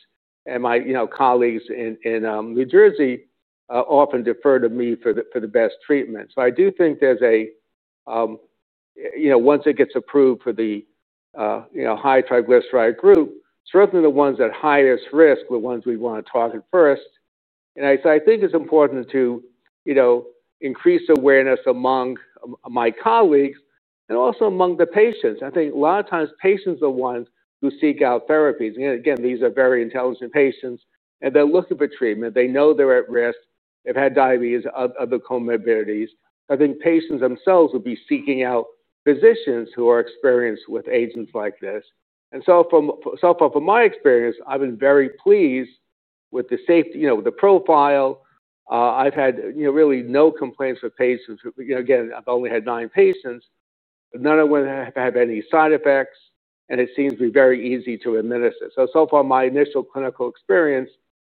My colleagues in New Jersey often defer to me for the best treatment. I do think once it gets approved for the high triglyceride group, certainly the ones at highest risk are the ones we want to target first. I think it's important to increase awareness among my colleagues and also among the patients. A lot of times patients are the ones who seek out therapies. These are very intelligent patients. They're looking for treatment. They know they're at risk. They've had diabetes, other comorbidities. I think patients themselves will be seeking out physicians who are experienced with agents like this. So far, from my experience, I've been very pleased with the profile. I've had really no complaints with patients. I've only had nine patients. None of them have had any side effects. It seems to be very easy to administer. So far, my initial clinical experience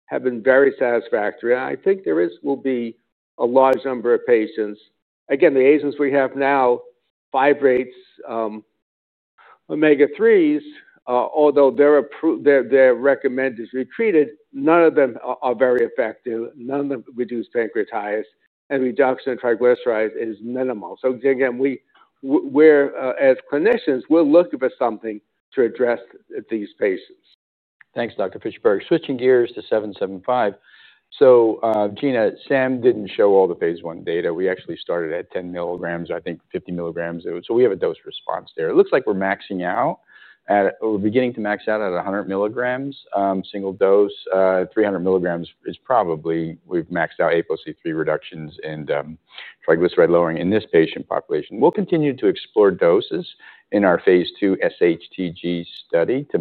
has been very satisfactory. I think there will be a large number of patients. The agents we have now, fibrates, omega-3s, although they're recommended to be treated, none of them are very effective. None of them reduce pancreatitis. The reduction in triglycerides is minimal. As clinicians, we're looking for something to address these patients. Thanks, Dr. Fischberg. Switching gears to 775. Gina, Sam didn't show all the phase I data. We actually started at 10 mg, I think 50 mg. We have a dose response there. It looks like we're maxing out at, we're beginning to max out at 100 mg single dose. 300 mg is probably, we've maxed out APOC3 reductions and triglyceride lowering in this patient population. We'll continue to explore doses in our phase II SHTG study to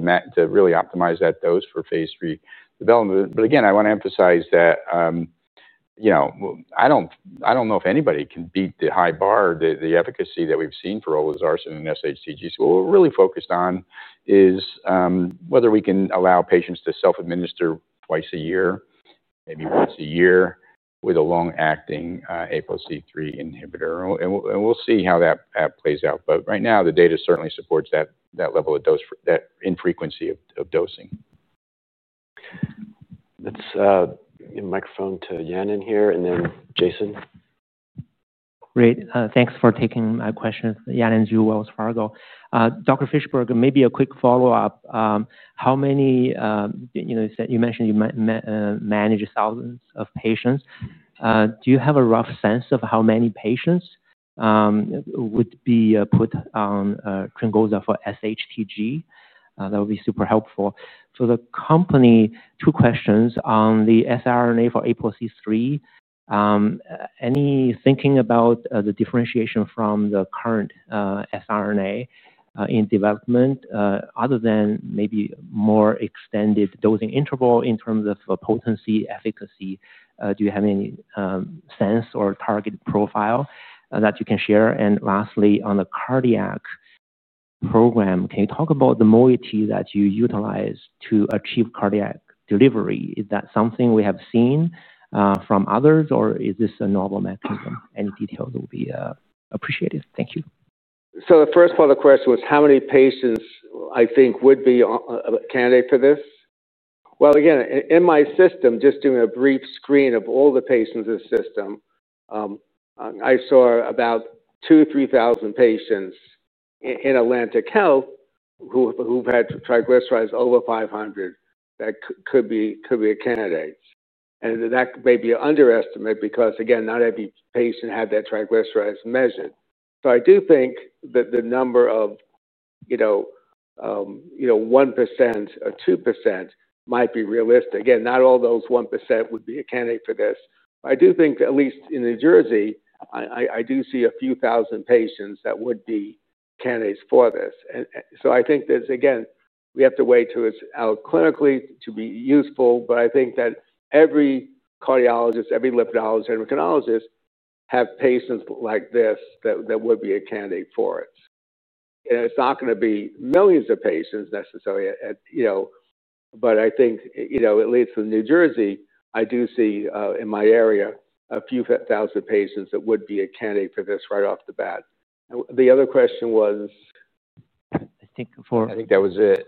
really optimize that dose for phase III development. I want to emphasize that I don't know if anybody can beat the high bar, the efficacy that we've seen for Tryngolza and SHTG. What we're really focused on is whether we can allow patients to self-administer twice a year, maybe once a year with a long-acting APOC3 inhibitor. We'll see how that plays out. Right now, the data certainly supports that level of infrequency of dosing. Let's. Microphone to Yannin here and then Jason. Great. Thanks for taking my question. Yanan Zhu from Wells Fargo. Dr. Fischberg, maybe a quick follow-up. You mentioned you manage thousands of patients. Do you have a rough sense of how many patients would be put on Tryngolza for SHTG? That would be super helpful. For the company, two questions on the siRNA for APOC3. Any thinking about the differentiation from the current siRNA in development, other than maybe more extended dosing interval in terms of potency, efficacy? Do you have any sense or target profile that you can share? Lastly, on the cardiac program, can you talk about the modality that you utilize to achieve cardiac delivery? Is that something we have seen from others? Is this a novel mechanism? Any detail would be appreciated. Thank you. The first part of the question was how many patients I think would be a candidate for this? In my system, just doing a brief screen of all the patients in the system, I saw about 2,000-3,000 patients in Atlantic Health who've had triglycerides over 500 that could be a candidate. That may be an underestimate because not every patient had their triglycerides measured. I do think that the number of 1% or 2% might be realistic. Not all those 1% would be a candidate for this. I do think at least in New Jersey, I do see a few thousand patients that would be candidates for this. I think that we have to wait till it's out clinically to be useful. I think that every cardiologist, every lipidologist, endocrinologist have patients like this that would be a candidate for it. It's not going to be millions of patients necessarily. I think at least in New Jersey, I do see in my area a few thousand patients that would be a candidate for this right off the bat. The other question was. I think for. I think that was it.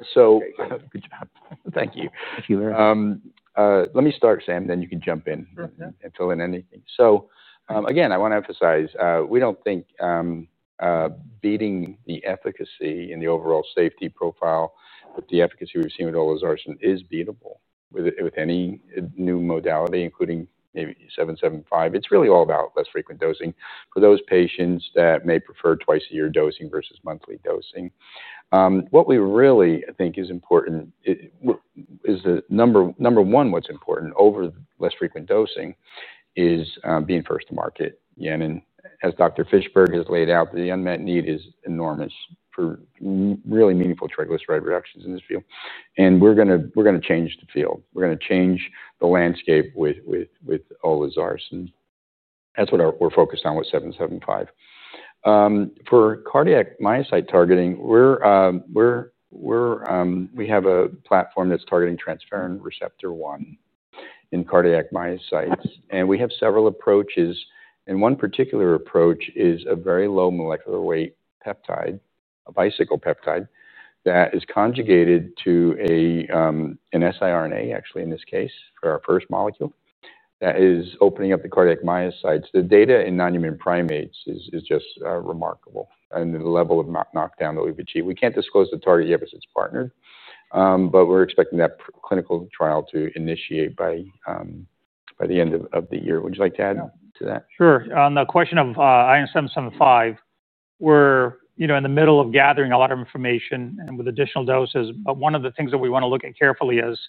Thank you. Let me start, Sam, then you can jump in. OK. Again, I want to emphasize, we don't think beating the efficacy in the overall safety profile, but the efficacy we've seen with Tryngolza is beatable with any new modality, including maybe 775. It's really all about less frequent dosing for those patients that may prefer twice a year dosing versus monthly dosing. What we really think is important is the number one, what's important over less frequent dosing is being first to market. As Dr. Fischberg has laid out, the unmet need is enormous for really meaningful triglyceride reductions in this field. We're going to change the field. We're going to change the landscape with Tryngolza. That's what we're focused on with 775. For cardiac myocyte targeting, we have a platform that's targeting transferrin receptor 1 in cardiac myocytes. We have several approaches, and one particular approach is a very low molecular weight peptide, a bicycle peptide that is conjugated to an siRNA, actually in this case, for our first molecule that is opening up the cardiac myocytes. The data in non-human primates is just remarkable in the level of knockdown that we've achieved. We can't disclose the target yet because it's partnered. We're expecting that clinical trial to initiate by the end of the year. Would you like to add to that? Sure. On the question of IM-775, we're in the middle of gathering a lot of information with additional doses. One of the things that we want to look at carefully is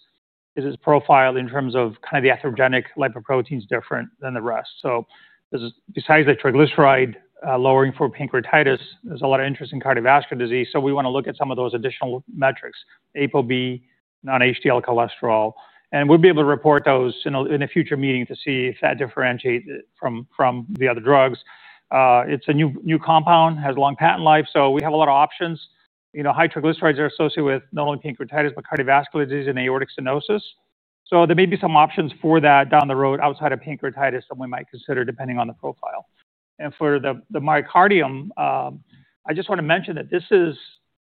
its profile in terms of the estrogenic lipoproteins, different than the rest. Besides the triglyceride lowering for pancreatitis, there's a lot of interest in cardiovascular disease. We want to look at some of those additional metrics, ApoB, non-HDL cholesterol, and we'll be able to report those in a future meeting to see if that differentiates from the other drugs. It's a new compound. It has a long patent life, so we have a lot of options. High triglycerides are associated with not only pancreatitis, but cardiovascular disease and aortic stenosis. There may be some options for that down the road outside of pancreatitis that we might consider depending on the profile. For the myocardium, I just want to mention that this is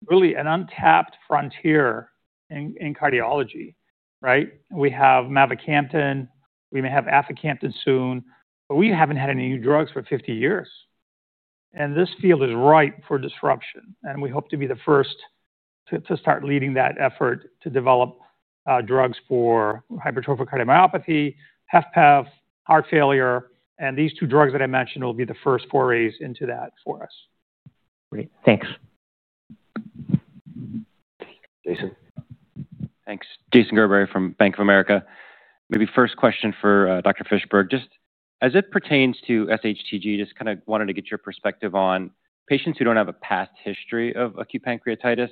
really an untapped frontier in cardiology, right? We have Mavacamten. We may have Aficamten soon. We haven't had any new drugs for 50 years. This field is ripe for disruption. We hope to be the first to start leading that effort to develop drugs for hypertrophic cardiomyopathy, HFpEF, heart failure. These two drugs that I mentioned will be the first forays into that for us. Great. Thanks. Jason. Thanks. Jason Gerber from Bank of America. Maybe first question for Dr. Fischberg. Just as it pertains to SHTG, just kind of wanted to get your perspective on patients who don't have a past history of acute pancreatitis.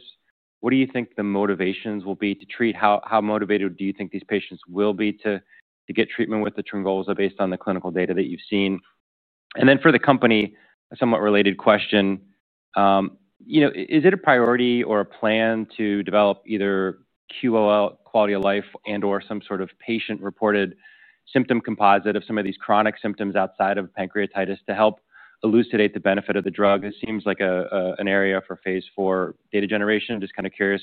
What do you think the motivations will be to treat? How motivated do you think these patients will be to get treatment with the Tryngolza based on the clinical data that you've seen? For the company, a somewhat related question. Is it a priority or a plan to develop either QOL, quality of life, and/or some sort of patient-reported symptom composite of some of these chronic symptoms outside of pancreatitis to help elucidate the benefit of the drug? It seems like an area for phase IV data generation. Just kind of curious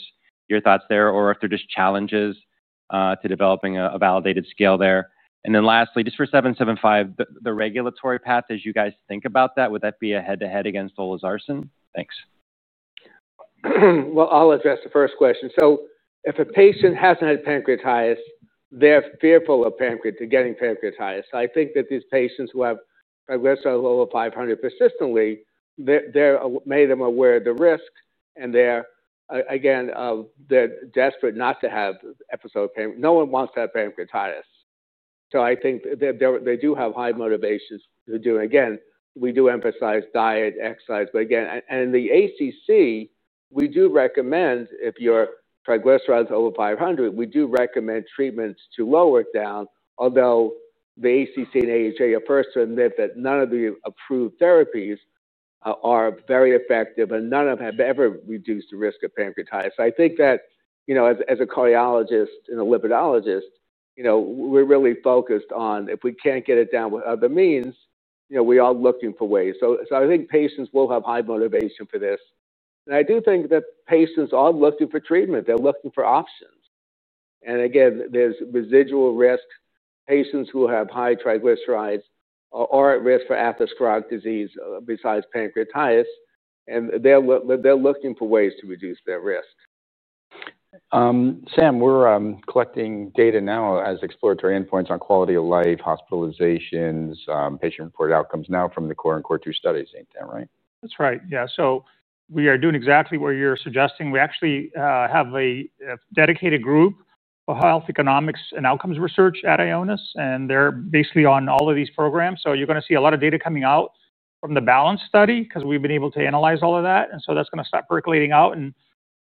your thoughts there, or if there are just challenges to developing a validated scale there. Lastly, just for 775, the regulatory path as you guys think about that, would that be a head-to-head against Olezarsen? Thanks. I'll address the first question. If a patient hasn't had pancreatitis, they're fearful of getting pancreatitis. I think that these patients who have triglycerides over 500 persistently, they're made aware of the risk. They're, again, desperate not to have an episode; no one wants to have pancreatitis. I think they do have high motivations to do it. We do emphasize diet and exercise. In the ACC, we do recommend if your triglycerides are over 500, we recommend treatments to lower it down. Although the ACC and AHA are first to admit that none of the approved therapies are very effective, and none of them have ever reduced the risk of pancreatitis. I think that as a cardiologist and a lipidologist, we're really focused on if we can't get it down with other means, we are looking for ways. I think patients will have high motivation for this. I do think that patients are looking for treatment. They're looking for options. There's residual risk. Patients who have high triglycerides are at risk for atherosclerotic disease besides pancreatitis, and they're looking for ways to reduce their risk. Sam, we're collecting data now as exploratory endpoints on quality of life, hospitalizations, patient-reported outcomes now from the CORE and CORE2 studies. Isn't that right? That's right. Yeah. We are doing exactly what you're suggesting. We actually have a dedicated group of health economics and outcomes research at Ionis Pharmaceuticals. They're basically on all of these programs. You're going to see a lot of data coming out from the BALANCE study because we've been able to analyze all of that. That's going to start percolating out.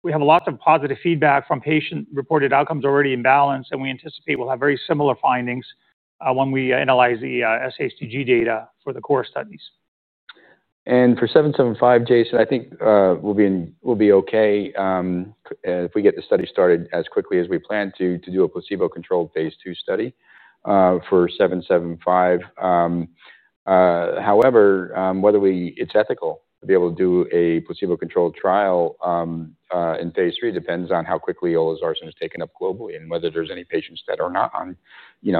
We have lots of positive feedback from patient-reported outcomes already in BALANCE, and we anticipate we'll have very similar findings when we analyze the SHTG data for the core studies. For 775, Jason, I think we'll be OK if we get the study started as quickly as we plan to do a placebo-controlled phase II study for 775. However, whether it's ethical to be able to do a placebo-controlled trial in phase III depends on how quickly Olezarsen is taken up globally and whether there's any patients that are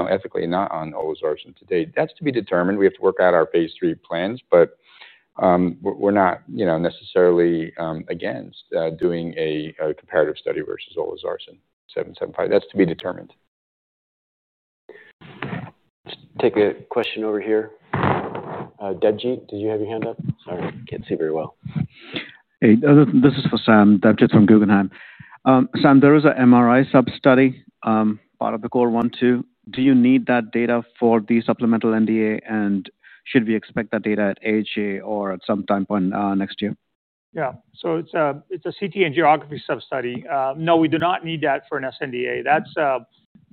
ethically not on Olezarsen today. That's to be determined. We have to work out our phase III plans. We're not necessarily against doing a comparative study versus Olezarsen 775. That's to be determined. Let's take a question over here. Deji, did you have your hand up? Sorry, I can't see very well. Hey, this is for Sam. Deji from Guggenheim. Sam, there is an MRI sub-study part of the CORE1 too. Do you need that data for the supplemental NDA? Should we expect that data at AHA or at some time point next year? Yeah. It's a CT angiography sub-study. No, we do not need that for an sNDA. That's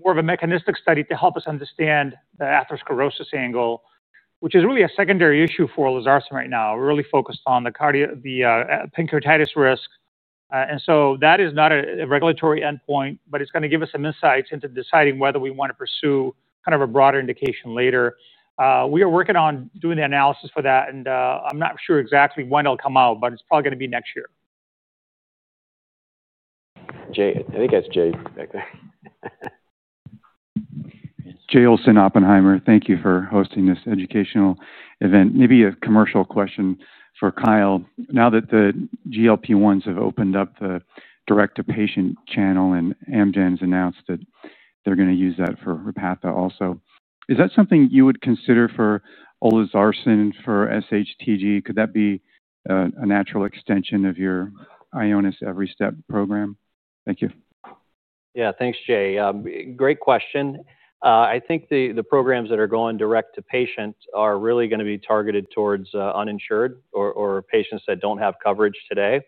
more of a mechanistic study to help us understand the atherosclerosis angle, which is really a secondary issue for Tryngolza right now. We're really focused on the pancreatitis risk. That is not a regulatory endpoint. It's going to give us some insights into deciding whether we want to pursue kind of a broader indication later. We are working on doing the analysis for that. I'm not sure exactly when it'll come out. It's probably going to be next year. Jay, I think that's Jay back there. Thank you for hosting this educational event. Maybe a commercial question for Kyle. Now that the GLP-1s have opened up the direct-to-patient channel and Amgen's announced that they're going to use that for Repatha also, is that something you would consider for Tryngolza for SHTG? Could that be a natural extension of your Ionis Every Step program? Thank you. Yeah, thanks, Jay. Great question. I think the programs that are going direct to patients are really going to be targeted towards uninsured or patients that don't have coverage today.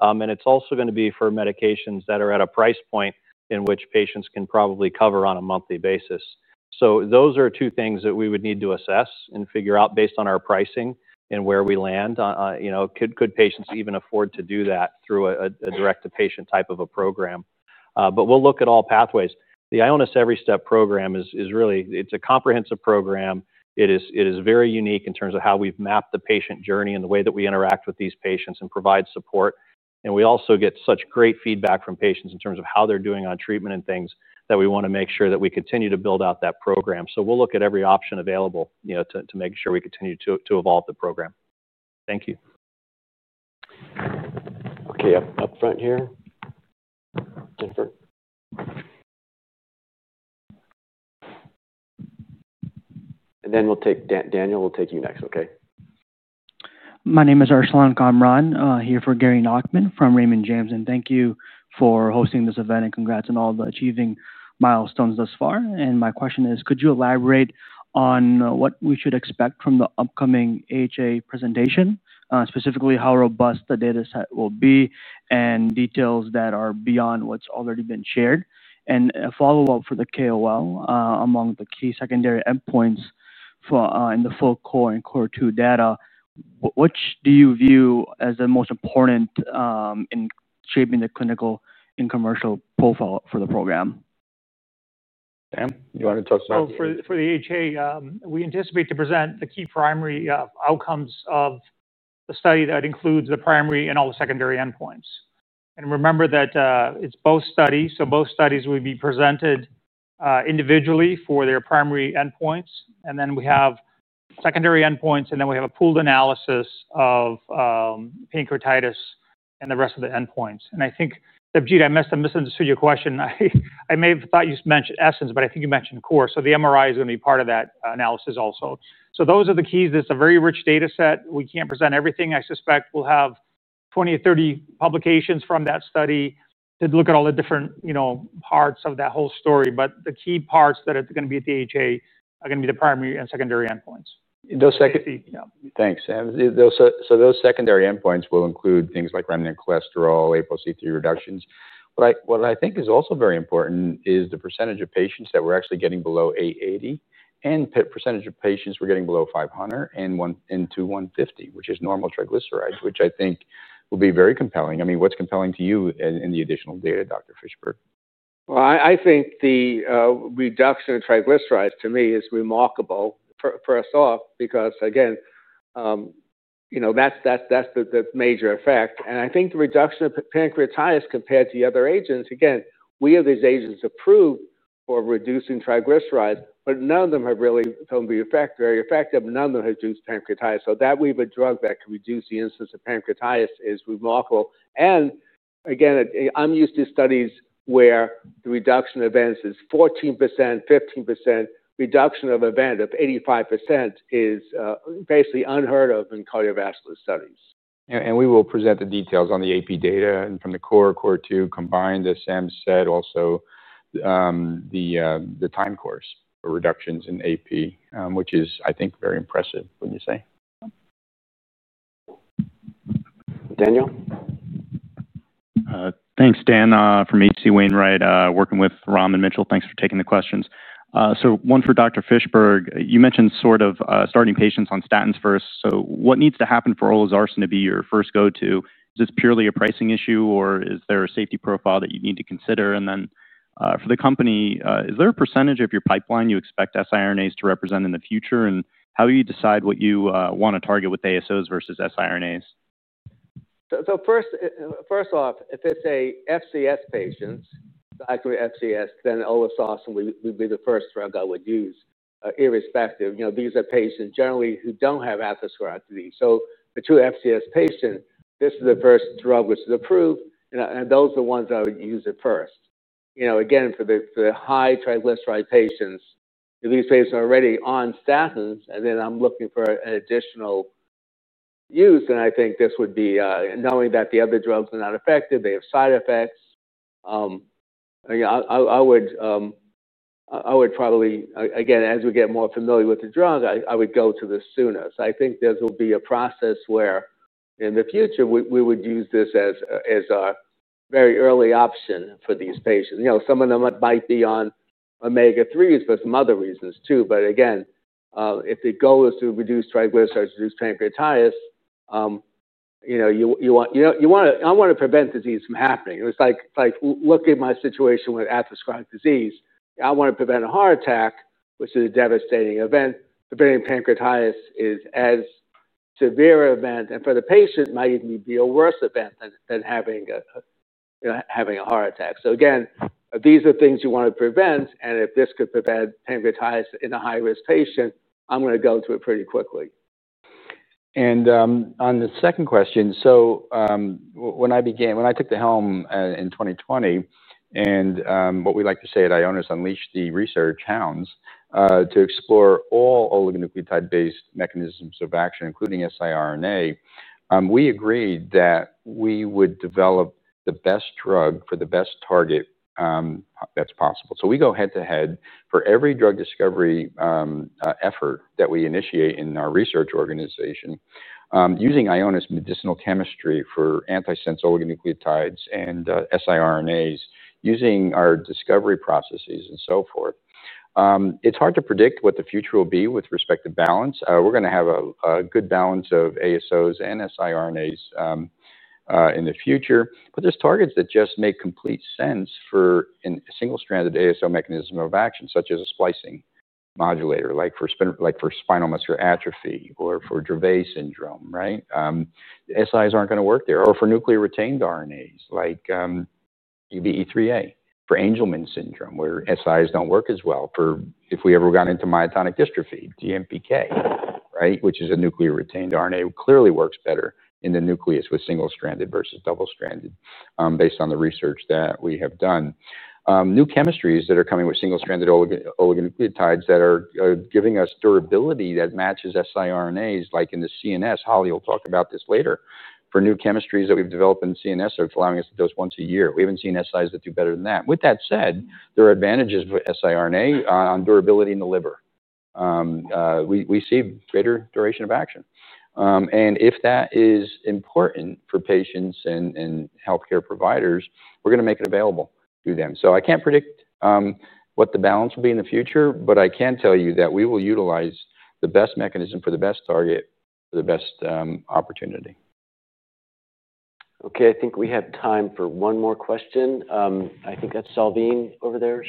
It is also going to be for medications that are at a price point in which patients can probably cover on a monthly basis. Those are two things that we would need to assess and figure out based on our pricing and where we land. Could patients even afford to do that through a direct-to-patient type of a program? We'll look at all pathways. The Ionis Every Step program is really, it's a comprehensive program. It is very unique in terms of how we've mapped the patient journey and the way that we interact with these patients and provide support. We also get such great feedback from patients in terms of how they're doing on treatment and things that we want to make sure that we continue to build out that program. We'll look at every option available to make sure we continue to evolve the program. Thank you. OK, up front here. Then we'll take Daniel, we'll take you next, OK? My name is Arsalan Kamran here for Gary Nachman from Raymond James. Thank you for hosting this event, and congrats on all the achieving milestones thus far. My question is, could you elaborate on what we should expect from the upcoming AHA presentation, specifically how robust the data set will be and details that are beyond what's already been shared? A follow-up for the KOL, among the key secondary endpoints in the full CORE and CORE2 data, which do you view as the most important in shaping the clinical and commercial profile for the program? Sam, you want to talk about? For the AHA, we anticipate to present the key primary outcomes of the study that includes the primary and all the secondary endpoints. Remember that it's both studies. Both studies will be presented individually for their primary endpoints. We have secondary endpoints, and we have a pooled analysis of pancreatitis and the rest of the endpoints. I think, Deji, I must have misunderstood your question. I may have thought you just mentioned essence. I think you mentioned core. The MRI is going to be part of that analysis also. Those are the keys. It's a very rich data set. We can't present everything. I suspect we'll have 20 or 30 publications from that study to look at all the different parts of that whole story. The key parts that are going to be at the AHA are going to be the primary and secondary endpoints. Thanks. Those secondary endpoints will include things like remnant cholesterol, APOC3 reductions. What I think is also very important is the percentage of patients that we're actually getting below 880 and percentage of patients we're getting below 500 and to 150, which is normal triglycerides, which I think will be very compelling. I mean, what's compelling to you in the additional data, Dr. Fischberg? I think the reduction of triglycerides to me is remarkable first off because again, that's the major effect. I think the reduction of pancreatitis compared to the other agents, again, we have these agents approved for reducing triglycerides. None of them have really shown to be very effective. None of them have reduced pancreatitis. That we have a drug that can reduce the incidence of pancreatitis is remarkable. Again, I'm used to studies where the reduction of events is 14%, 15%. Reduction of event of 85% is basically unheard of in cardiovascular studies. We will present the details on the AP data from the CORE, CORE2 combined, as Sam said, also the time course for reductions in AP, which is, I think, very impressive. What do you say? Daniel. Thanks, Dan from H.C. Wainwright, working with Rahman Mitchell. Thanks for taking the questions. One for Dr. Fischberg. You mentioned sort of starting patients on statins first. What needs to happen for olezarsen to be your first go-to? Is this purely a pricing issue? Is there a safety profile that you need to consider? For the company, is there a percentage of your pipeline you expect siRNAs to represent in the future? How do you decide what you want to target with ASOs versus siRNAs? First off, if it's an FCS patient, likely FCS, then Tryngolza would be the first drug I would use, irrespective. These are patients generally who don't have atherosclerotic disease. For true FCS patients, this is the first drug which is approved, and those are the ones I would use at first. For the high triglyceride patients, if these patients are already on statins and then I'm looking for additional use, then I think this would be, knowing that the other drugs are not effective, they have side effects. I would probably, as we get more familiar with the drug, go to this sooner. I think this will be a process where in the future, we would use this as a very early option for these patients. Some of them might be on omega-3s for some other reasons too. If the goal is to reduce triglycerides, reduce pancreatitis, I want to prevent disease from happening. It's like looking at my situation with atherosclerotic disease. I want to prevent a heart attack, which is a devastating event. Preventing pancreatitis is as severe an event, and for the patient, it might even be a worse event than having a heart attack. These are things you want to prevent, and if this could prevent pancreatitis in a high-risk patient, I'm going to go to it pretty quickly. On the second question, when I took the helm in 2020 and what we like to say at Ionis Pharmaceuticals, unleashed the Research Hounds to explore all oligonucleotide-based mechanisms of action, including siRNA, we agreed that we would develop the best drug for the best target that's possible. We go head to head for every drug discovery effort that we initiate in our research organization using Ionis medicinal chemistry for antisense oligonucleotides and siRNAs, using our discovery processes and so forth. It's hard to predict what the future will be with respect to balance. We're going to have a good balance of ASOs and siRNAs in the future. There are targets that just make complete sense for a single-stranded ASO mechanism of action, such as a splicing modulator, like for spinal muscular atrophy or for Dravet syndrome, right? SIs aren't going to work there. For nuclear-retained RNAs, like UBE3A for Angelman syndrome, where SIs don't work as well. If we ever got into myotonic dystrophy, DMPK, which is a nuclear-retained RNA, clearly works better in the nucleus with single-stranded versus double-stranded based on the research that we have done. New chemistries that are coming with single-stranded oligonucleotides are giving us durability that matches siRNAs, like in the CNS. Holly will talk about this later. For new chemistries that we've developed in CNS, they're allowing us to dose once a year. We haven't seen SIs that do better than that. With that said, there are advantages for siRNA on durability in the liver. We see greater duration of action. If that is important for patients and health care providers, we're going to make it available to them. I can't predict what the balance will be in the future. I can tell you that we will utilize the best mechanism for the best target for the best opportunity. OK, I think we have time for one more question. I think that's Salveen over there.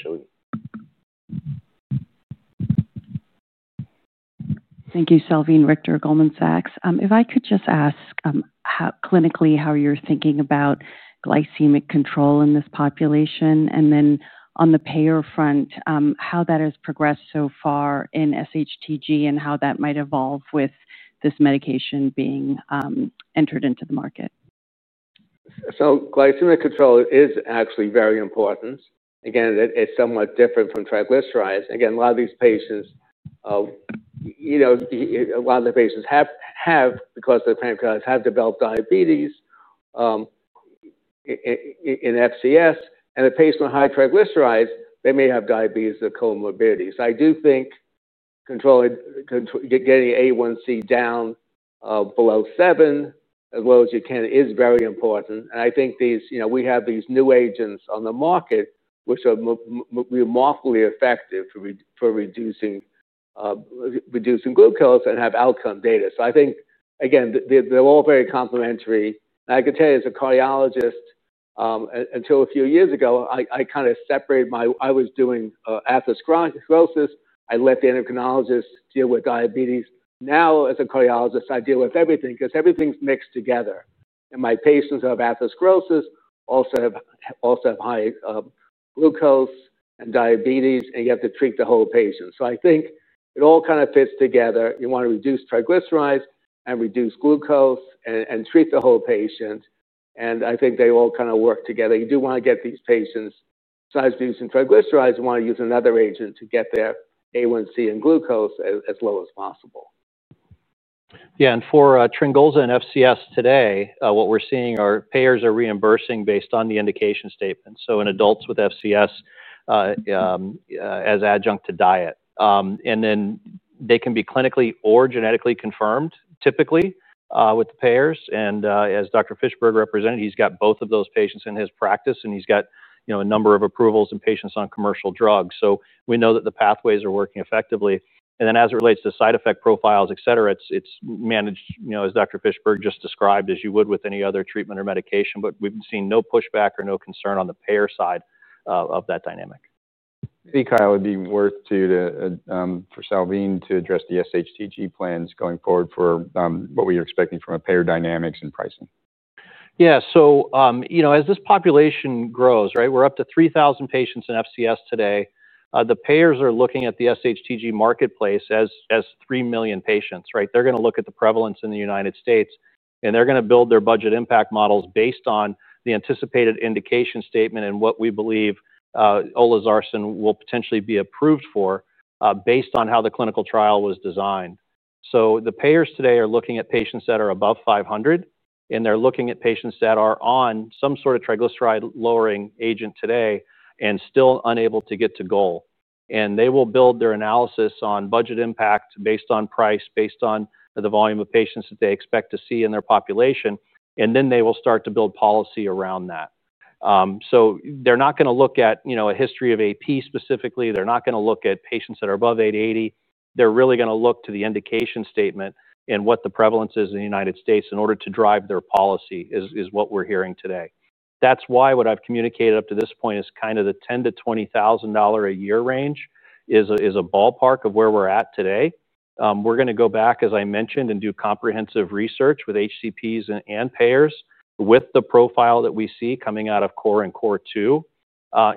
Thank you, Salveen. Richter, Goldman Sachs. If I could just ask clinically how you're thinking about glycemic control in this population, and then on the payer front, how that has progressed so far in SHTG and how that might evolve with this medication being entered into the market? Glycemic control is actually very important. It's somewhat different from triglycerides. A lot of these patients, a lot of the patients have, because of the pancreatitis, developed diabetes in FCS. A patient with high triglycerides may have diabetes as a comorbidity. I do think getting the A1C down below 7, as low as you can, is very important. We have these new agents on the market, which are remarkably effective for reducing glucose and have outcome data. They're all very complementary. I can tell you as a cardiologist, until a few years ago, I kind of separated my—I was doing atherosclerosis. I let the endocrinologists deal with diabetes. Now, as a cardiologist, I deal with everything because everything's mixed together. My patients who have atherosclerosis also have high glucose and diabetes. You have to treat the whole patient. It all kind of fits together. You want to reduce triglycerides and reduce glucose and treat the whole patient. They all kind of work together. You do want to get these patients, besides reducing triglycerides, to use another agent to get their A1C and glucose as low as possible. Yeah, and for Tryngolza and FCS today, what we're seeing are payers are reimbursing based on the indication statement, so in adults with FCS as adjunct to diet. They can be clinically or genetically confirmed, typically with payers. As Dr. Fischberg represented, he's got both of those patients in his practice, and he's got a number of approvals and patients on commercial drugs. We know that the pathways are working effectively. As it relates to side effect profiles, et cetera, it's managed, as Dr. Fischberg just described, as you would with any other treatment or medication. We've seen no pushback or no concern on the payer side of that dynamic. I think, Kyle, it would be worth for Salveen to address the SHTG plans going forward for what we are expecting from a payer dynamics and pricing. Yeah, as this population grows, we're up to 3,000 patients in FCS today. The payers are looking at the SHTG marketplace as 3 million patients. They're going to look at the prevalence in the U.S. They're going to build their budget impact models based on the anticipated indication statement and what we believe Tryngolza will potentially be approved for based on how the clinical trial was designed. The payers today are looking at patients that are above 500, and they're looking at patients that are on some sort of triglyceride-lowering agent today and still unable to get to goal. They will build their analysis on budget impact based on price, based on the volume of patients that they expect to see in their population. They will start to build policy around that. They're not going to look at a history of AP specifically. They're not going to look at patients that are above 880. They're really going to look to the indication statement and what the prevalence is in the U.S. in order to drive their policy, is what we're hearing today. That's why what I've communicated up to this point is kind of the $10,000-$20,000 a year range is a ballpark of where we're at today. We're going to go back, as I mentioned, and do comprehensive research with HCPs and payers with the profile that we see coming out of CORE and CORE2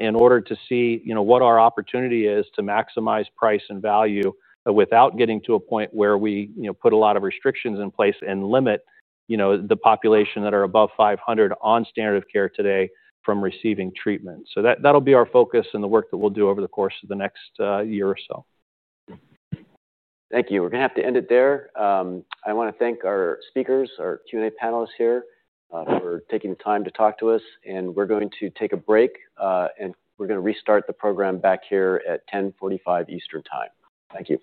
in order to see what our opportunity is to maximize price and value without getting to a point where we put a lot of restrictions in place and limit the population that are above 500 on standard of care today from receiving treatment. That'll be our focus and the work that we'll do over the course of the next year or so. Thank you. We're going to have to end it there. I want to thank our speakers, our Q&A panelists here for taking time to talk to us. We're going to take a break, and we're going to restart the program back here at 10:45 A.M. Eastern Time. Thank you.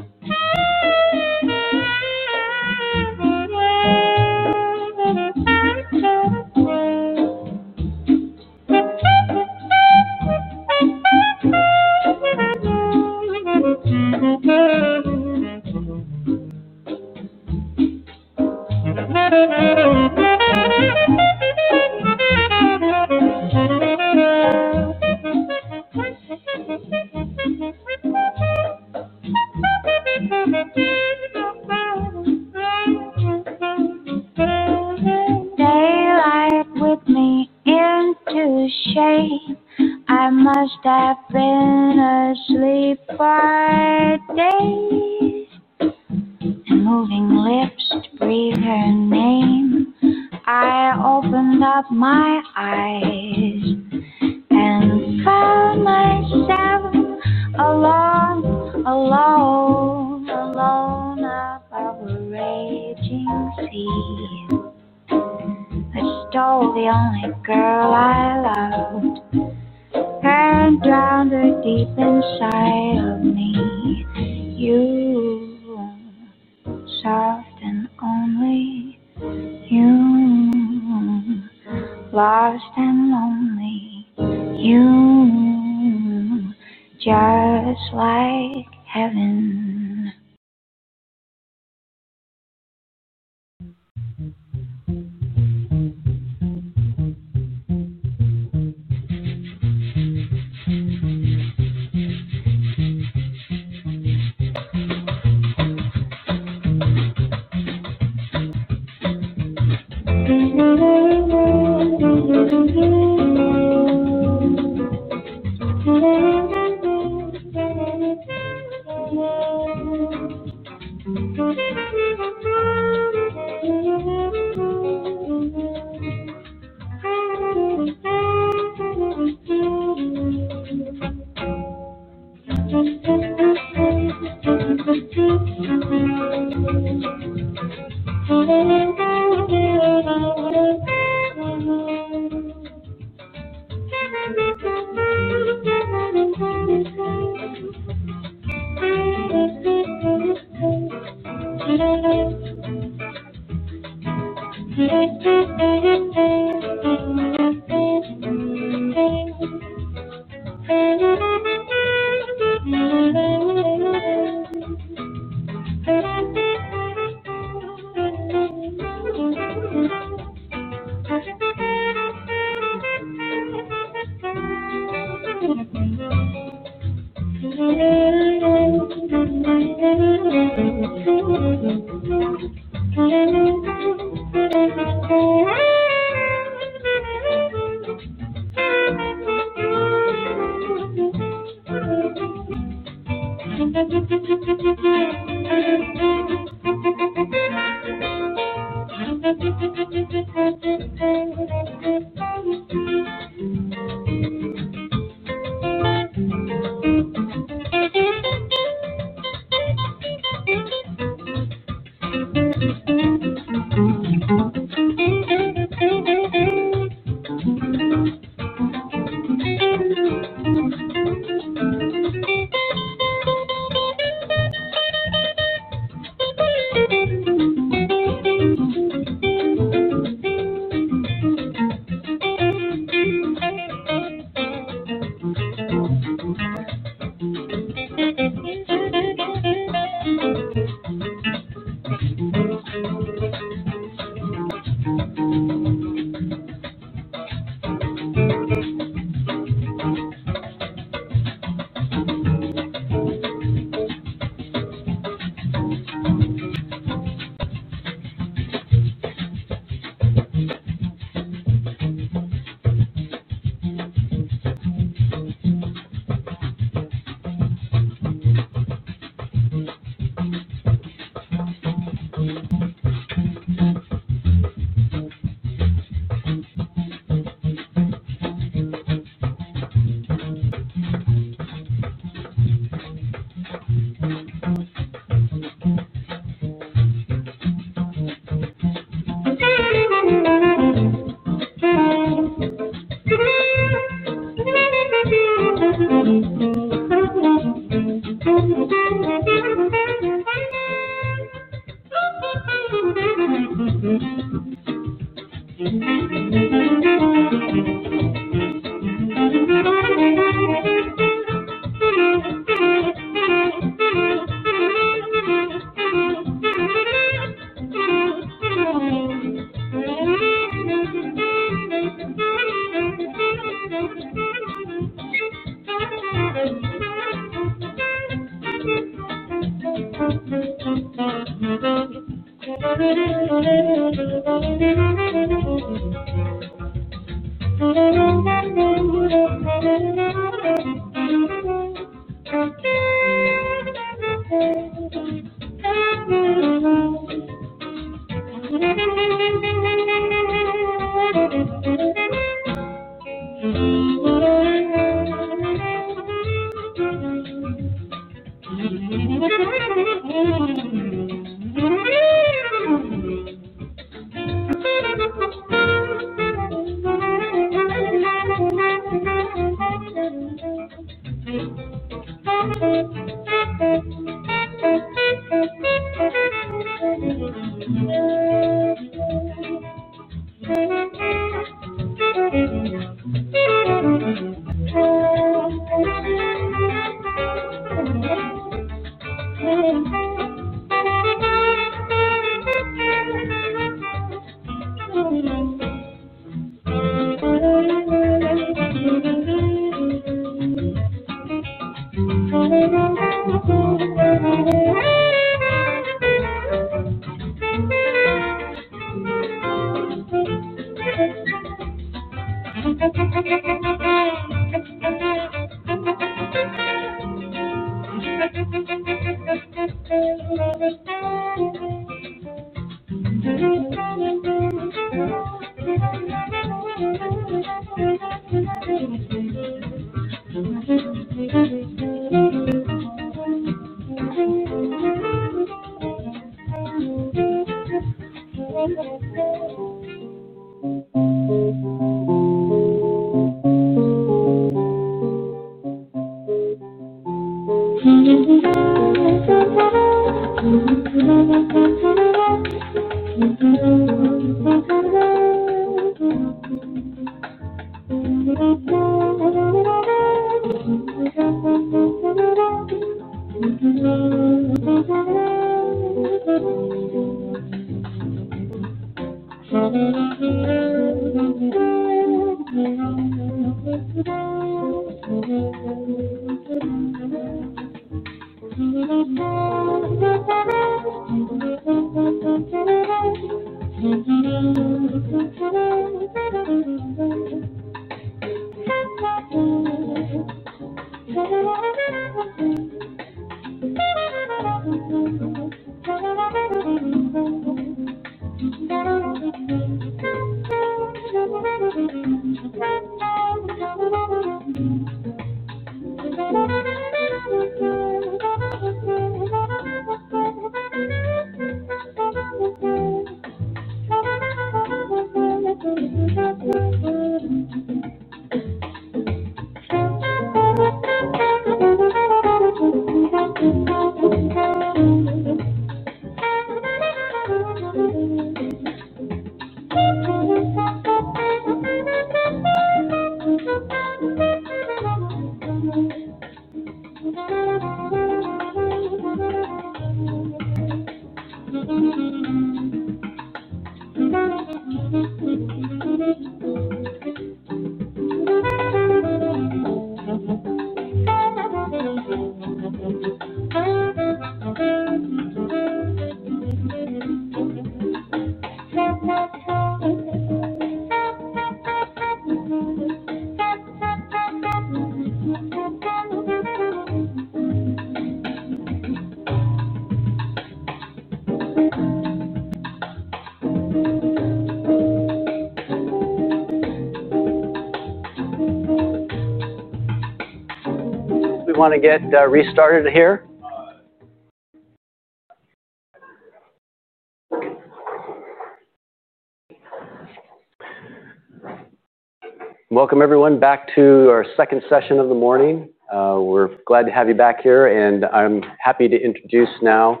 Welcome, Everyone, back to our second session of the morning. We're glad to have you back here, and I'm happy to introduce now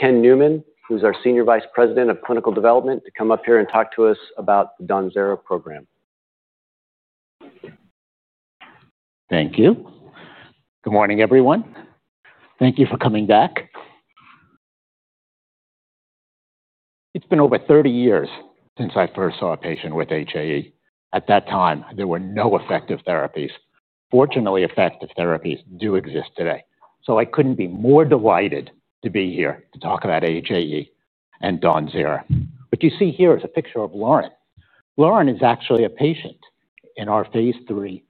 Ken Newman, who's our Senior Vice President of Clinical Development, to come up here and talk to us about the DAWNZERA program. Thank you. Good morning, everyone. Thank you for coming back. It's been over 30 years since I first saw a patient with HAE. At that time, there were no effective therapies. Fortunately, effective therapies do exist today. I couldn't be more delighted to be here to talk about HAE and DAWNZERA. You see here is a picture of Lauren. Lauren is actually a patient in our phase III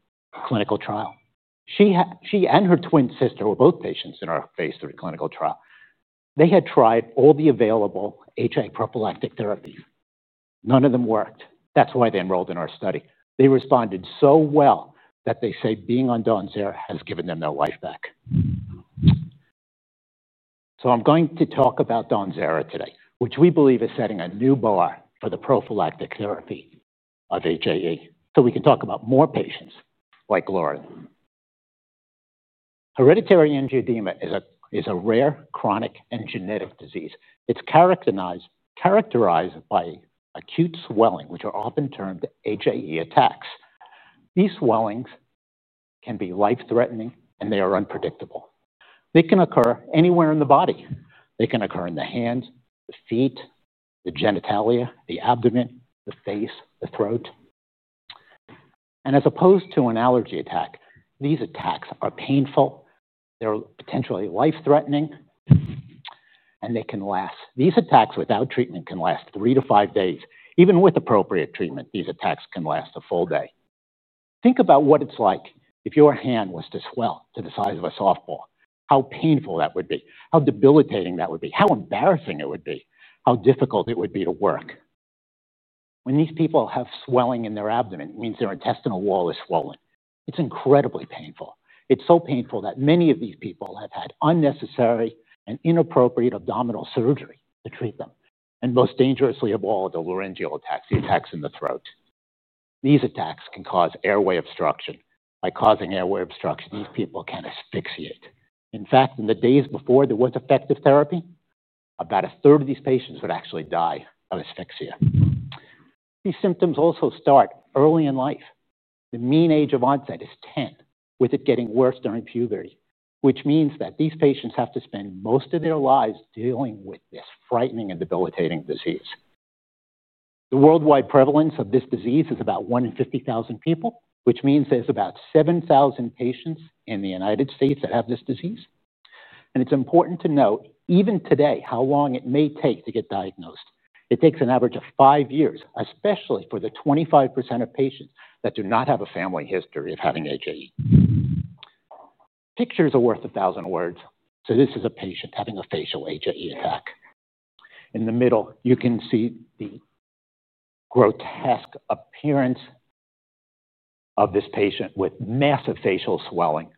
clinical trial. She and her twin sister were both patients in our phase III clinical trial. They had tried all the available HAE prophylactic therapies. None of them worked. That's why they enrolled in our study. They responded so well that they say being on DAWNZERA has given them their life back. I'm going to talk about DAWNZERA today, which we believe is setting a new bar for the prophylactic therapy of HAE so we can talk about more patients like Lauren. Hereditary angioedema is a rare, chronic, and genetic disease. It's characterized by acute swelling, which are often termed HAE attacks. These swellings can be life-threatening, and they are unpredictable. They can occur anywhere in the body. They can occur in the hands, feet, the genitalia, the abdomen, the face, the throat. As opposed to an allergy attack, these attacks are painful. They're potentially life-threatening, and they can last. These attacks without treatment can last three to five days. Even with appropriate treatment, these attacks can last a full day. Think about what it's like if your hand was to swell to the size of a softball. How painful that would be. How debilitating that would be. How embarrassing it would be. How difficult it would be to work. When these people have swelling in their abdomen, it means their intestinal wall is swollen. It's incredibly painful. It's so painful that many of these people have had unnecessary and inappropriate abdominal surgery to treat them. Most dangerously of all, the laryngeal attacks, the attacks in the throat. These attacks can cause airway obstruction. By causing airway obstruction, these people can asphyxiate. In fact, in the days before there was effective therapy, about a third of these patients would actually die of asphyxia. These symptoms also start early in life. The mean age of onset is 10, with it getting worse during puberty, which means that these patients have to spend most of their lives dealing with this frightening and debilitating disease. The worldwide prevalence of this disease is about one in 50,000 people, which means there's about 7,000 patients in the United States that have this disease. It's important to note, even today, how long it may take to get diagnosed. It takes an average of five years, especially for the 25% of patients that do not have a family history of having HAE. Pictures are worth a thousand words. This is a patient having a facial HAE attack. In the middle, you can see the grotesque appearance of this patient with massive facial swelling.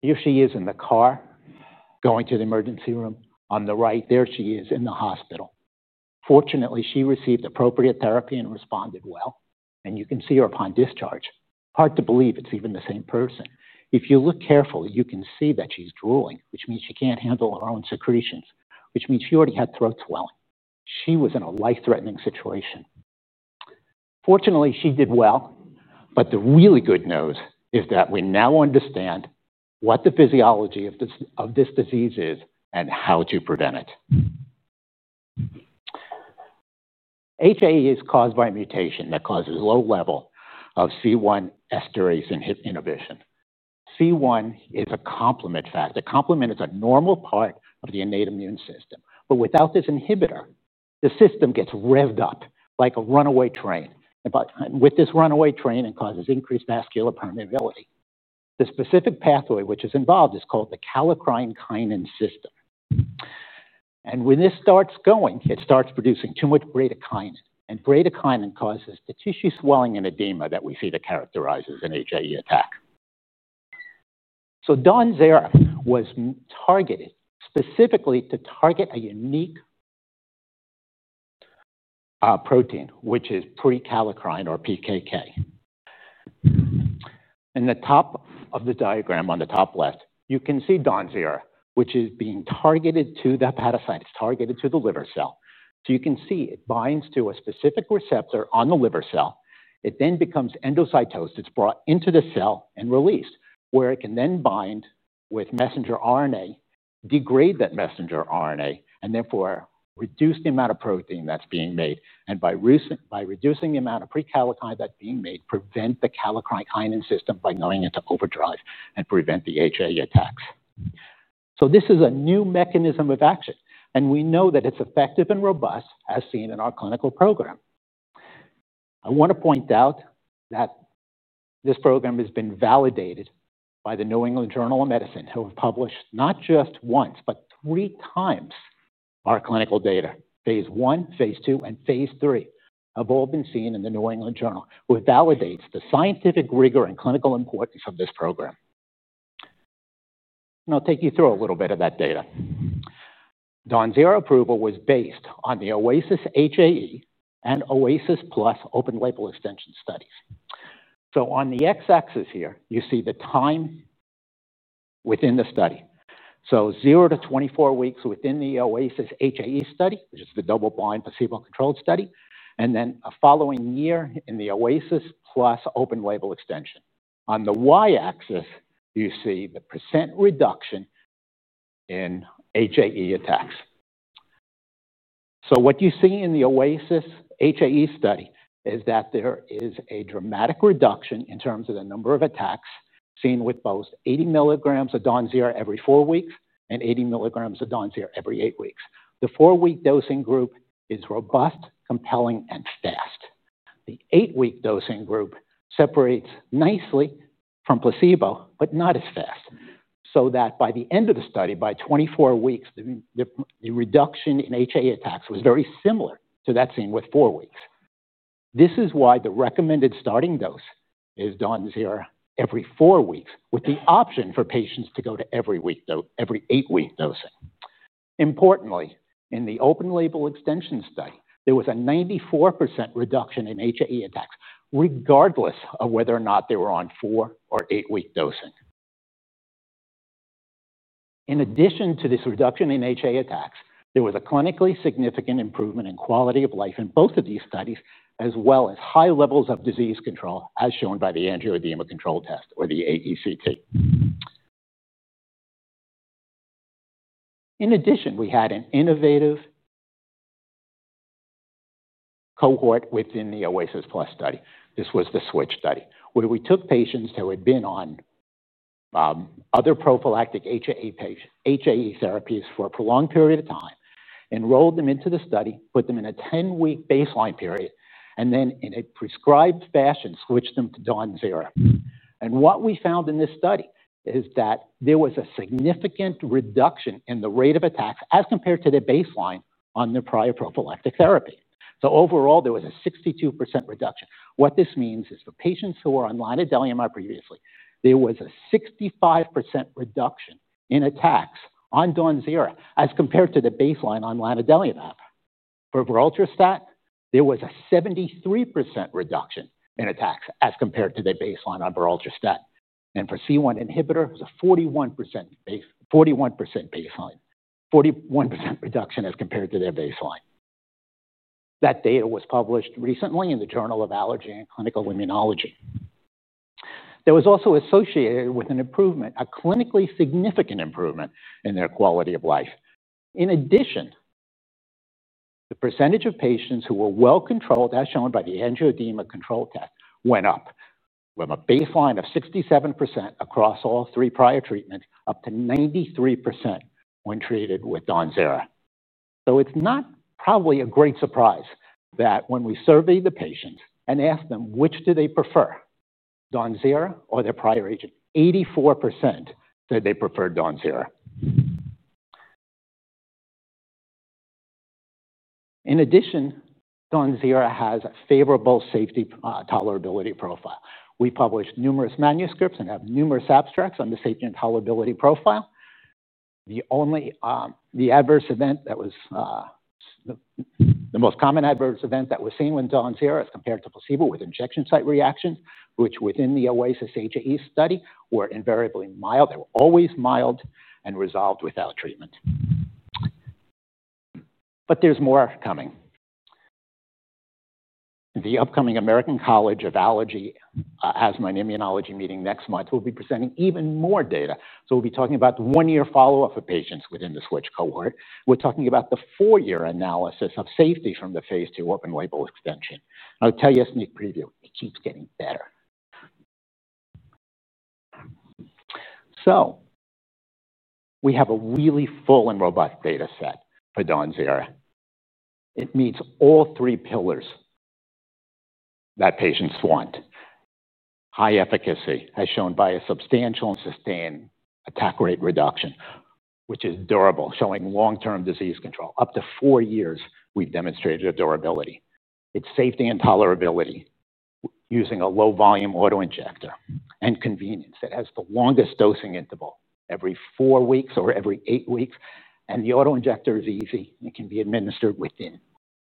Here she is in the car going to the emergency room. On the right, there she is in the hospital. Fortunately, she received appropriate therapy and responded well. You can see her upon discharge. Hard to believe it's even the same person. If you look carefully, you can see that she's drooling, which means she can't handle her own secretions, which means she already had throat swelling. She was in a life-threatening situation. Fortunately, she did well. The really good news is that we now understand what the physiology of this disease is and how to prevent it. HAE is caused by a mutation that causes a low level of C1 esterase inhibition. C1 is a complement factor. A complement is a normal part of the innate immune system. Without this inhibitor, the system gets revved up like a runaway train. With this runaway train, it causes increased vascular permeability. The specific pathway which is involved is called the kallikrein-kinin system. When this starts going, it starts producing too much bradykinin. Bradykinin causes the tissue swelling and edema that we see to characterize an HAE attack. DAWNZERA was targeted specifically to target a unique protein, which is prekallikrein or PKK. In the top of the diagram, on the top left, you can see DAWNZERA, which is being targeted to the hepatocyte, it's targeted to the liver cell. You can see it binds to a specific receptor on the liver cell. It then becomes endocytosed. It's brought into the cell and released, where it can then bind with messenger RNA, degrade that messenger RNA, and therefore reduce the amount of protein that's being made. By reducing the amount of prekallikrein that's being made, prevent the kallikrein-kinin system from going into overdrive and prevent the HAE attacks. This is a new mechanism of action. We know that it's effective and robust, as seen in our clinical program. I want to point out that this program has been validated by the New England Journal of Medicine, who have published not just once, but three times our clinical data. phase I, phase II, and phase III have all been seen in the New England Journal, which validates the scientific rigor and clinical importance of this program. I'll take you through a little bit of that data. DAWNZERA approval was based on the OASIS HAE and OASIS+ open-label extension studies. On the x-axis here, you see the time within the study. 0-24 weeks within the OASIS HAE study, which is the double-blind placebo-controlled study, and then a following year in the OASIS+ open-label extension. On the y-axis, you see the percent reduction in HAE attacks. What you see in the OASIS HAE study is that there is a dramatic reduction in terms of the number of attacks seen with both 80 mg of DAWNZERA every four weeks and 80 mg of DAWNZERA every eight weeks. The four-week dosing group is robust, compelling, and fast. The eight-week dosing group separates nicely from placebo, but not as fast. By the end of the study, by 24 weeks, the reduction in HAE attacks was very similar to that seen with four weeks. This is why the recommended starting dose is DAWNZERA every four weeks, with the option for patients to go to every eight-week dosing. Importantly, in the open-label extension study, there was a 94% reduction in HAE attacks, regardless of whether or not they were on four or eight-week dosing. In addition to this reduction in HAE attacks, there was a clinically significant improvement in quality of life in both of these studies, as well as high levels of disease control, as shown by the angioedema control test, or the AECT. In addition, we had an innovative cohort within the OASIS+ study. This was the SWITCH study, where we took patients who had been on other prophylactic HAE therapies for a prolonged period of time, enrolled them into the study, put them in a 10-week baseline period, and then in a prescribed fashion, switched them to DAWNZERA. What we found in this study is that there was a significant reduction in the rate of attacks as compared to the baseline on their prior prophylactic therapy. Overall, there was a 62% reduction. What this means is for patients who were on lanadelumab previously, there was a 65% reduction in attacks on DAWNZERA as compared to the baseline on lanadelumab. For virultrastat, there was a 73% reduction in attacks as compared to the baseline on virultrastat. For C1 inhibitor, it was a 41% reduction as compared to their baseline. That data was published recently in the Journal of Allergy and Clinical Immunology. That was also associated with a clinically significant improvement in their quality of life. In addition, the percentage of patients who were well controlled, as shown by the angioedema control test, went up from a baseline of 67% across all three prior treatments up to 93% when treated with DAWNZERA. It is not probably a great surprise that when we surveyed the patients and asked them, which do they prefer, DAWNZERA or their prior agent, 84% said they preferred DAWNZERA. In addition, DAWNZERA has a favorable safety tolerability profile. We published numerous manuscripts and have numerous abstracts on the safety and tolerability profile. The adverse event that was the most common adverse event that was seen with DAWNZERA as compared to placebo was injection site reactions, which within the OASIS HAE study were invariably mild. They were always mild and resolved without treatment. There is more coming. The upcoming American College of Allergy, Asthma, and Immunology meeting next month will be presenting even more data. We will be talking about the one-year follow-up of patients within the SWITCH cohort. We are talking about the four-year analysis of safety from the phase II open-label extension. I'll tell you a sneak preview. It keeps getting better. We have a really full and robust data set for DAWNZERA. It meets all three pillars that patients want: high efficacy, as shown by a substantial and sustained attack rate reduction, which is durable, showing long-term disease control. Up to four years, we've demonstrated a durability. Its safety and tolerability using a low-volume autoinjector and convenience. It has the longest dosing interval, every four weeks or every eight weeks. The autoinjector is easy. It can be administered within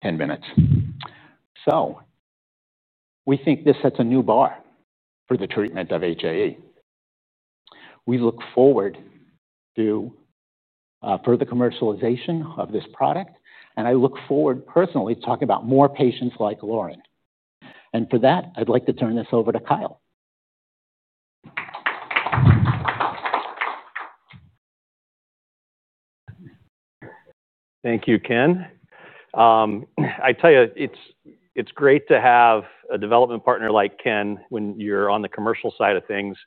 10 minutes. We think this sets a new bar for the treatment of HAE. We look forward to further commercialization of this product. I look forward personally to talking about more patients like Lauren. For that, I'd like to turn this over to Kyle. Thank you, Ken. I tell you, it's great to have a development partner like Ken when you're on the commercial side of things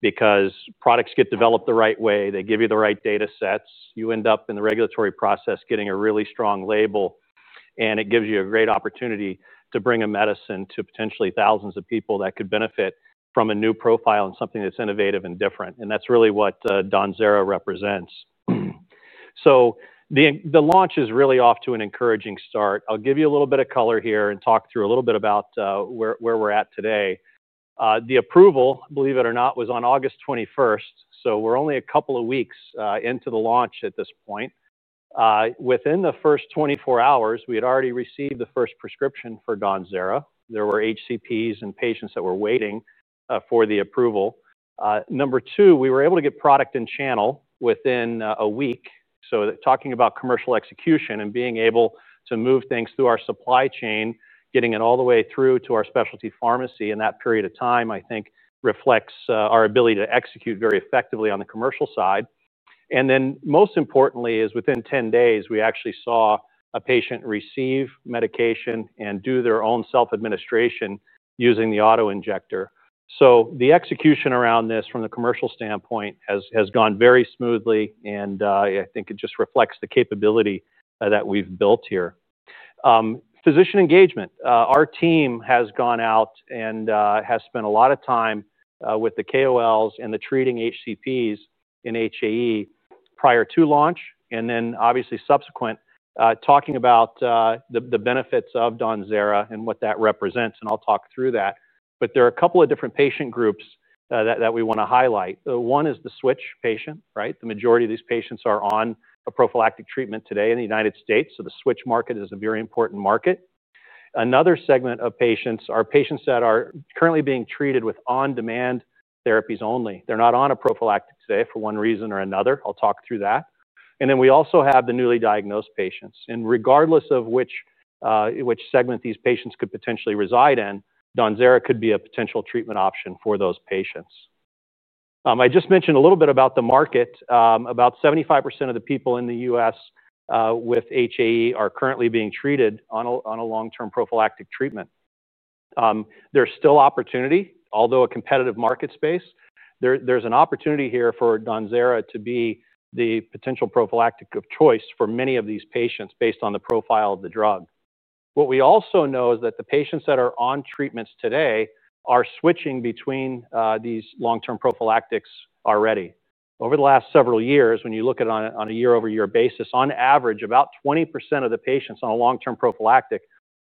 because products get developed the right way. They give you the right data sets. You end up in the regulatory process getting a really strong label. It gives you a great opportunity to bring a medicine to potentially thousands of people that could benefit from a new profile and something that's innovative and different. That's really what DAWNZERA represents. The launch is really off to an encouraging start. I'll give you a little bit of color here and talk through a little bit about where we're at today. The approval, believe it or not, was on August 21. We're only a couple of weeks into the launch at this point. Within the first 24 hours, we had already received the first prescription for DAWNZERA. There were HCPs and patients that were waiting for the approval. Number two, we were able to get product in channel within a week. Talking about commercial execution and being able to move things through our supply chain, getting it all the way through to our specialty pharmacy in that period of time, I think reflects our ability to execute very effectively on the commercial side. Most importantly, within 10 days, we actually saw a patient receive medication and do their own self-administration using the autoinjector. The execution around this from the commercial standpoint has gone very smoothly. I think it just reflects the capability that we've built here. Physician engagement, our team has gone out and has spent a lot of time with the KOLs and the treating HCPs in HAE prior to launch and then obviously subsequent, talking about the benefits of DAWNZERA and what that represents. I'll talk through that. There are a couple of different patient groups that we want to highlight. One is the SWITCH patient, right? The majority of these patients are on a prophylactic treatment today in the United States. The SWITCH market is a very important market. Another segment of patients are patients that are currently being treated with on-demand therapies only. They're not on a prophylactic today for one reason or another. I'll talk through that. We also have the newly diagnosed patients. Regardless of which segment these patients could potentially reside in, DAWNZERA could be a potential treatment option for those patients. I just mentioned a little bit about the market. About 75% of the people in the U.S. with HAE are currently being treated on a long-term prophylactic treatment. There's still opportunity, although a competitive market space. There's an opportunity here for DAWNZERA to be the potential prophylactic of choice for many of these patients based on the profile of the drug. What we also know is that the patients that are on treatments today are switching between these long-term prophylactics already. Over the last several years, when you look at it on a year-over-year basis, on average, about 20% of the patients on a long-term prophylactic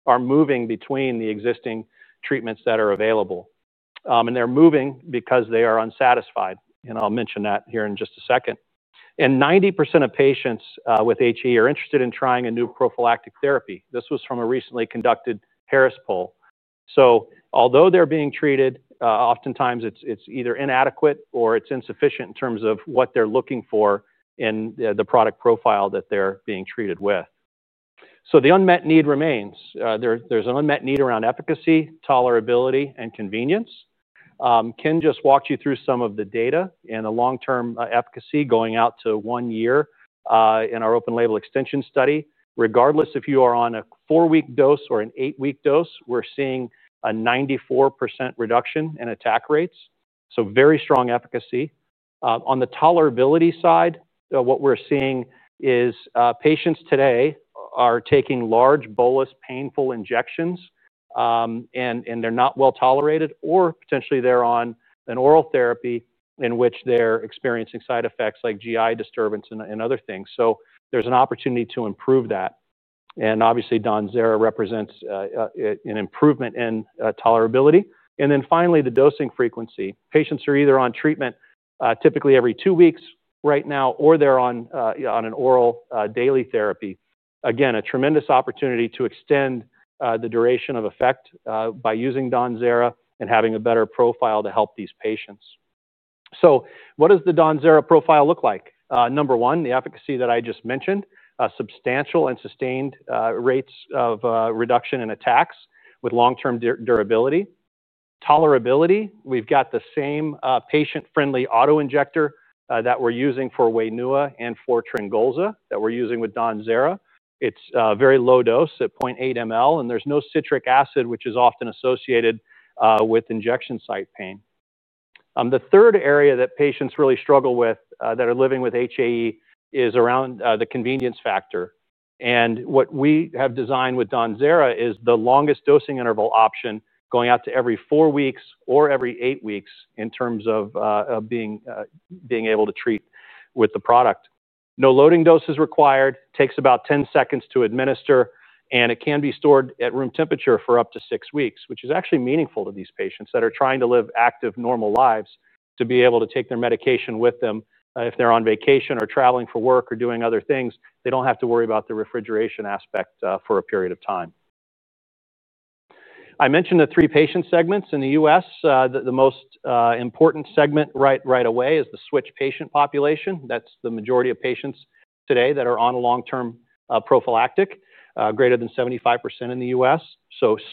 are moving between the existing treatments that are available. They're moving because they are unsatisfied. I'll mention that here in just a second. 90% of patients with HAE are interested in trying a new prophylactic therapy. This was from a recently conducted Harris poll. Although they're being treated, oftentimes it's either inadequate or it's insufficient in terms of what they're looking for in the product profile that they're being treated with. The unmet need remains. There's an unmet need around efficacy, tolerability, and convenience. Ken just walked you through some of the data and the long-term efficacy going out to one year in our open-label extension study. Regardless if you are on a four-week dose or an eight-week dose, we're seeing a 94% reduction in attack rates. Very strong efficacy. On the tolerability side, what we're seeing is patients today are taking large bolus painful injections, and they're not well tolerated, or potentially they're on an oral therapy in which they're experiencing side effects like GI disturbance and other things. There's an opportunity to improve that. Obviously, DAWNZERA represents an improvement in tolerability. Finally, the dosing frequency. Patients are either on treatment typically every two weeks right now, or they're on an oral daily therapy. A tremendous opportunity to extend the duration of effect by using DAWNZERA and having a better profile to help these patients. What does the DAWNZERA profile look like? Number one, the efficacy that I just mentioned, substantial and sustained rates of reduction in attacks with long-term durability. Tolerability, we've got the same patient-friendly autoinjector that we're using for WAINUA and for Tryngolza that we're using with DAWNZERA. It's very low dose at 0.8 ml, and there's no citric acid, which is often associated with injection site pain. The third area that patients really struggle with that are living with HAE is around the convenience factor. What we have designed with DAWNZERA is the longest dosing interval option, going out to every four weeks or every eight weeks in terms of being able to treat with the product. No loading dose is required. It takes about 10 seconds to administer, and it can be stored at room temperature for up to six weeks, which is actually meaningful to these patients that are trying to live active normal lives to be able to take their medication with them if they're on vacation or traveling for work or doing other things. They don't have to worry about the refrigeration aspect for a period of time. I mentioned the three patient segments in the U.S. The most important segment right away is the SWITCH patient population. That's the majority of patients today that are on a long-term prophylactic, greater than 75% in the U.S.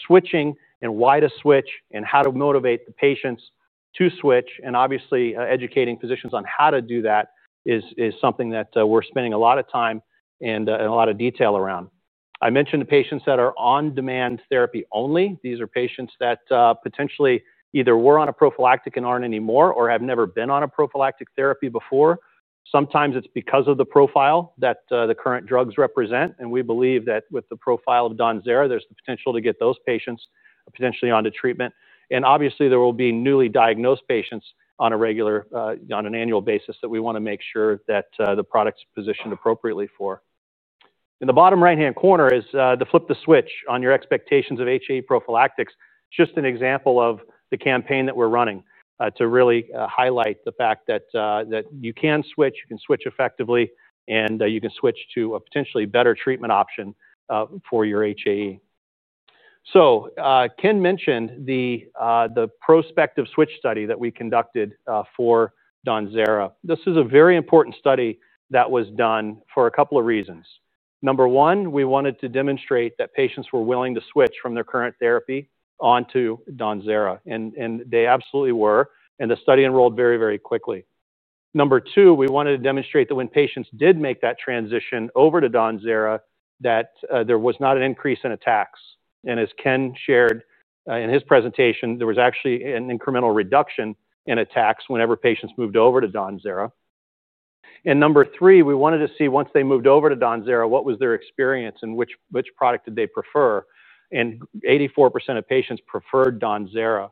Switching and why to switch and how to motivate the patients to switch and obviously educating physicians on how to do that is something that we're spending a lot of time and a lot of detail around. I mentioned the patients that are on-demand therapy only. These are patients that potentially either were on a prophylactic and aren't anymore or have never been on a prophylactic therapy before. Sometimes it's because of the profile that the current drugs represent. We believe that with the profile of DAWNZERA, there's the potential to get those patients potentially onto treatment. Obviously, there will be newly diagnosed patients on a regular, on an annual basis that we want to make sure that the product's positioned appropriately for. In the bottom right-hand corner is the flip the switch on your expectations of HAE prophylactics. It's just an example of the campaign that we're running to really highlight the fact that you can switch, you can switch effectively, and you can switch to a potentially better treatment option for your HAE. Ken mentioned the prospective SWITCH study that we conducted for DAWNZERA. This is a very important study that was done for a couple of reasons. Number one, we wanted to demonstrate that patients were willing to switch from their current therapy onto DAWNZERA. They absolutely were, and the study enrolled very, very quickly. Number two, we wanted to demonstrate that when patients did make that transition over to DAWNZERA, that there was not an increase in attacks. As Ken shared in his presentation, there was actually an incremental reduction in attacks whenever patients moved over to DAWNZERA. Number three, we wanted to see once they moved over to DAWNZERA, what was their experience and which product did they prefer? 84% of patients preferred DAWNZERA.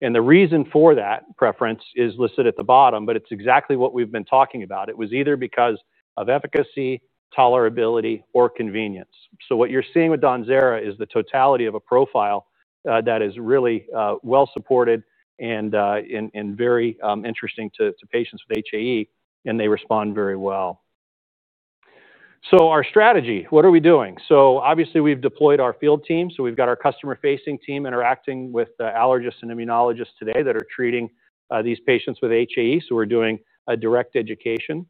The reason for that preference is listed at the bottom, but it's exactly what we've been talking about. It was either because of efficacy, tolerability, or convenience. What you're seeing with DAWNZERA is the totality of a profile that is really well supported and very interesting to patients with HAE. They respond very well. Our strategy, what are we doing? Obviously, we've deployed our field team. We've got our customer-facing team interacting with the allergists and immunologists today that are treating these patients with HAE. We're doing a direct education.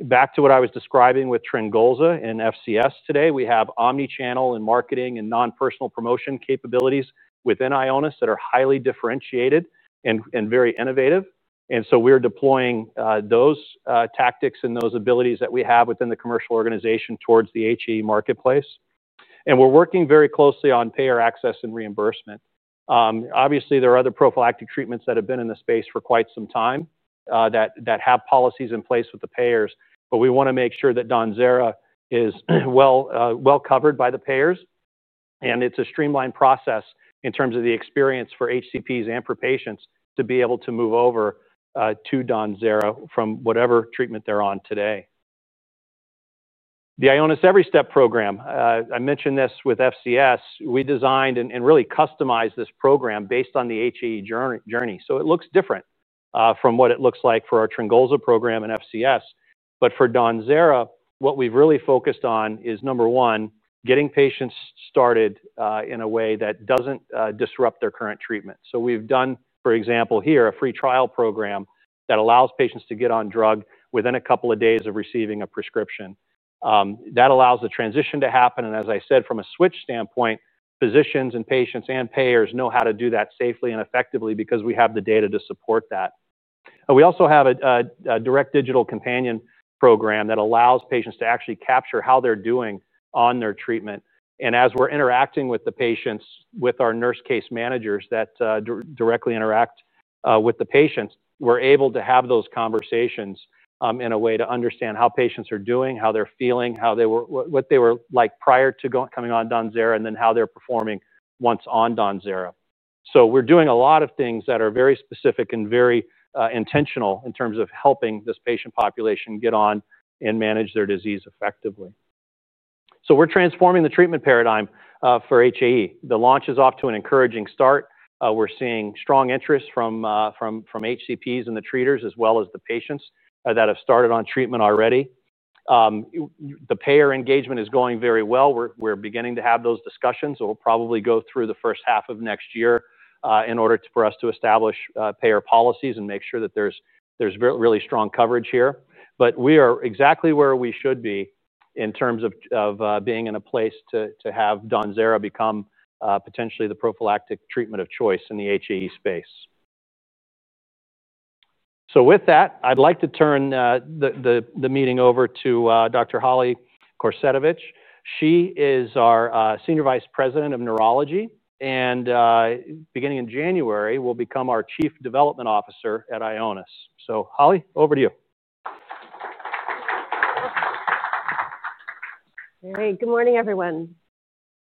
Back to what I was describing with Tryngolza and FCS today, we have omnichannel in marketing and non-personal promotion capabilities within Ionis that are highly differentiated and very innovative. We're deploying those tactics and those abilities that we have within the commercial organization towards the HAE marketplace. We're working very closely on payer access and reimbursement. Obviously, there are other prophylactic treatments that have been in the space for quite some time that have policies in place with the payers. We want to make sure that DAWNZERA is well covered by the payers. It's a streamlined process in terms of the experience for HCPs and for patients to be able to move over to DAWNZERA from whatever treatment they're on today. The Ionis Every Step program, I mentioned this with FCS. We designed and really customized this program based on the HAE journey. It looks different from what it looks like for our Tryngolza program and FCS. For DAWNZERA, what we've really focused on is, number one, getting patients started in a way that doesn't disrupt their current treatment. We've done, for example, here a free trial program that allows patients to get on drug within a couple of days of receiving a prescription. That allows the transition to happen. As I said, from a SWITCH standpoint, physicians and patients and payers know how to do that safely and effectively because we have the data to support that. We also have a direct digital companion program that allows patients to actually capture how they're doing on their treatment. As we're interacting with the patients with our nurse case managers that directly interact with the patients, we're able to have those conversations in a way to understand how patients are doing, how they're feeling, what they were like prior to coming on DAWNZERA, and then how they're performing once on DAWNZERA. We're doing a lot of things that are very specific and very intentional in terms of helping this patient population get on and manage their disease effectively. We're transforming the treatment paradigm for HAE. The launch is off to an encouraging start. We're seeing strong interest from HCPs and the treaters as well as the patients that have started on treatment already. The payer engagement is going very well. We're beginning to have those discussions. We'll probably go through the first half of next year in order for us to establish payer policies and make sure that there's really strong coverage here. We are exactly where we should be in terms of being in a place to have DAWNZERA become potentially the prophylactic treatment of choice in the HAE space. With that, I'd like to turn the meeting over to Dr. Holly Kordasiewicz. She is our Senior Vice President of Neurology. Beginning in January, she will become our Chief Development Officer at Ionis Pharmaceuticals. Holly, over to you. All right. Good morning, everyone.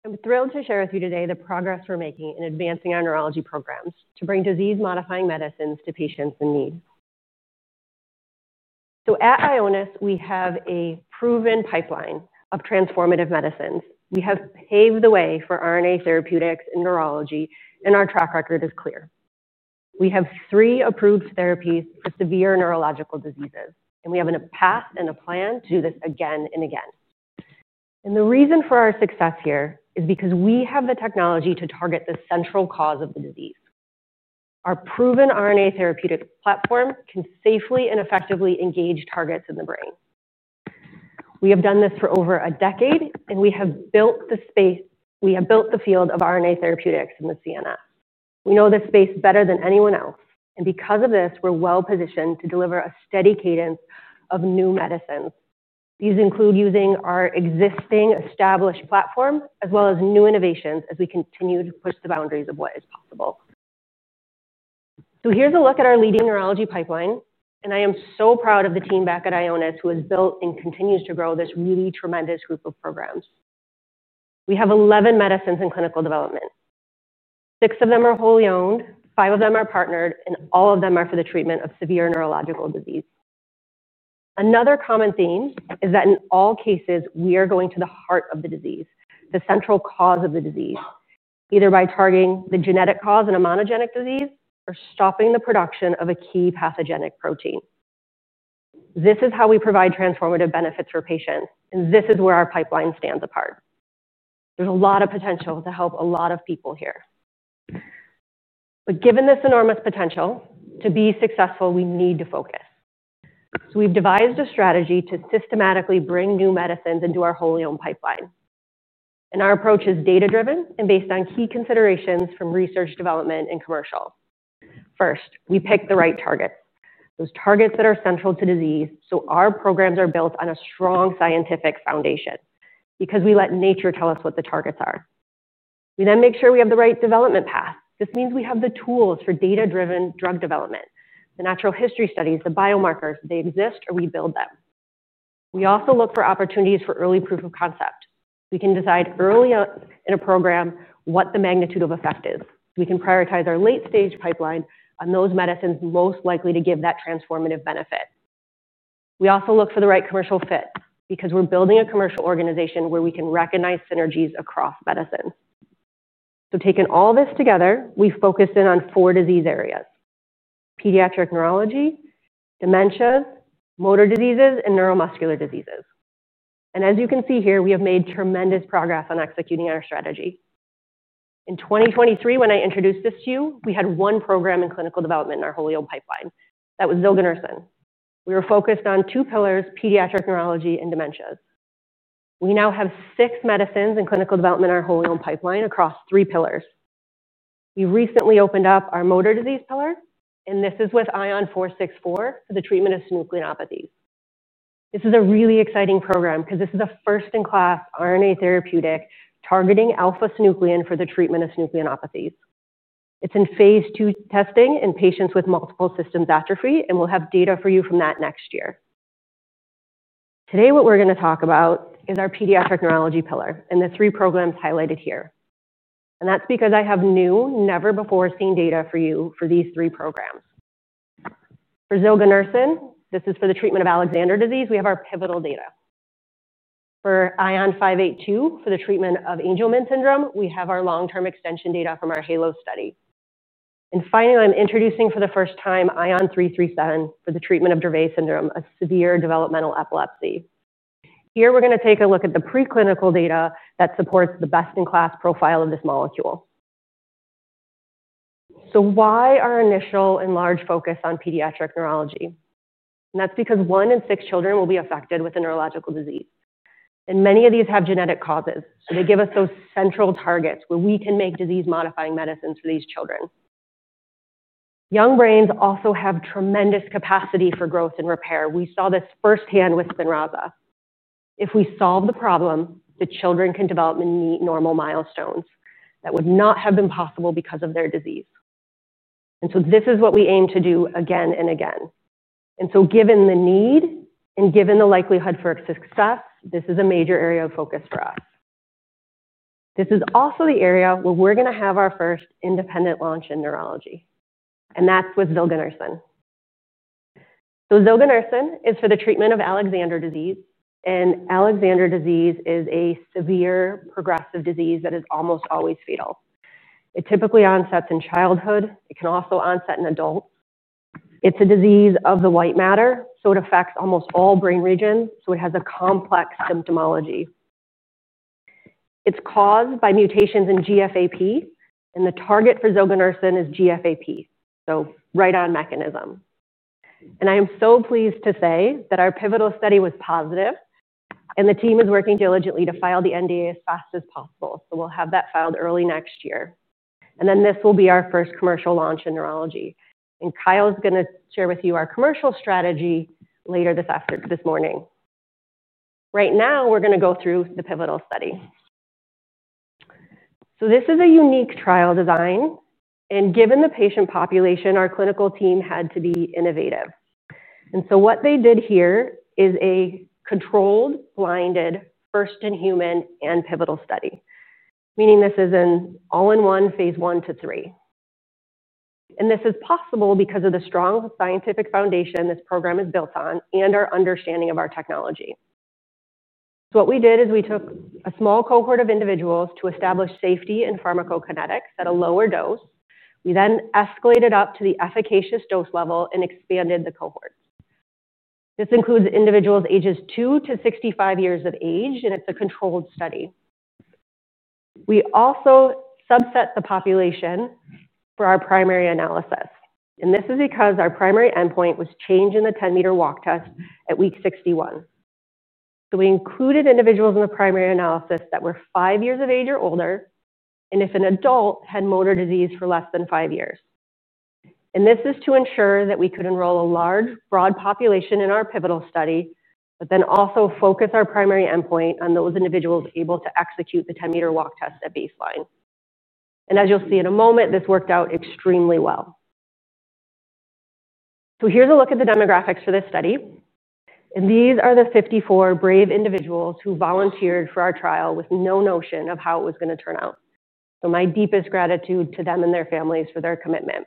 I'm thrilled to share with you today the progress we're making in advancing our neurology programs to bring disease-modifying medicines to patients in need. At Ionis Pharmaceuticals, we have a proven pipeline of transformative medicines. We have paved the way for RNA therapeutics in neurology, and our track record is clear. We have three approved therapies for severe neurological diseases. We have a path and a plan to do this again and again. The reason for our success here is because we have the technology to target the central cause of the disease. Our proven RNA therapeutic platform can safely and effectively engage targets in the brain. We have done this for over a decade, and we have built the space. We have built the field of RNA therapeutics in the CNS. We know this space better than anyone else. Because of this, we're well positioned to deliver a steady cadence of new medicines. These include using our existing established platform, as well as new innovations as we continue to push the boundaries of what is possible. Here's a look at our leading neurology pipeline. I am so proud of the team back at Ionis Pharmaceuticals who has built and continues to grow this really tremendous group of programs. We have 11 medicines in clinical development. Six of them are wholly owned. Five of them are partnered. All of them are for the treatment of severe neurological disease. Another common theme is that in all cases, we are going to the heart of the disease, the central cause of the disease, either by targeting the genetic cause in a monogenic disease or stopping the production of a key pathogenic protein. This is how we provide transformative benefits for patients. This is where our pipeline stands apart. There's a lot of potential to help a lot of people here. Given this enormous potential, to be successful, we need to focus. We've devised a strategy to systematically bring new medicines into our wholly owned pipeline. Our approach is data-driven and based on key considerations from research, development, and commercial. First, we pick the right target, those targets that are central to disease, so our programs are built on a strong scientific foundation because we let nature tell us what the targets are. We then make sure we have the right development path. This means we have the tools for data-driven drug development, the natural history studies, the biomarkers. They exist, or we build them. We also look for opportunities for early proof of concept. We can decide early in a program what the magnitude of effect is. We can prioritize our late-stage pipeline on those medicines most likely to give that transformative benefit. We also look for the right commercial fit because we're building a commercial organization where we can recognize synergies across medicine. Taking all of this together, we focus in on four disease areas: pediatric neurology, dementia, motor diseases, and neuromuscular diseases. As you can see here, we have made tremendous progress on executing our strategy. In 2023, when I introduced this to you, we had one program in clinical development in our wholly owned pipeline. That was Zilganersen. We were focused on two pillars, pediatric neurology and dementia. We now have six medicines in clinical development in our wholly owned pipeline across three pillars. We recently opened up our motor disease pillar, and this is with ION464 for the treatment of synucleinopathies. This is a really exciting program because this is a first-in-class RNA therapeutic targeting alpha synuclein for the treatment of synucleinopathies. It's in phase II testing in patients with multiple system atrophy, and we'll have data for you from that next year. Today, what we're going to talk about is our pediatric neurology pillar and the three programs highlighted here. That's because I have new, never-before-seen data for you for these three programs. For Zilganersen, this is for the treatment of Alexander disease. We have our pivotal data. For ION582, for the treatment of Angelman syndrome, we have our long-term extension data from our HALO study. Finally, I'm introducing for the first time ION337 for the treatment of Dravet syndrome, a severe developmental epilepsy. Here, we're going to take a look at the preclinical data that supports the best-in-class profile of this molecule. Why our initial and large focus on pediatric neurology? That's because one in six children will be affected with a neurological disease. Many of these have genetic causes. They give us those central targets where we can make disease-modifying medicines for these children. Young brains also have tremendous capacity for growth and repair. We saw this firsthand with Spinraza. If we solve the problem, the children can develop and meet normal milestones that would not have been possible because of their disease. This is what we aim to do again and again. Given the need and given the likelihood for success, this is a major area of focus for us. This is also the area where we're going to have our first independent launch in neurology, and that's with Zilganersen. Zilganersen is for the treatment of Alexander disease. Alexander disease is a severe, progressive disease that is almost always fatal. It typically onsets in childhood, but it can also onset in adults. It's a disease of the white matter, so it affects almost all brain regions and has a complex symptomology. It's caused by mutations in GFAP, and the target for Zilganersen is GFAP, so right on mechanism. I am so pleased to say that our pivotal study was positive, and the team is working diligently to file the NDA as fast as possible. We will have that filed early next year, and this will be our first commercial launch in neurology. Kyle is going to share with you our commercial strategy later this morning. Right now, we're going to go through the pivotal study. This is a unique trial design, and given the patient population, our clinical team had to be innovative. What they did here is a controlled, blinded, first-in-human, and pivotal study, meaning this is an all-in-one phase I-phase III. This is possible because of the strong scientific foundation this program is built on and our understanding of our technology. What we did is we took a small cohort of individuals to establish safety and pharmacokinetics at a lower dose. We then escalated up to the efficacious dose level and expanded the cohort. This includes individuals ages 2-65 years of age, and it's a controlled study. We also subset the population for our primary analysis. This is because our primary endpoint was change in the 10 m walk test at week 61. We included individuals in the primary analysis that were five years of age or older, and if an adult had motor disease for less than five years. This is to ensure that we could enroll a large, broad population in our pivotal study, but also focus our primary endpoint on those individuals able to execute the 10 m walk test at baseline. As you'll see in a moment, this worked out extremely well. Here's a look at the demographics for this study. These are the 54 brave individuals who volunteered for our trial with no notion of how it was going to turn out. My deepest gratitude to them and their families for their commitment.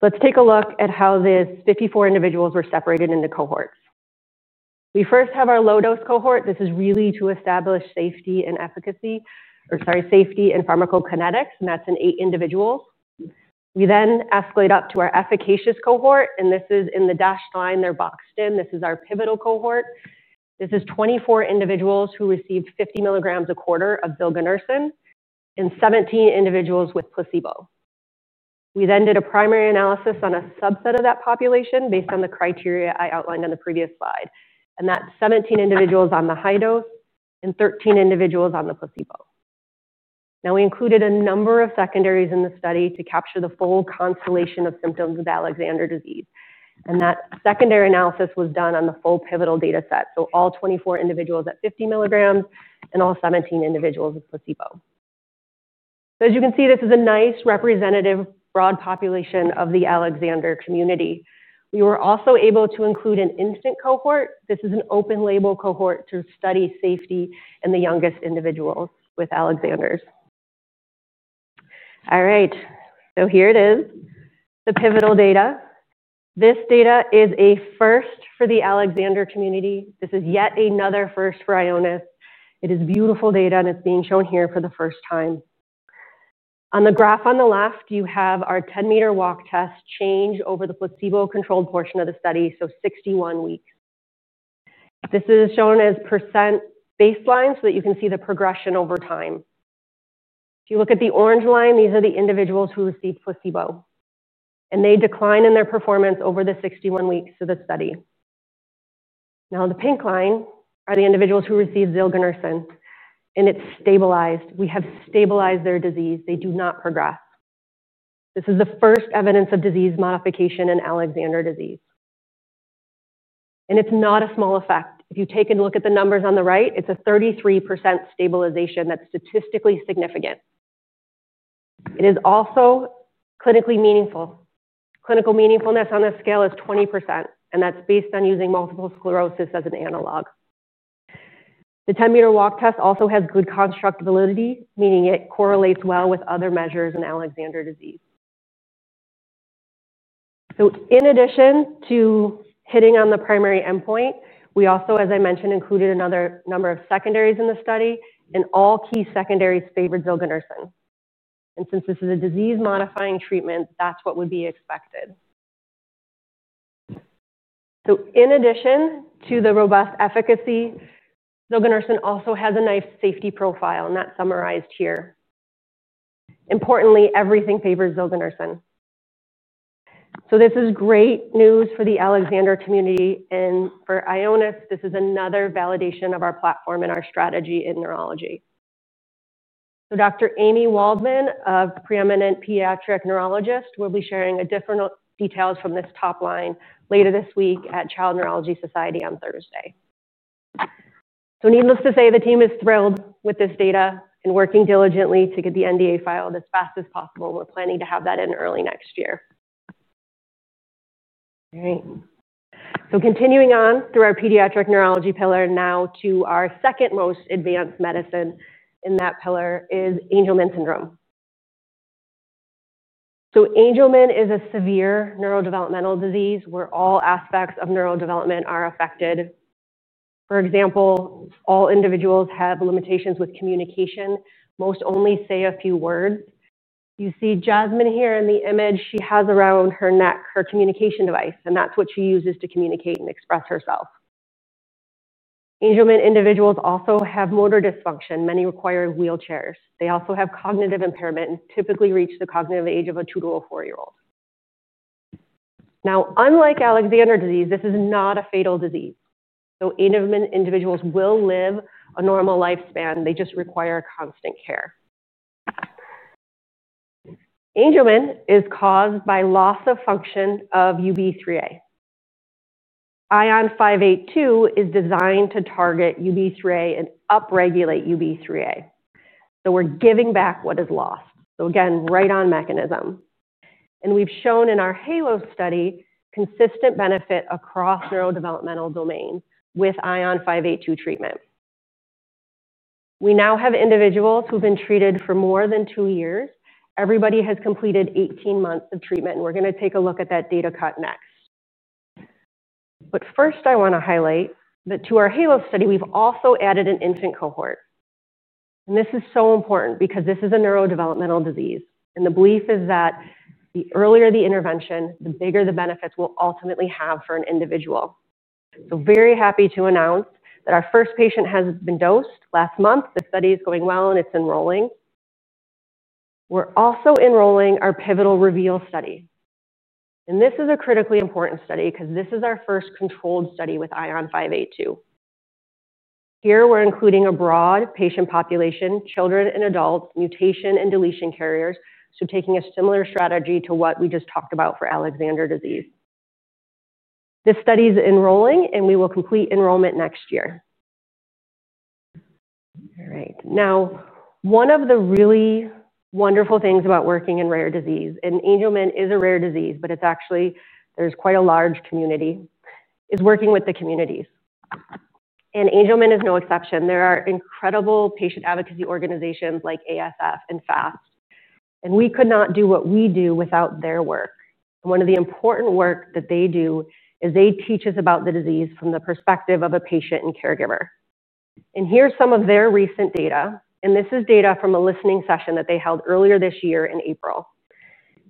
Let's take a look at how these 54 individuals were separated into cohorts. We first have our low-dose cohort. This is really to establish safety and pharmacokinetics. That's eight individuals. We then escalate up to our efficacious cohort. This is in the dashed line. They're boxed in. This is our pivotal cohort. This is 24 individuals who received 50 mg a quarter of Zilganersen and 17 individuals with placebo. We then did a primary analysis on a subset of that population based on the criteria I outlined on the previous slide. That's 17 individuals on the high dose and 13 individuals on the placebo. We included a number of secondaries in the study to capture the full constellation of symptoms of Alexander disease. That secondary analysis was done on the full pivotal data set, so all 24 individuals at 50 mg and all 17 individuals with placebo. As you can see, this is a nice representative broad population of the Alexander community. We were also able to include an instant cohort. This is an open-label cohort to study safety in the youngest individuals with Alexander's. Here it is, the pivotal data. This data is a first for the Alexander community. This is yet another first for Ionis Pharmaceuticals. It is beautiful data, and it's being shown here for the first time. On the graph on the left, you have our 10 m walk test change over the placebo-controlled portion of the study, so 61 weeks. This is shown as percent baseline so that you can see the progression over time. If you look at the orange line, these are the individuals who received placebo. They decline in their performance over the 61 weeks of the study. The pink line are the individuals who received Zilganersen. It's stabilized. We have stabilized their disease. They do not progress. This is the first evidence of disease modification in Alexander disease. It's not a small effect. If you take a look at the numbers on the right, it's a 33% stabilization that's statistically significant. It is also clinically meaningful. Clinical meaningfulness on this scale is 20%. That's based on using multiple sclerosis as an analog. The 10 m walk test also has good construct validity, meaning it correlates well with other measures in Alexander disease. In addition to hitting on the primary endpoint, we also, as I mentioned, included another number of secondaries in the study. All key secondaries favored Zilganersen. Since this is a disease-modifying treatment, that's what would be expected. In addition to the robust efficacy, Zilganersen also has a nice safety profile, and that's summarized here. Importantly, everything favors Zilganersen. This is great news for the Alexander community. For Ionis Pharmaceuticals, this is another validation of our platform and our strategy in neurology. Dr. Amy Waldman, a preeminent pediatric neurologist, will be sharing additional details from this top line later this week at Child Neurology Society on Thursday. Needless to say, the team is thrilled with this data and working diligently to get the NDA filed as fast as possible. We're planning to have that in early next year. Continuing on through our pediatric neurology pillar, our second most advanced medicine in that pillar is Angelman syndrome. Angelman is a severe neurodevelopmental disease where all aspects of neural development are affected. For example, all individuals have limitations with communication. Most only say a few words. You see Jasmine here in the image. She has around her neck her communication device, and that's what she uses to communicate and express herself. Angelman individuals also have motor dysfunction. Many require wheelchairs. They also have cognitive impairment and typically reach the cognitive age of a two to a four-year-old. Unlike Alexander disease, this is not a fatal disease. Angelman individuals will live a normal lifespan; they just require constant care. Angelman is caused by loss of function of UB3A. ION582 is designed to target UB3A and upregulate UB3A, so we're giving back what is lost. Again, right on mechanism. We've shown in our HALO study consistent benefit across neurodevelopmental domains with ION582 treatment. We now have individuals who have been treated for more than two years. Everybody has completed 18 months of treatment, and we're going to take a look at that data cut next. First, I want to highlight that to our HALO study, we've also added an infant cohort. This is so important because this is a neurodevelopmental disease, and the belief is that the earlier the intervention, the bigger the benefits we'll ultimately have for an individual. We're very happy to announce that our first patient has been dosed last month. The study is going well, and it's enrolling. We're also enrolling our pivotal REVEAL study. This is a critically important study because this is our first controlled study with ION582. Here, we're including a broad patient population, children and adults, mutation and deletion carriers, taking a similar strategy to what we just talked about for Alexander disease. This study is enrolling, and we will complete enrollment next year. One of the really wonderful things about working in rare disease, and Angelman is a rare disease, but actually there's quite a large community, is working with the communities. Angelman is no exception. There are incredible patient advocacy organizations like ASF and FAST. We could not do what we do without their work. One of the important work that they do is they teach us about the disease from the perspective of a patient and caregiver. Here is some of their recent data. This is data from a listening session that they held earlier this year in April.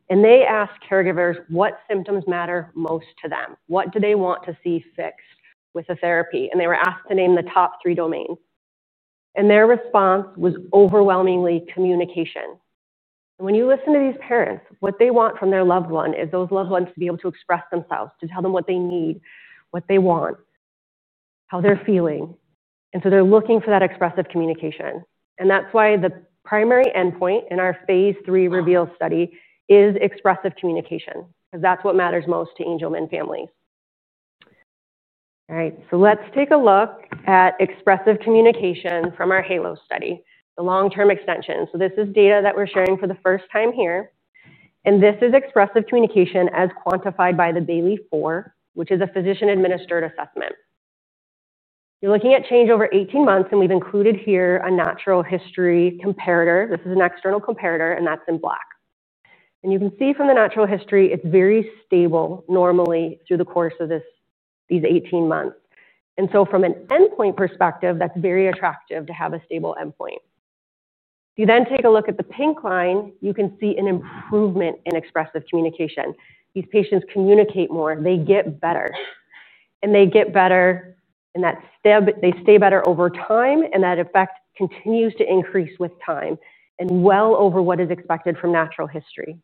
They asked caregivers what symptoms matter most to them, what they want to see fixed with a therapy. They were asked to name the top three domains. Their response was overwhelmingly communication. When you listen to these parents, what they want from their loved one is those loved ones to be able to express themselves, to tell them what they need, what they want, how they're feeling. They are looking for that expressive communication. That is why the primary endpoint in our phase III REVEAL study is expressive communication because that's what matters most to Angelman family. Let's take a look at expressive communication from our HALO study, the long-term extension. This is data that we're sharing for the first time here. This is expressive communication as quantified by the BAILI-4, which is a physician-administered assessment. You're looking at change over 18 months. We've included here a natural history comparator. This is an external comparator, and that's in black. You can see from the natural history, it's very stable normally through the course of these 18 months. From an endpoint perspective, that's very attractive to have a stable endpoint. If you then take a look at the pink line, you can see an improvement in expressive communication. These patients communicate more. They get better, and they stay better over time. That effect continues to increase with time and well over what is expected from natural history.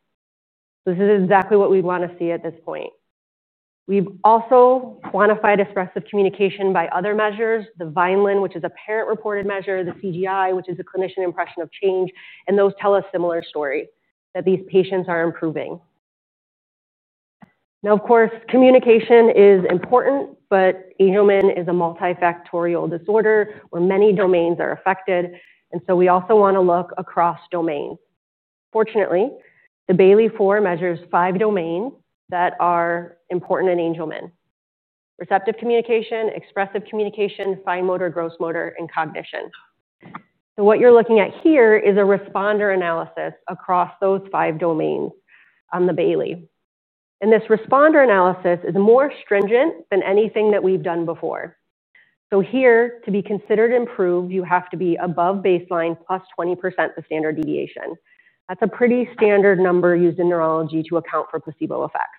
This is exactly what we want to see at this point. We've also quantified expressive communication by other measures, the Vineland, which is a parent-reported measure, the CGI, which is a clinician impression of change. Those tell a similar story that these patients are improving. Of course, communication is important, but Angelman is a multifactorial disorder where many domains are affected. We also want to look across domains. Fortunately, the BAILI-4 measures five domains that are important in Angelman: receptive communication, expressive communication, fine motor, gross motor, and cognition. What you're looking at here is a responder analysis across those five domains on the BAILI. This responder analysis is more stringent than anything that we've done before. Here, to be considered improved, you have to be above baseline +20% of the standard deviation. That's a pretty standard number used in neurology to account for placebo effects.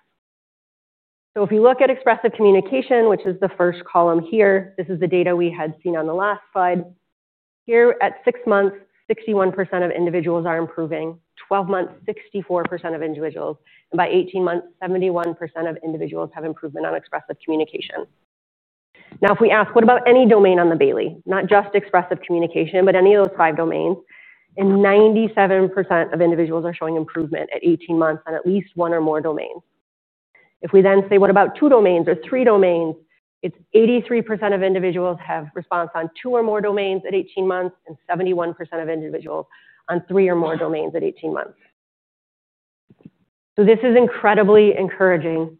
If you look at expressive communication, which is the first column here, this is the data we had seen on the last slide. Here at six months, 61% of individuals are improving. At 12 months, 64% of individuals. By 18 months, 71% of individuals have improvement on expressive communication. If we ask, what about any domain on the BAILI, not just expressive communication, but any of those five domains, 97% of individuals are showing improvement at 18 months on at least one or more domains. If we then say, what about two domains or three domains, it's 83% of individuals have response on two or more domains at 18 months and 71% of individuals on three or more domains at 18 months. This is incredibly encouraging.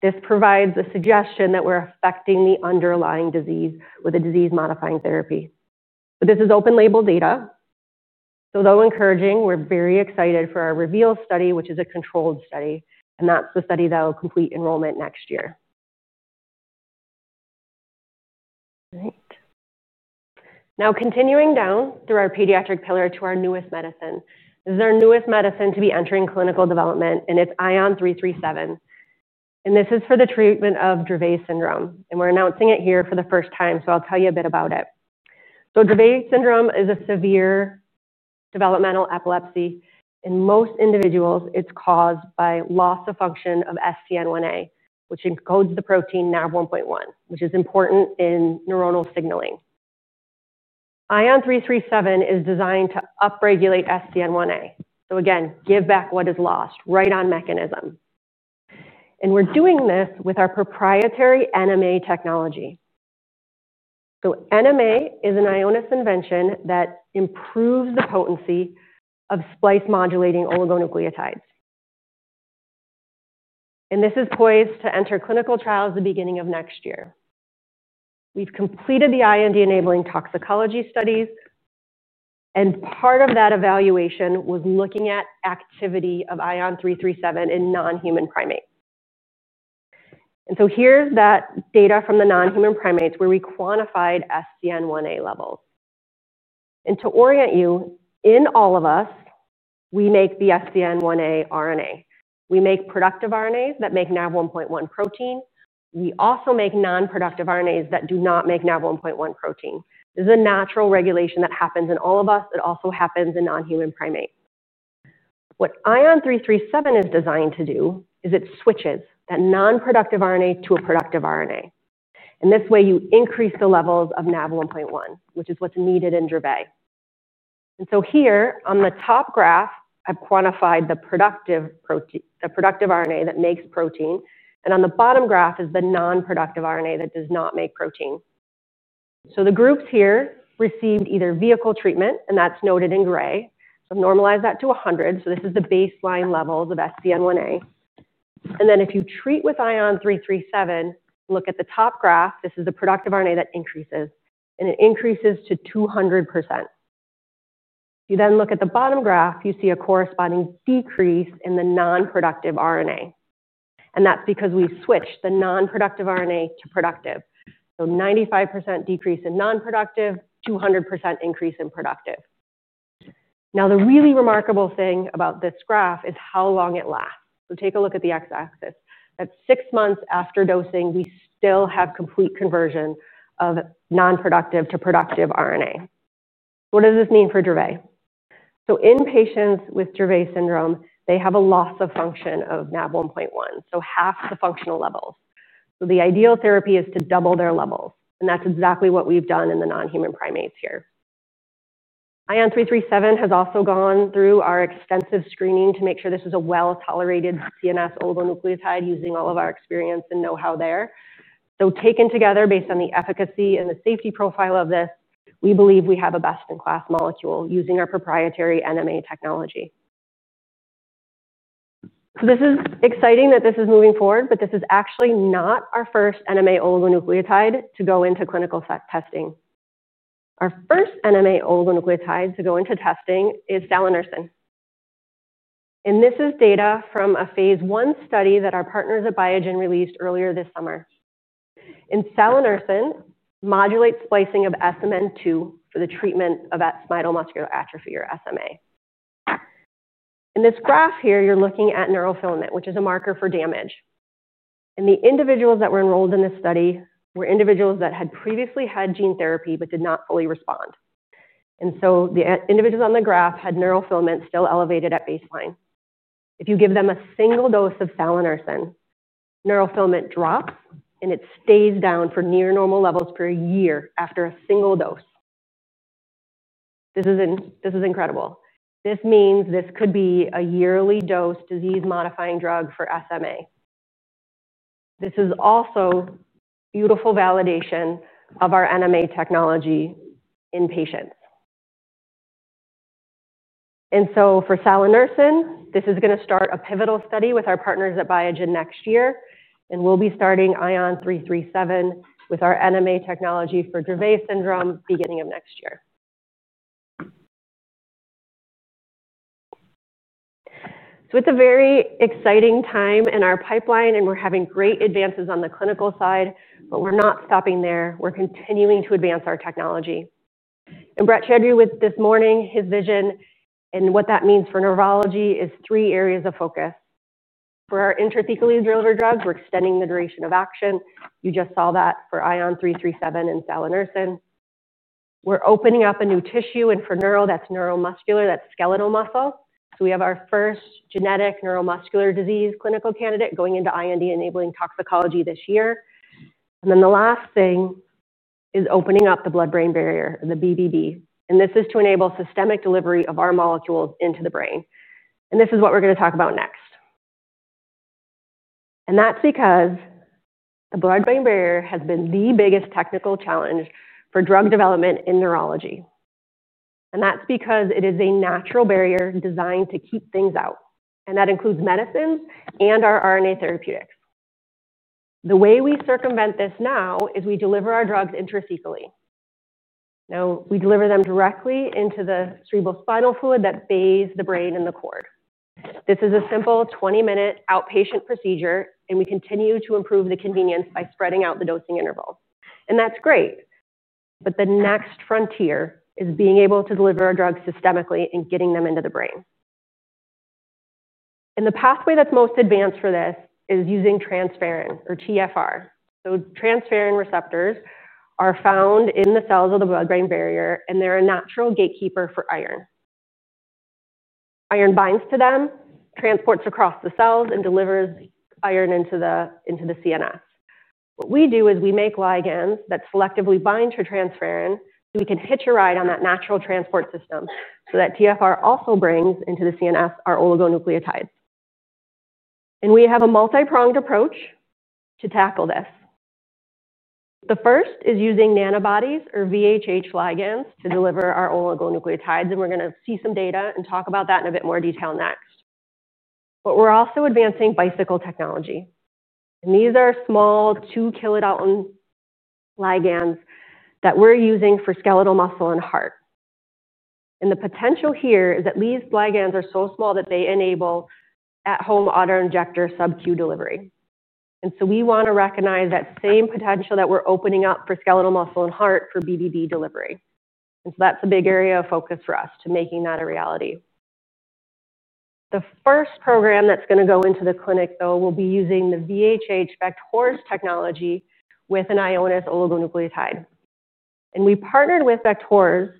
This provides a suggestion that we're affecting the underlying disease with a disease-modifying therapy. This is open-label data. Though encouraging, we're very excited for our REVEAL study, which is a controlled study. That's the study that will complete enrollment next year. Now, continuing down through our pediatric pillar to our newest medicine, this is our newest medicine to be entering clinical development. It's ION337. This is for the treatment of Dravet syndrome. We're announcing it here for the first time. I'll tell you a bit about it. Dravet syndrome is a severe developmental epilepsy. In most individuals, it's caused by loss of function of SCN1A, which encodes the protein NAV1.1, which is important in neuronal signaling. ION337 is designed to upregulate SCN1A. Give back what is lost, right on mechanism. We're doing this with our proprietary NMA technology. NMA is an Ionis invention that improves the potency of splice-modulating oligonucleotides. This is poised to enter clinical trials at the beginning of next year. We've completed the IND-enabling toxicology studies. Part of that evaluation was looking at the activity of ION337 in non-human primates. Here's that data from the non-human primates where we quantified SCN1A levels. To orient you, in all of us, we make the SCN1A RNA. We make productive RNAs that make NAV1.1 protein. We also make non-productive RNAs that do not make NAV1.1 protein. This is a natural regulation that happens in all of us. It also happens in non-human primates. ION337 is designed to switch that non-productive RNA to a productive RNA. This way, you increase the levels of NAV1.1, which is what's needed in Dravet. Here on the top graph, I've quantified the productive RNA that makes protein. On the bottom graph is the non-productive RNA that does not make protein. The groups here received either vehicle treatment, and that's noted in gray. I've normalized that to 100. This is the baseline level of SCN1A. If you treat with ION337, look at the top graph. This is the productive RNA that increases, and it increases to 200%. You then look at the bottom graph and see a corresponding decrease in the non-productive RNA. That's because we switched the non-productive RNA to productive. 95% decrease in non-productive, 200% increase in productive. The really remarkable thing about this graph is how long it lasts. Take a look at the x-axis. At six months after dosing, we still have complete conversion of non-productive to productive RNA. What does this mean for Dravet? In patients with Dravet syndrome, they have a loss of function of NAV1.1, so half the functional levels. The ideal therapy is to double their levels, and that's exactly what we've done in the non-human primates here. ION337 has also gone through our extensive screening to make sure this is a well-tolerated CNS oligonucleotide using all of our experience and know-how there. Taken together, based on the efficacy and the safety profile of this, we believe we have a best-in-class molecule using our proprietary NMA technology. This is exciting that this is moving forward, but this is actually not our first NMA oligonucleotide to go into clinical testing. Our first NMA oligonucleotide to go into testing is Salanersen. This is data from a phase I study that our partners at Biogen released earlier this summer. Salanersen modulates splicing of SMN2 for the treatment of that spinal muscular atrophy or SMA. In this graph here, you're looking at neurofilament, which is a marker for damage. The individuals that were enrolled in this study were individuals that had previously had gene therapy but did not fully respond. The individuals on the graph had neurofilament still elevated at baseline. If you give them a single dose of Salanersen, neurofilament drops, and it stays down for near normal levels for a year after a single dose. This is incredible. This means this could be a yearly dose disease-modifying drug for SMA. This is also beautiful validation of our NMA technology in patients. For Salanersen, this is going to start a pivotal study with our partners at Biogen next year. We'll be starting ION337 with our NMA technology for Dravet syndrome beginning of next year. It's a very exciting time in our pipeline. We're having great advances on the clinical side. We're not stopping there. We're continuing to advance our technology. Brett Monia, this morning, his vision and what that means for neurology is three areas of focus. For our intrathecally-delivered drugs, we're extending the duration of action. You just saw that for ION337 and Salanersen. We're opening up a new tissue. For neuro, that's neuromuscular. That's skeletal muscle. We have our first genetic neuromuscular disease clinical candidate going into IND-enabling toxicology this year. The last thing is opening up the blood-brain barrier, the BBB. This is to enable systemic delivery of our molecules into the brain. This is what we're going to talk about next. That's because the blood-brain barrier has been the biggest technical challenge for drug development in neurology. That's because it is a natural barrier designed to keep things out. That includes medicines and our RNA therapeutics. The way we circumvent this now is we deliver our drugs intrathecally. We deliver them directly into the cerebrospinal fluid that bathes the brain and the cord. This is a simple 20-minute outpatient procedure. We continue to improve the convenience by spreading out the dosing interval. That's great. The next frontier is being able to deliver our drugs systemically and getting them into the brain. The pathway that's most advanced for this is using transferrin or TFR. Transferrin receptors are found in the cells of the blood-brain barrier, and they're a natural gatekeeper for iron. Iron binds to them, transports across the cells, and delivers iron into the CNS. What we do is make ligands that selectively bind to transferrin so we can hitch a ride on that natural transport system so that TFR also brings into the CNS our oligonucleotides. We have a multipronged approach to tackle this. The first is using nanobodies or VHH ligands to deliver our oligonucleotides. We're going to see some data and talk about that in a bit more detail next. We're also advancing bicycle technology. These are small 2 kilodalton ligands that we're using for skeletal muscle and heart. The potential here is that these ligands are so small that they enable at-home autoinjector sub-Q delivery. We want to recognize that same potential that we're opening up for skeletal muscle and heart for BBB delivery. That's a big area of focus for us to making that a reality. The first program that's going to go into the clinic will be using the VHH vector technology with an Ionis oligonucleotide. We partnered with vectors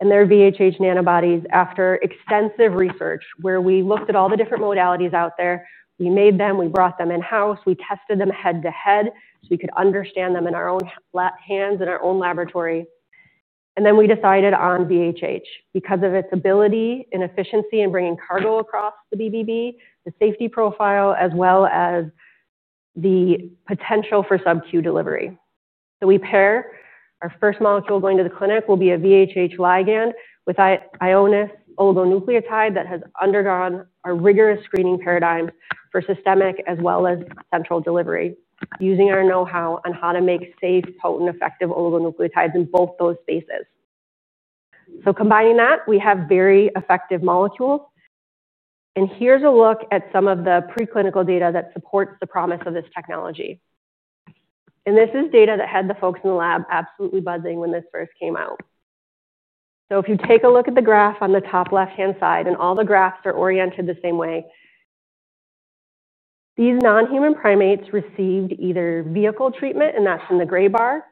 and their VHH nanobodies after extensive research where we looked at all the different modalities out there. We made them, brought them in-house, and tested them head-to-head so we could understand them in our own hands in our own laboratory. We decided on VHH because of its ability and efficiency in bringing cargo across the BBB, the safety profile, as well as the potential for sub-Q delivery. We pair our first molecule going to the clinic, which will be a VHH ligand with an Ionis oligonucleotide that has undergone a rigorous screening paradigm for systemic as well as central delivery using our know-how on how to make safe, potent, effective oligonucleotides in both those spaces. Combining that, we have very effective molecules. Here's a look at some of the preclinical data that supports the promise of this technology. This is data that had the folks in the lab absolutely buzzing when this first came out. If you take a look at the graph on the top left-hand side, and all the graphs are oriented the same way, these non-human primates received either vehicle treatment, and that's in the gray bar,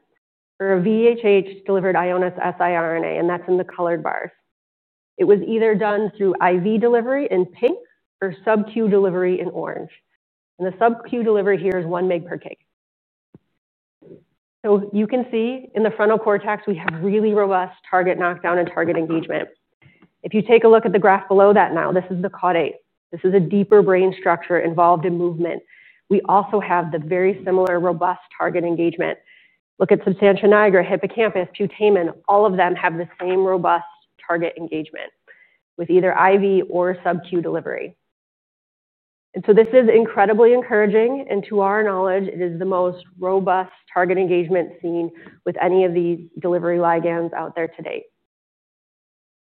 or a VHH-delivered Ionis siRNA. That's in the colored bars. It was either done through IV delivery in pink or sub-Q delivery in orange. The sub-Q delivery here is 1 mg/kg. You can see in the frontal cortex, we have really robust target knockdown and target engagement. If you take a look at the graph below that now, this is the caudate. This is a deeper brain structure involved in movement. We also have very similar robust target engagement. Look at substantia nigra, hippocampus, putamen. All of them have the same robust target engagement with either IV or sub-Q delivery. This is incredibly encouraging. To our knowledge, it is the most robust target engagement seen with any of the delivery ligands out there today.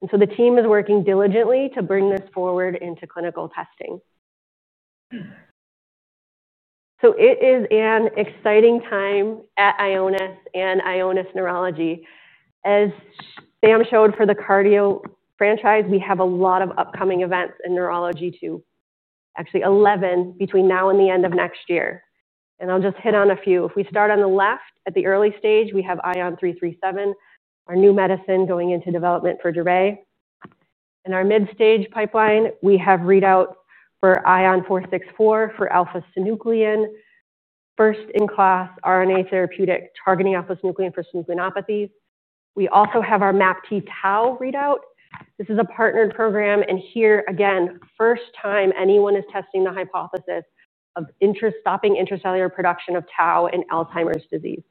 The team is working diligently to bring this forward into clinical testing. It is an exciting time at Ionis Pharmaceuticals and Ionis neurology. As Sam showed for the cardio franchise, we have a lot of upcoming events in neurology too, actually 11 between now and the end of next year. I'll just hit on a few. If we start on the left at the early stage, we have ION337, our new medicine going into development for Dravet. In our mid-stage pipeline, we have readout for ION464 for alpha synuclein, first-in-class RNA therapeutic targeting alpha synuclein for synucleinopathies. We also have our MAPT-Tau readout. This is a partnered program. Here again, first time anyone is testing the hypothesis of stopping intracellular production of Tau in Alzheimer's disease.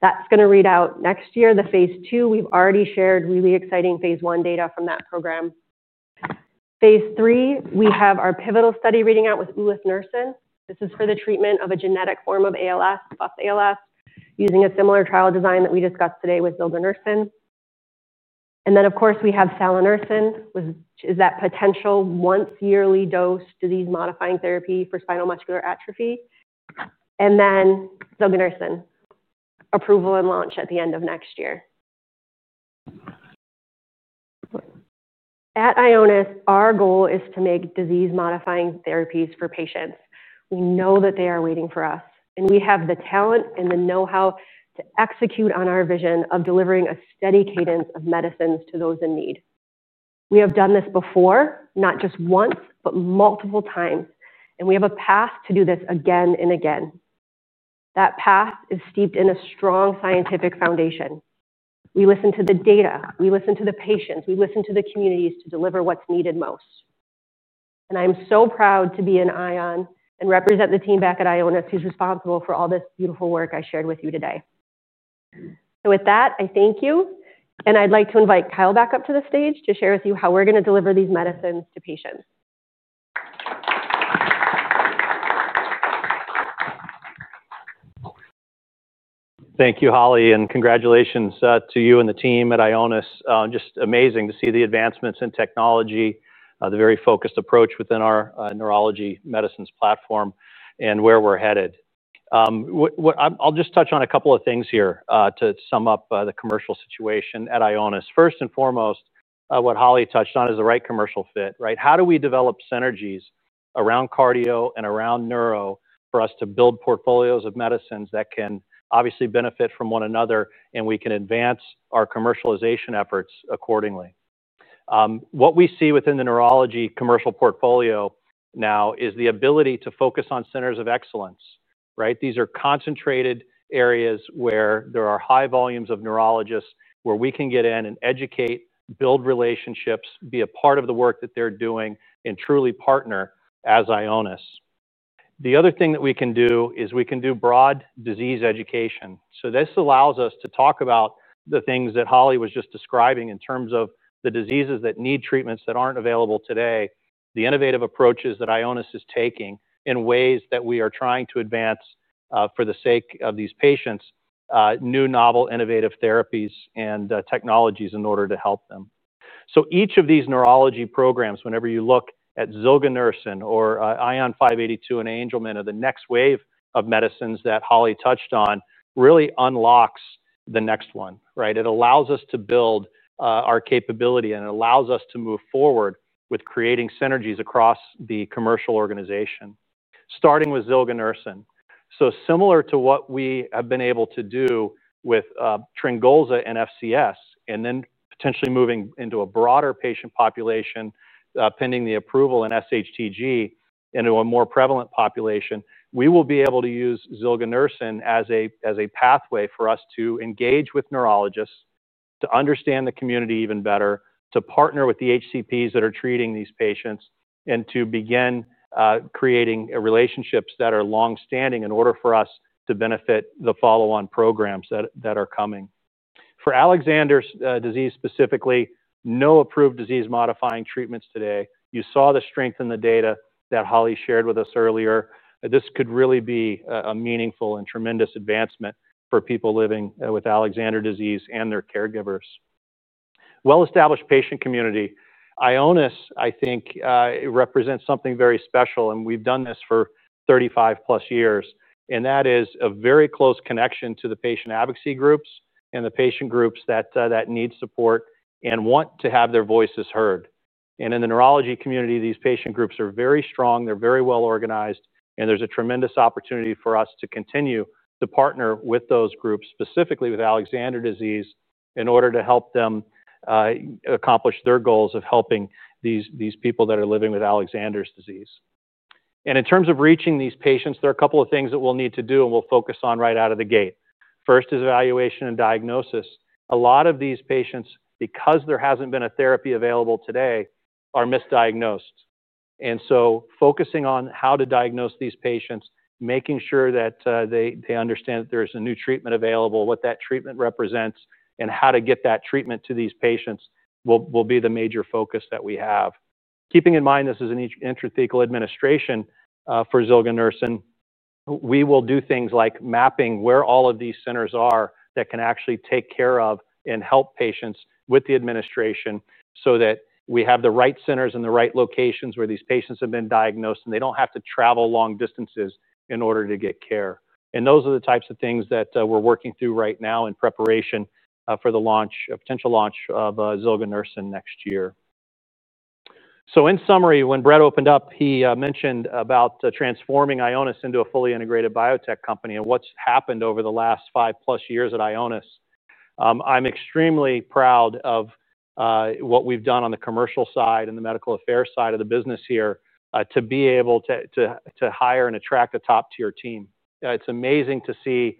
That's going to read out next year, the phase II. We've already shared really exciting phase I data from that program. phase III, we have our pivotal study reading out with Ulefnersen. This is for the treatment of a genetic form of ALS, FUS-ALS, using a similar trial design that we discussed today with Zilganersen. Of course, we have Salinursen, which is that potential once-yearly dose disease-modifying therapy for spinal muscular atrophy. Zilganersen approval and launch at the end of next year. At Ionis Pharmaceuticals, our goal is to make disease-modifying therapies for patients. We know that they are waiting for us. We have the talent and the know-how to execute on our vision of delivering a steady cadence of medicines to those in need. We have done this before, not just once, but multiple times. We have a path to do this again and again. That path is steeped in a strong scientific foundation. We listen to the data. We listen to the patients. We listen to the communities to deliver what's needed most. I'm so proud to be an Ion and represent the team back at Ionis who's responsible for all this beautiful work I shared with you today. I thank you. I'd like to invite Kyle back up to the stage to share with you how we're going to deliver these medicines to patients. Thank you, Holly. Congratulations to you and the team at Ionis. Just amazing to see the advancements in technology, the very focused approach within our neurology medicines platform, and where we're headed. I'll just touch on a couple of things here to sum up the commercial situation at Ionis. First and foremost, what Holly touched on is the right commercial fit. How do we develop synergies around cardio and around neuro for us to build portfolios of medicines that can obviously benefit from one another and we can advance our commercialization efforts accordingly? What we see within the neurology commercial portfolio now is the ability to focus on centers of excellence. These are concentrated areas where there are high volumes of neurologists where we can get in and educate, build relationships, be a part of the work that they're doing, and truly partner as Ionis. The other thing that we can do is we can do broad disease education. This allows us to talk about the things that Holly was just describing in terms of the diseases that need treatments that aren't available today, the innovative approaches that Ionis is taking, and ways that we are trying to advance for the sake of these patients new, novel, innovative therapies and technologies in order to help them. Each of these neurology programs, whenever you look at Zilganersen or ION582 and Angelman or the next wave of medicines that Holly touched on, really unlocks the next one. It allows us to build our capability. It allows us to move forward with creating synergies across the commercial organization, starting with Zilganersen. Similar to what we have been able to do with Tryngolza and FCS and then potentially moving into a broader patient population, pending the approval and SHTG into a more prevalent population, we will be able to use Zilganersen as a pathway for us to engage with neurologists, to understand the community even better, to partner with the HCPs that are treating these patients, and to begin creating relationships that are longstanding in order for us to benefit the follow-on programs that are coming. For Alexander disease specifically, no approved disease-modifying treatments today. You saw the strength in the data that Holly shared with us earlier. This could really be a meaningful and tremendous advancement for people living with Alexander disease and their caregivers. Well-established patient community. Ionis, I think, represents something very special. We have done this for 35+ years. That is a very close connection to the patient advocacy groups and the patient groups that need support and want to have their voices heard. In the neurology community, these patient groups are very strong. They are very well organized. There is a tremendous opportunity for us to continue to partner with those groups, specifically with Alexander disease, in order to help them accomplish their goals of helping these people that are living with Alexander disease. In terms of reaching these patients, there are a couple of things. We'll Need to do and we'll focus on right out of the gate. First is evaluation and diagnosis. A lot of these patients, because there hasn't been a therapy available today, are misdiagnosed. Focusing on how to diagnose these patients, making sure that they understand that there's a new treatment available, what that treatment represents, and how to get that treatment to these patients will be the major focus that we have. Keeping in mind this is an intrathecal administration for Zilganersen, we will do things like mapping where all of these centers are that can actually take care of and help patients with the administration so that we have the right centers in the right locations where these patients have been diagnosed and they don't have to travel long distances in order to get care. Those are the types of things that we're working through right now in preparation for the launch, a potential launch of Zilganersen next year. In summary, when Brett opened up, he mentioned about transforming Ionis Pharmaceuticals into a fully integrated biotech company and what's happened over the last five plus years at Ionis. I'm extremely proud of what we've done on the commercial side and the medical affairs side of the business here to be able to hire and attract a top-tier team. It's amazing to see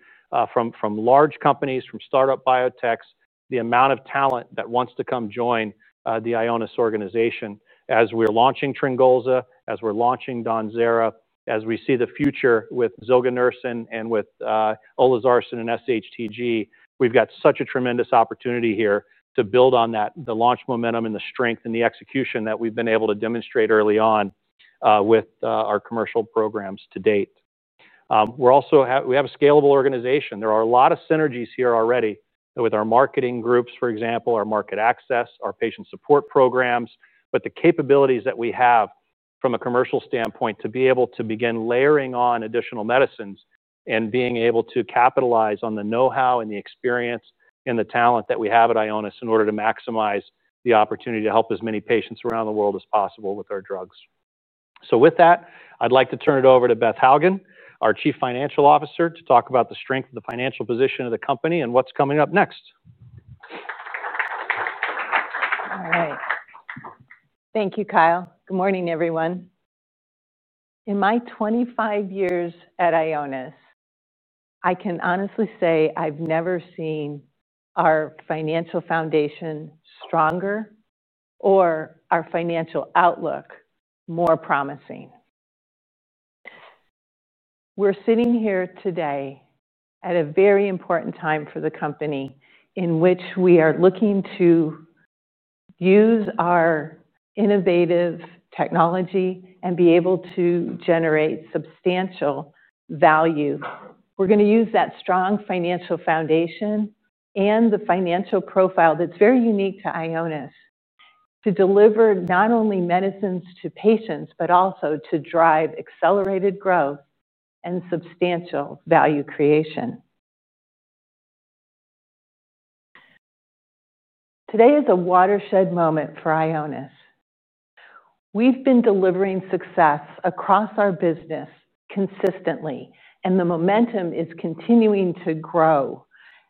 from large companies, from startup biotechs, the amount of talent that wants to come join the Ionis Pharmaceuticals organization. As we're launching Tryngolza, as we're launching DAWNZERA, as we see the future with Zilganersen and with Tryngolza and SHTG, we've got such a tremendous opportunity here to build on that, the launch momentum and the strength and the execution that we've been able to demonstrate early on with our commercial programs to date. We're also, we have a scalable organization. There are a lot of synergies here already with our marketing groups, for example, our market access, our patient support programs, but the capabilities that we have from a commercial standpoint to be able to begin layering on additional medicines and being able to capitalize on the know-how and the experience and the talent that we have at Ionis Pharmaceuticals in order to maximize the opportunity to help as many patients around the world as possible with our drugs. With that, I'd like to turn it over to Beth Hougen, our Chief Financial Officer, to talk about the strength of the financial position of the company and what's coming up next. All right. Thank you, Kyle. Good morning, everyone. In my 25 years at Ionis, I can honestly say I've never seen our financial foundation stronger or our financial outlook more promising. We're sitting here today at a very important time for the company in which we are looking to use our innovative technology and be able to generate substantial value. We're going to use that strong financial foundation and the financial profile that's very unique to Ionis to deliver not only medicines to patients, but also to drive accelerated growth and substantial value creation. Today is a watershed moment for Ionis. We've been delivering success across our business consistently, and the momentum is continuing to grow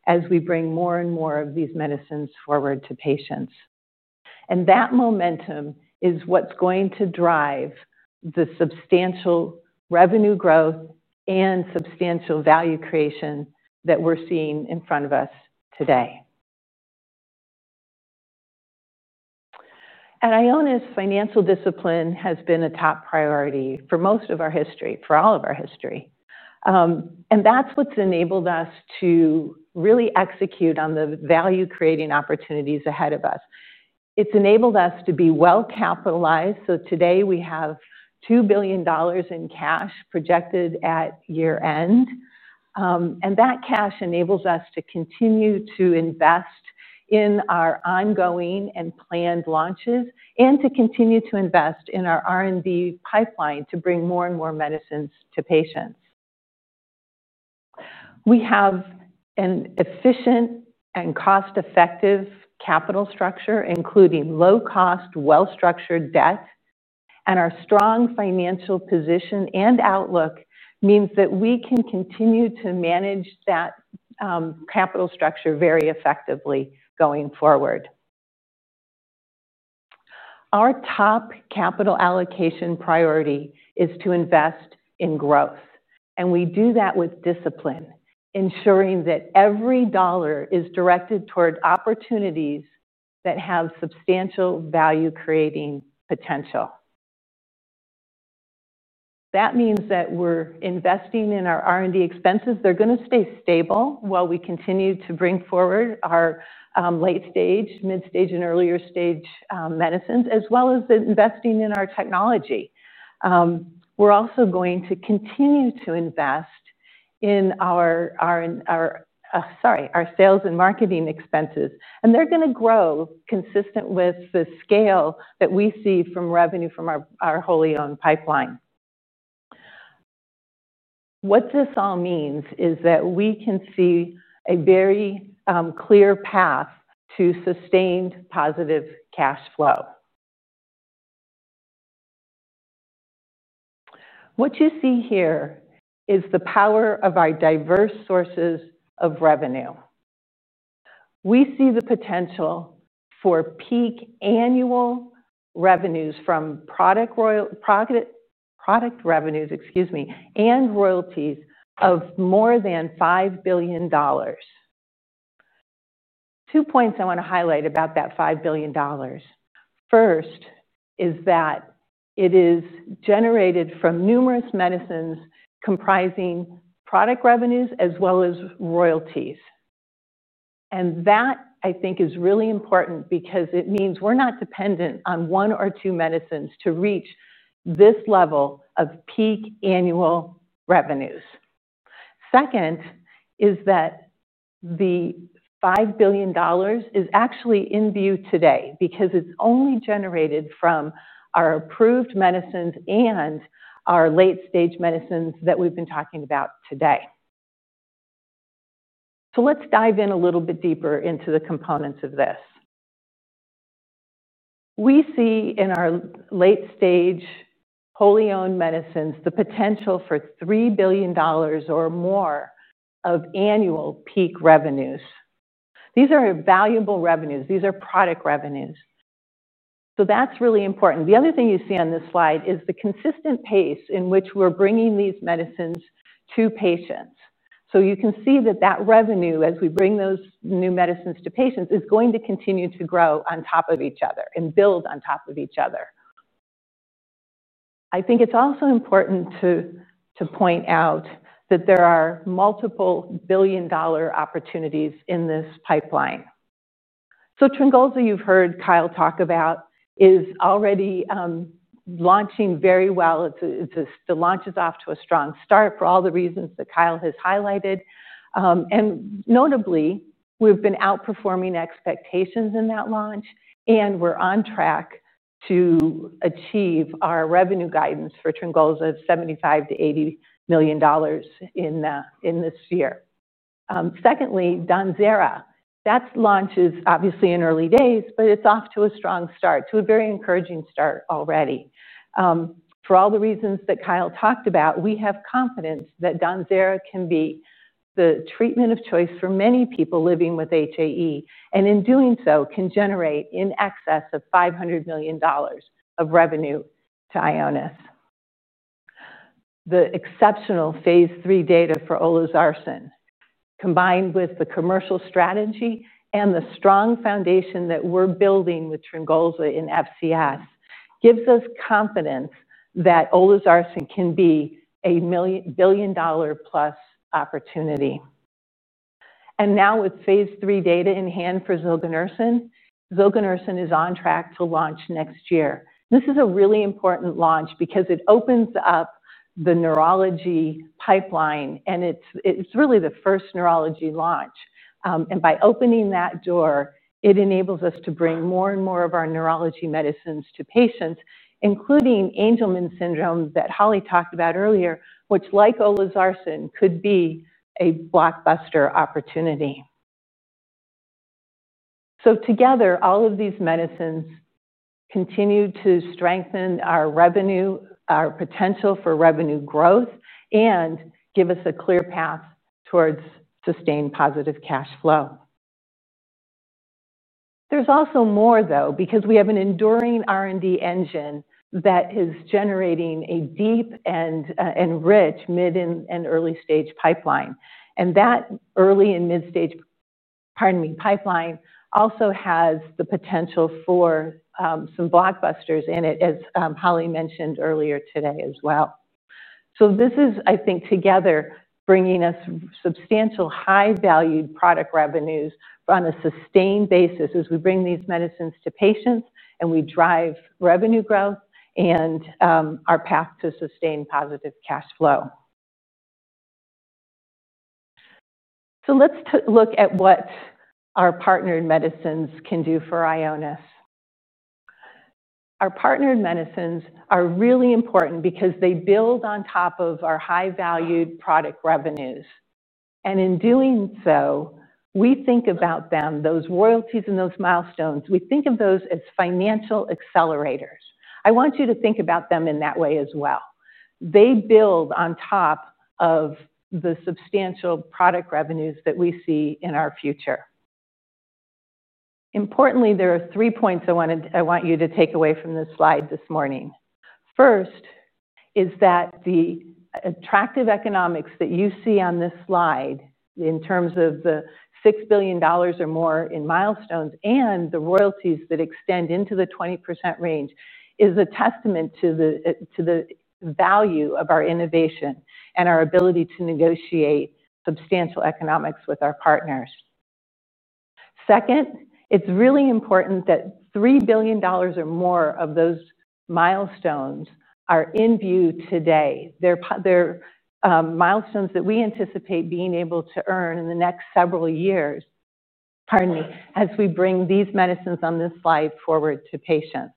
as we bring more and more of these medicines forward to patients. That momentum is what's going to drive the substantial revenue growth and substantial value creation that we're seeing in front of us today. At Ionis, financial discipline has been a top priority for all of our history. That's what's enabled us to really execute on the value-creating opportunities ahead of us. It's enabled us to be well-capitalized. Today we have $2 billion in cash projected at year-end. That cash enables us to continue to invest in our ongoing and planned launches and to continue to invest in our R&D pipeline to bring more and more medicines to patients. We have an efficient and cost-effective capital structure, including low-cost, well-structured debt. Our strong financial position and outlook means that we can continue to manage that capital structure very effectively going forward. Our top capital allocation priority is to invest in growth. We do that with discipline, ensuring that every dollar is directed toward opportunities that have substantial value-creating potential. That means that we're investing in our R&D expenses. They're going to stay stable while we continue to bring forward our late-stage, mid-stage, and earlier-stage medicines, as well as investing in our technology. We're also going to continue to invest in our sales and marketing expenses. They're going to grow consistent with the scale that we see from revenue from our wholly owned pipeline. What this all means is that we can see a very clear path to sustained positive cash flow. What you see here is the power of our diverse sources of revenue. We see the potential for peak annual revenues from product revenues, excuse me, and royalties of more than $5 billion. Two points I want to highlight about that $5 billion. First is that it is generated from numerous medicines comprising product revenues as well as royalties. I think that is really important because it means we're not dependent on one or two medicines to reach this level of peak annual revenues. Second is that the $5 billion is actually in view today because it's only generated from our approved medicines and our late-stage medicines that we've been talking about today. Let's dive in a little bit deeper into the components of this. We see in our late-stage wholly owned medicines the potential for $3 billion or more of annual peak revenues. These are valuable revenues. These are product revenues. That's really important. The other thing you see on this slide is the consistent pace in which we're bringing these medicines to patients. You can see that revenue, as we bring those new medicines to patients, is going to continue to grow on top of each other and build on top of each other. I think it's also important to point out that there are multiple billion-dollar opportunities in this pipeline. Tryngolza, you've heard Kyle talk about, is already launching very well. The launch is off to a strong start for all the reasons that Kyle has highlighted. Notably, we've been outperforming expectations in that launch. We're on track to achieve our revenue guidance for Tryngolza of $75 million-$80 million in this year. DAWNZERA, that launch is obviously in early days, but it's off to a strong start, to a very encouraging start already. For all the reasons that Kyle talked about, we have confidence that DAWNZERA can be the treatment of choice for many people living with HAE. In doing so, it can generate in excess of $500 million of revenue to Ionis. The exceptional phase III data for Tryngolza, combined with the commercial strategy and the strong foundation that we're building with Tryngolza in FCS, gives us confidence that Tryngolza can be a billion-dollar plus opportunity. Now with phase III data in hand for Zilganersen, Zilganersen is on track to launch next year. This is a really important launch because it opens up the neurology pipeline. It's really the first neurology launch. By opening that door, it enables us to bring more and more of our neurology medicines to patients, including Angelman syndrome that Holly talked about earlier, which, like Tryngolza, could be a blockbuster opportunity. Together, all of these medicines continue to strengthen our revenue, our potential for revenue growth, and give us a clear path towards sustained positive cash flow. There's also more because we have an enduring R&D engine that is generating a deep and rich mid and early-stage pipeline. That early and mid-stage, pardon me, pipeline also has the potential for some blockbusters in it, as Holly mentioned earlier today as well. This is, I think, together, bringing us substantial high-valued product revenues on a sustained basis as we bring these medicines to patients, and we drive revenue growth and our path to sustained positive cash flow. Let's look at what our partnered medicines can do for Ionis. Our partnered medicines are really important because they build on top of our high-valued product revenues. In doing so, we think about them, those royalties and those milestones. We think of those as financial accelerators. I want you to think about them in that way as well. They build on top of the substantial product revenues that we see in our future. Importantly, there are three points I want you to take away from this slide this morning. First is that the attractive economics that you see on this slide in terms of the $6 billion or more in milestones and the royalties that extend into the 20% range is a testament to the value of our innovation and our ability to negotiate substantial economics with our partners. Second, it's really important that $3 billion or more of those milestones are in view today. They're milestones that we anticipate being able to earn in the next several years, pardon me, as we bring these medicines on this slide forward to patients.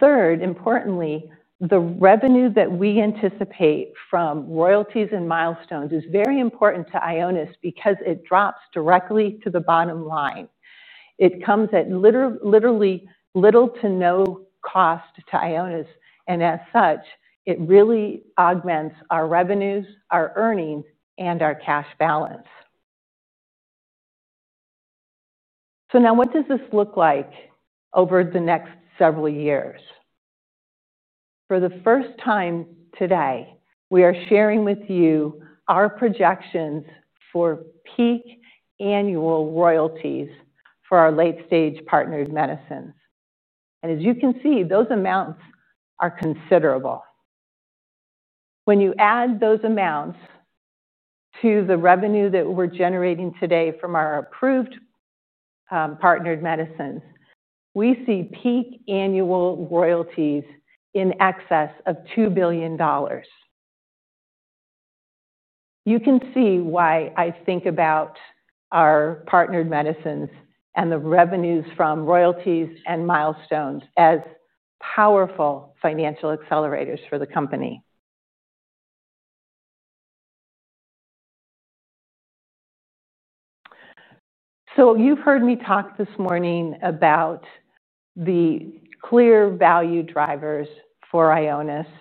Third, importantly, the revenue that we anticipate from royalties and milestones is very important to Ionis because it drops directly to the bottom line. It comes at literally little to no cost to Ionis. As such, it really augments our revenues, our earnings, and our cash balance. Now, what does this look like over the next several years? For the first time today, we are sharing with you our projections for peak annual royalties for our late-stage partnered medicines. As you can see, those amounts are considerable. When you add those amounts to the revenue that we're generating today from our approved partnered medicines, we see peak annual royalties in excess of $2 billion. You can see why I think about our partnered medicines and the revenues from royalties and milestones as powerful financial accelerators for the company. You've heard me talk this morning about the clear value drivers for Ionis Pharmaceuticals.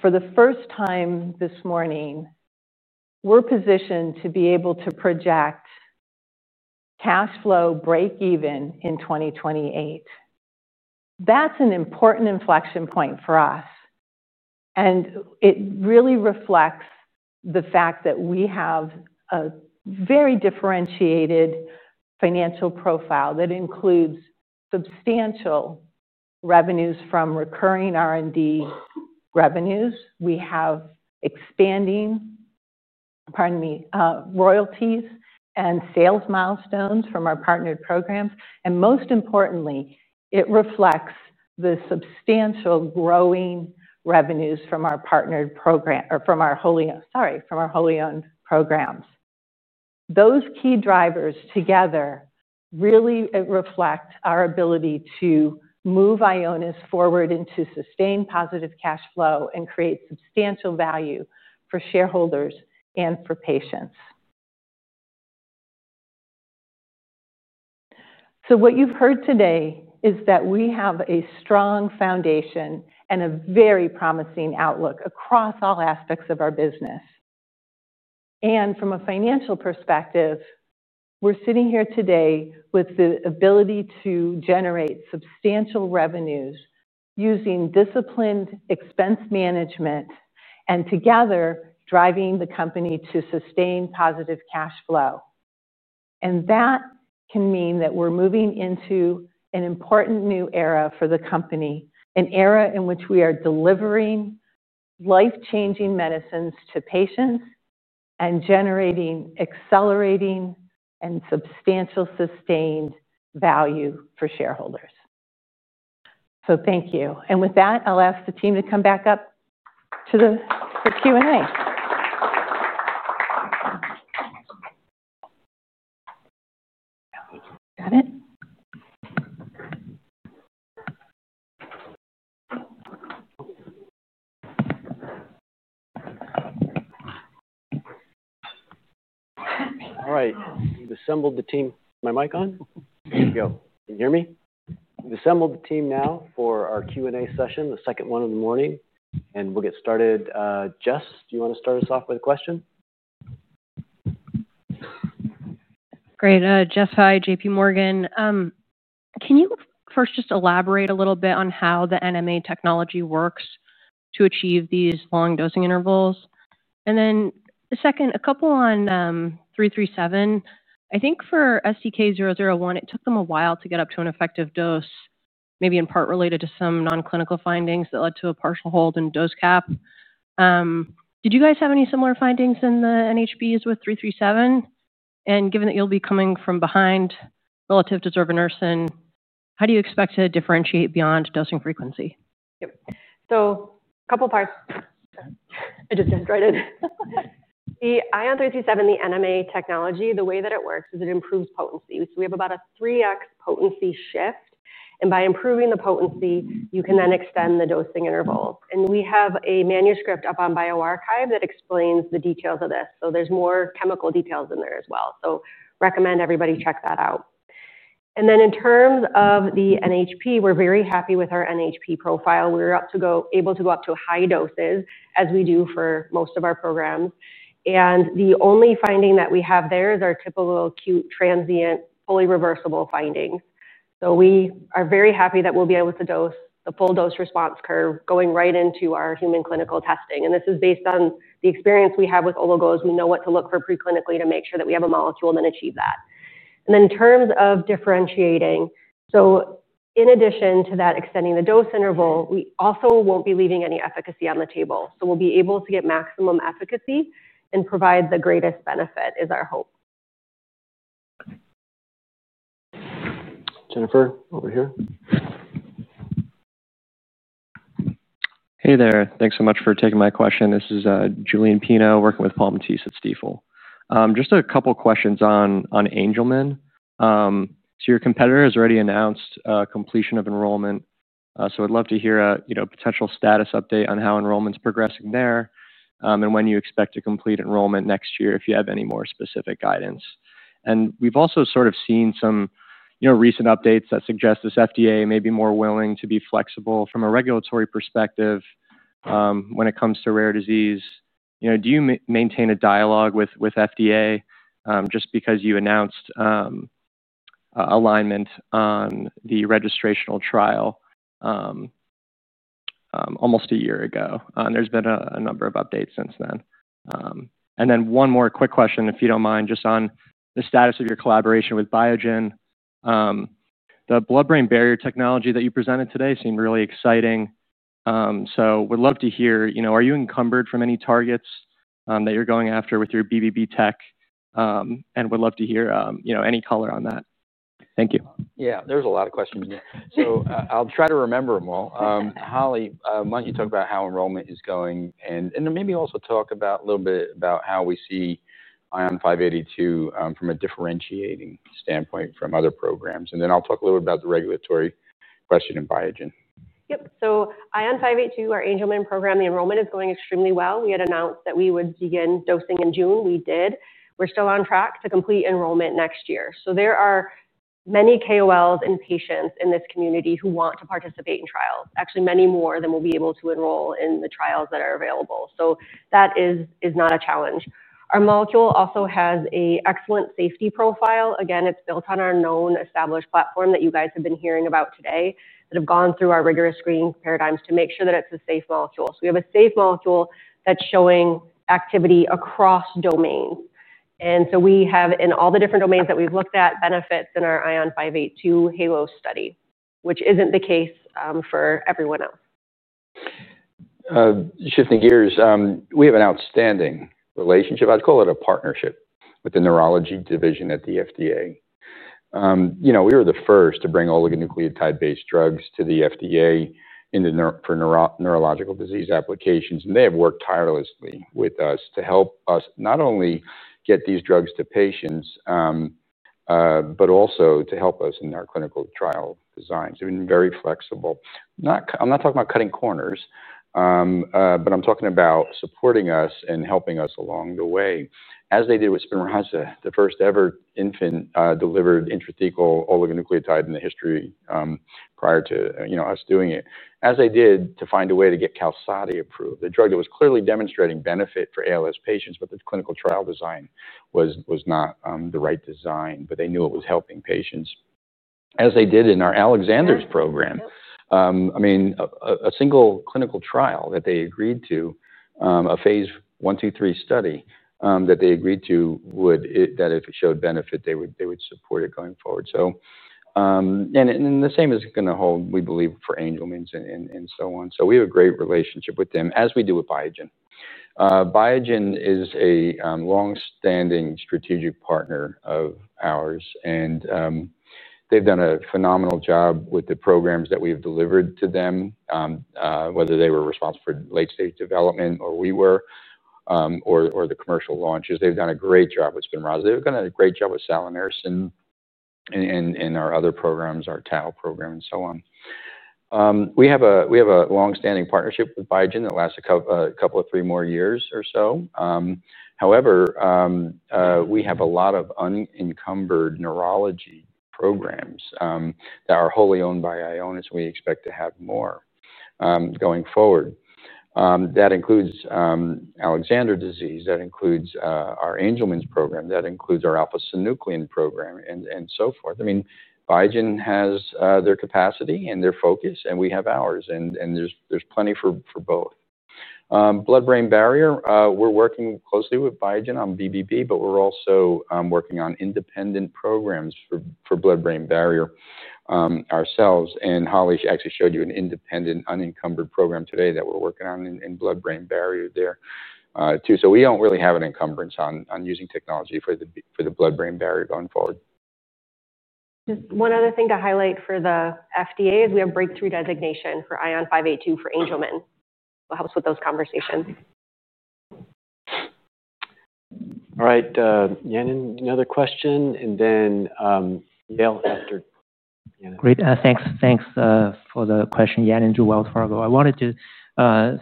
For the first time this morning, we're positioned to be able to project cash flow break even in 2028. That's an important inflection point for us. It really reflects the fact that we have a very differentiated financial profile that includes substantial revenues from recurring R&D revenues. We have expanding, pardon me, royalties and sales milestones from our partnered programs. Most importantly, it reflects the substantial growing revenues from our wholly owned programs. Those key drivers together really reflect our ability to move Ionis Pharmaceuticals forward into sustained positive cash flow and create substantial value for shareholders and for patients. What you've heard today is that we have a strong foundation and a very promising outlook across all aspects of our business. From a financial perspective, we're sitting here today with the ability to generate substantial revenues using disciplined expense management and together driving the company to sustained positive cash flow. That can mean that we're moving into an important new era for the company, an era in which we are delivering life-changing medicines to patients and generating accelerating and substantial sustained value for shareholders. Thank you. With that, I'll ask the team to come back up to the Q&A. All right. We've assembled the team. My mic on? There you go. Can you hear me? We've assembled the team now for our Q&A session, the second one in the morning. We'll get started. Jess, do you want to start us off with a question? Great. Jess, hi. JPMorgan. Can you first just elaborate a little bit on how the NMA technology works to achieve these long dosing intervals? Second, a couple on 337. I think for SDK001, it took them a while to get up to an effective dose, maybe in part related to some non-clinical findings that led to a partial hold in dose cap. Did you guys have any similar findings in the NHBs with 337? Given that you'll be coming from behind relative to Zilganersen, how do you expect to differentiate beyond dosing frequency? A couple parts. I just dragged in. The Ion327, the NMA technology, the way that it works is it improves potency. We have about a 3x potency shift. By improving the potency, you can then extend the dosing intervals. We have a manuscript up on BioArchive that explains the details of this. There are more chemical details in there as well. Recommend everybody check that out. In terms of the NHP, we're very happy with our NHP profile. We're able to go up to high doses as we do for most of our programs. The only finding that we have there is our typical acute transient fully reversible finding. We are very happy that we'll be able to dose the full dose response curve going right into our human clinical testing. This is based on the experience we have with Oligos. We know what to look for preclinically to make sure that we have a molecule and then achieve that. In terms of differentiating, in addition to that extending the dose interval, we also won't be leaving any efficacy on the table. We'll be able to get maximum efficacy and provide the greatest benefit is our hope. Jennifer, over here. Hey there. Thanks so much for taking my question. This is Julian Pino working with Paul Matisse at Stifel. Just a couple of questions on Angelman. Your competitor has already announced completion of enrollment. I'd love to hear a potential status update on how enrollment's progressing there and when you expect to complete enrollment next year if you have any more specific guidance. We've also sort of seen some recent updates that suggest this FDA may be more willing to be flexible from a regulatory perspective when it comes to rare disease. Do you maintain a dialogue with FDA just because you announced alignment on the registrational trial almost a year ago? There's been a number of updates since then. One more quick question, if you don't mind, just on the status of your collaboration with Biogen. The blood-brain barrier technology that you presented today seemed really exciting. I would love to hear, are you encumbered from any targets that you're going after with your BBB tech? I would love to hear any color on that. Thank you. Yeah, there's a lot of questions in there. I'll try to remember them all. Holly, why don't you talk about how enrollment is going? Maybe also talk a little bit about how we see ION582 from a differentiating standpoint from other programs. I'll talk a little bit about the regulatory question in Biogen. Yes. Ion582, our Angelman program, the enrollment is going extremely well. We had announced that we would begin dosing in June. We did. We're still on track to complete enrollment next year. There are many KOLs and patients in this community who want to participate in trials, actually many more than we'll be able to enroll in the trials that are available. That is not a challenge. Our molecule also has an excellent safety profile. It's built on our known established platform that you guys have been hearing about today that have gone through our rigorous screening paradigms to make sure that it's a safe molecule. We have a safe molecule that's showing activity across domains. In all the different domains that we've looked at, we have benefits in our Ion582 HALO study, which isn't the case for everyone else. Shifting gears, we have an outstanding relationship. I'd call it a partnership with the FDA. we were the first to bring FDA for neurological disease applications. They have worked tirelessly with us to help us not only get these drugs to patients, but also to help us in our clinical trial designs. They've been very flexible. I'm not talking about cutting corners, but I'm talking about supporting us and helping us along the way. As they did with Spinraza, the first ever infant delivered intrathecal oligonucleotide in the history prior to us doing it. As they did to find a way to get QALSODY approved, the drug that was clearly demonstrating benefit for ALS patients, but the clinical trial design was not the right design. They knew it was helping patients. As they did in our Alexander disease program, a single clinical trial that they agreed to, a phase I, II, III study that they agreed to, that if it showed benefit, they would support it going forward. The same is going to hold, we believe, for Angelman and so on. We have a great relationship with them, as we do with Biogen. Biogen is a longstanding strategic partner of ours. They've done a phenomenal job with the programs that we've delivered to them, whether they were responsible for late-stage development or we were or the commercial launches. They've done a great job with Spinraza. They've done a great job with Sal and Ersin in our other programs, our TAO program and so on. We have a longstanding partnership with Biogen that lasts a couple of three more years or so. However, we have a lot of unencumbered neurology programs that are wholly owned by Ionis Pharmaceuticals. We expect to have more going forward. That includes Alexander disease. That includes our Angelman program. That includes our alpha-synuclein program and so forth. Biogen has their capacity and their focus. We have ours. There's plenty for both. Blood-brain barrier, we're working closely with Biogen on BBB, but we're also working on independent programs for blood-brain barrier ourselves. Holly actually showed you an independent unencumbered program today that we're working on in blood-brain barrier there too. We don't really have an encumbrance on using technology for the blood-brain barrier going forward. One other thing FDA is we have breakthrough designation for ION582 for Angelman. It helps with those conversations. All right. Yanan Zhu, another question? Then Yale after. Great. Thanks. Thanks for the question, Yanan Zhu, through Wells Fargo. I wanted to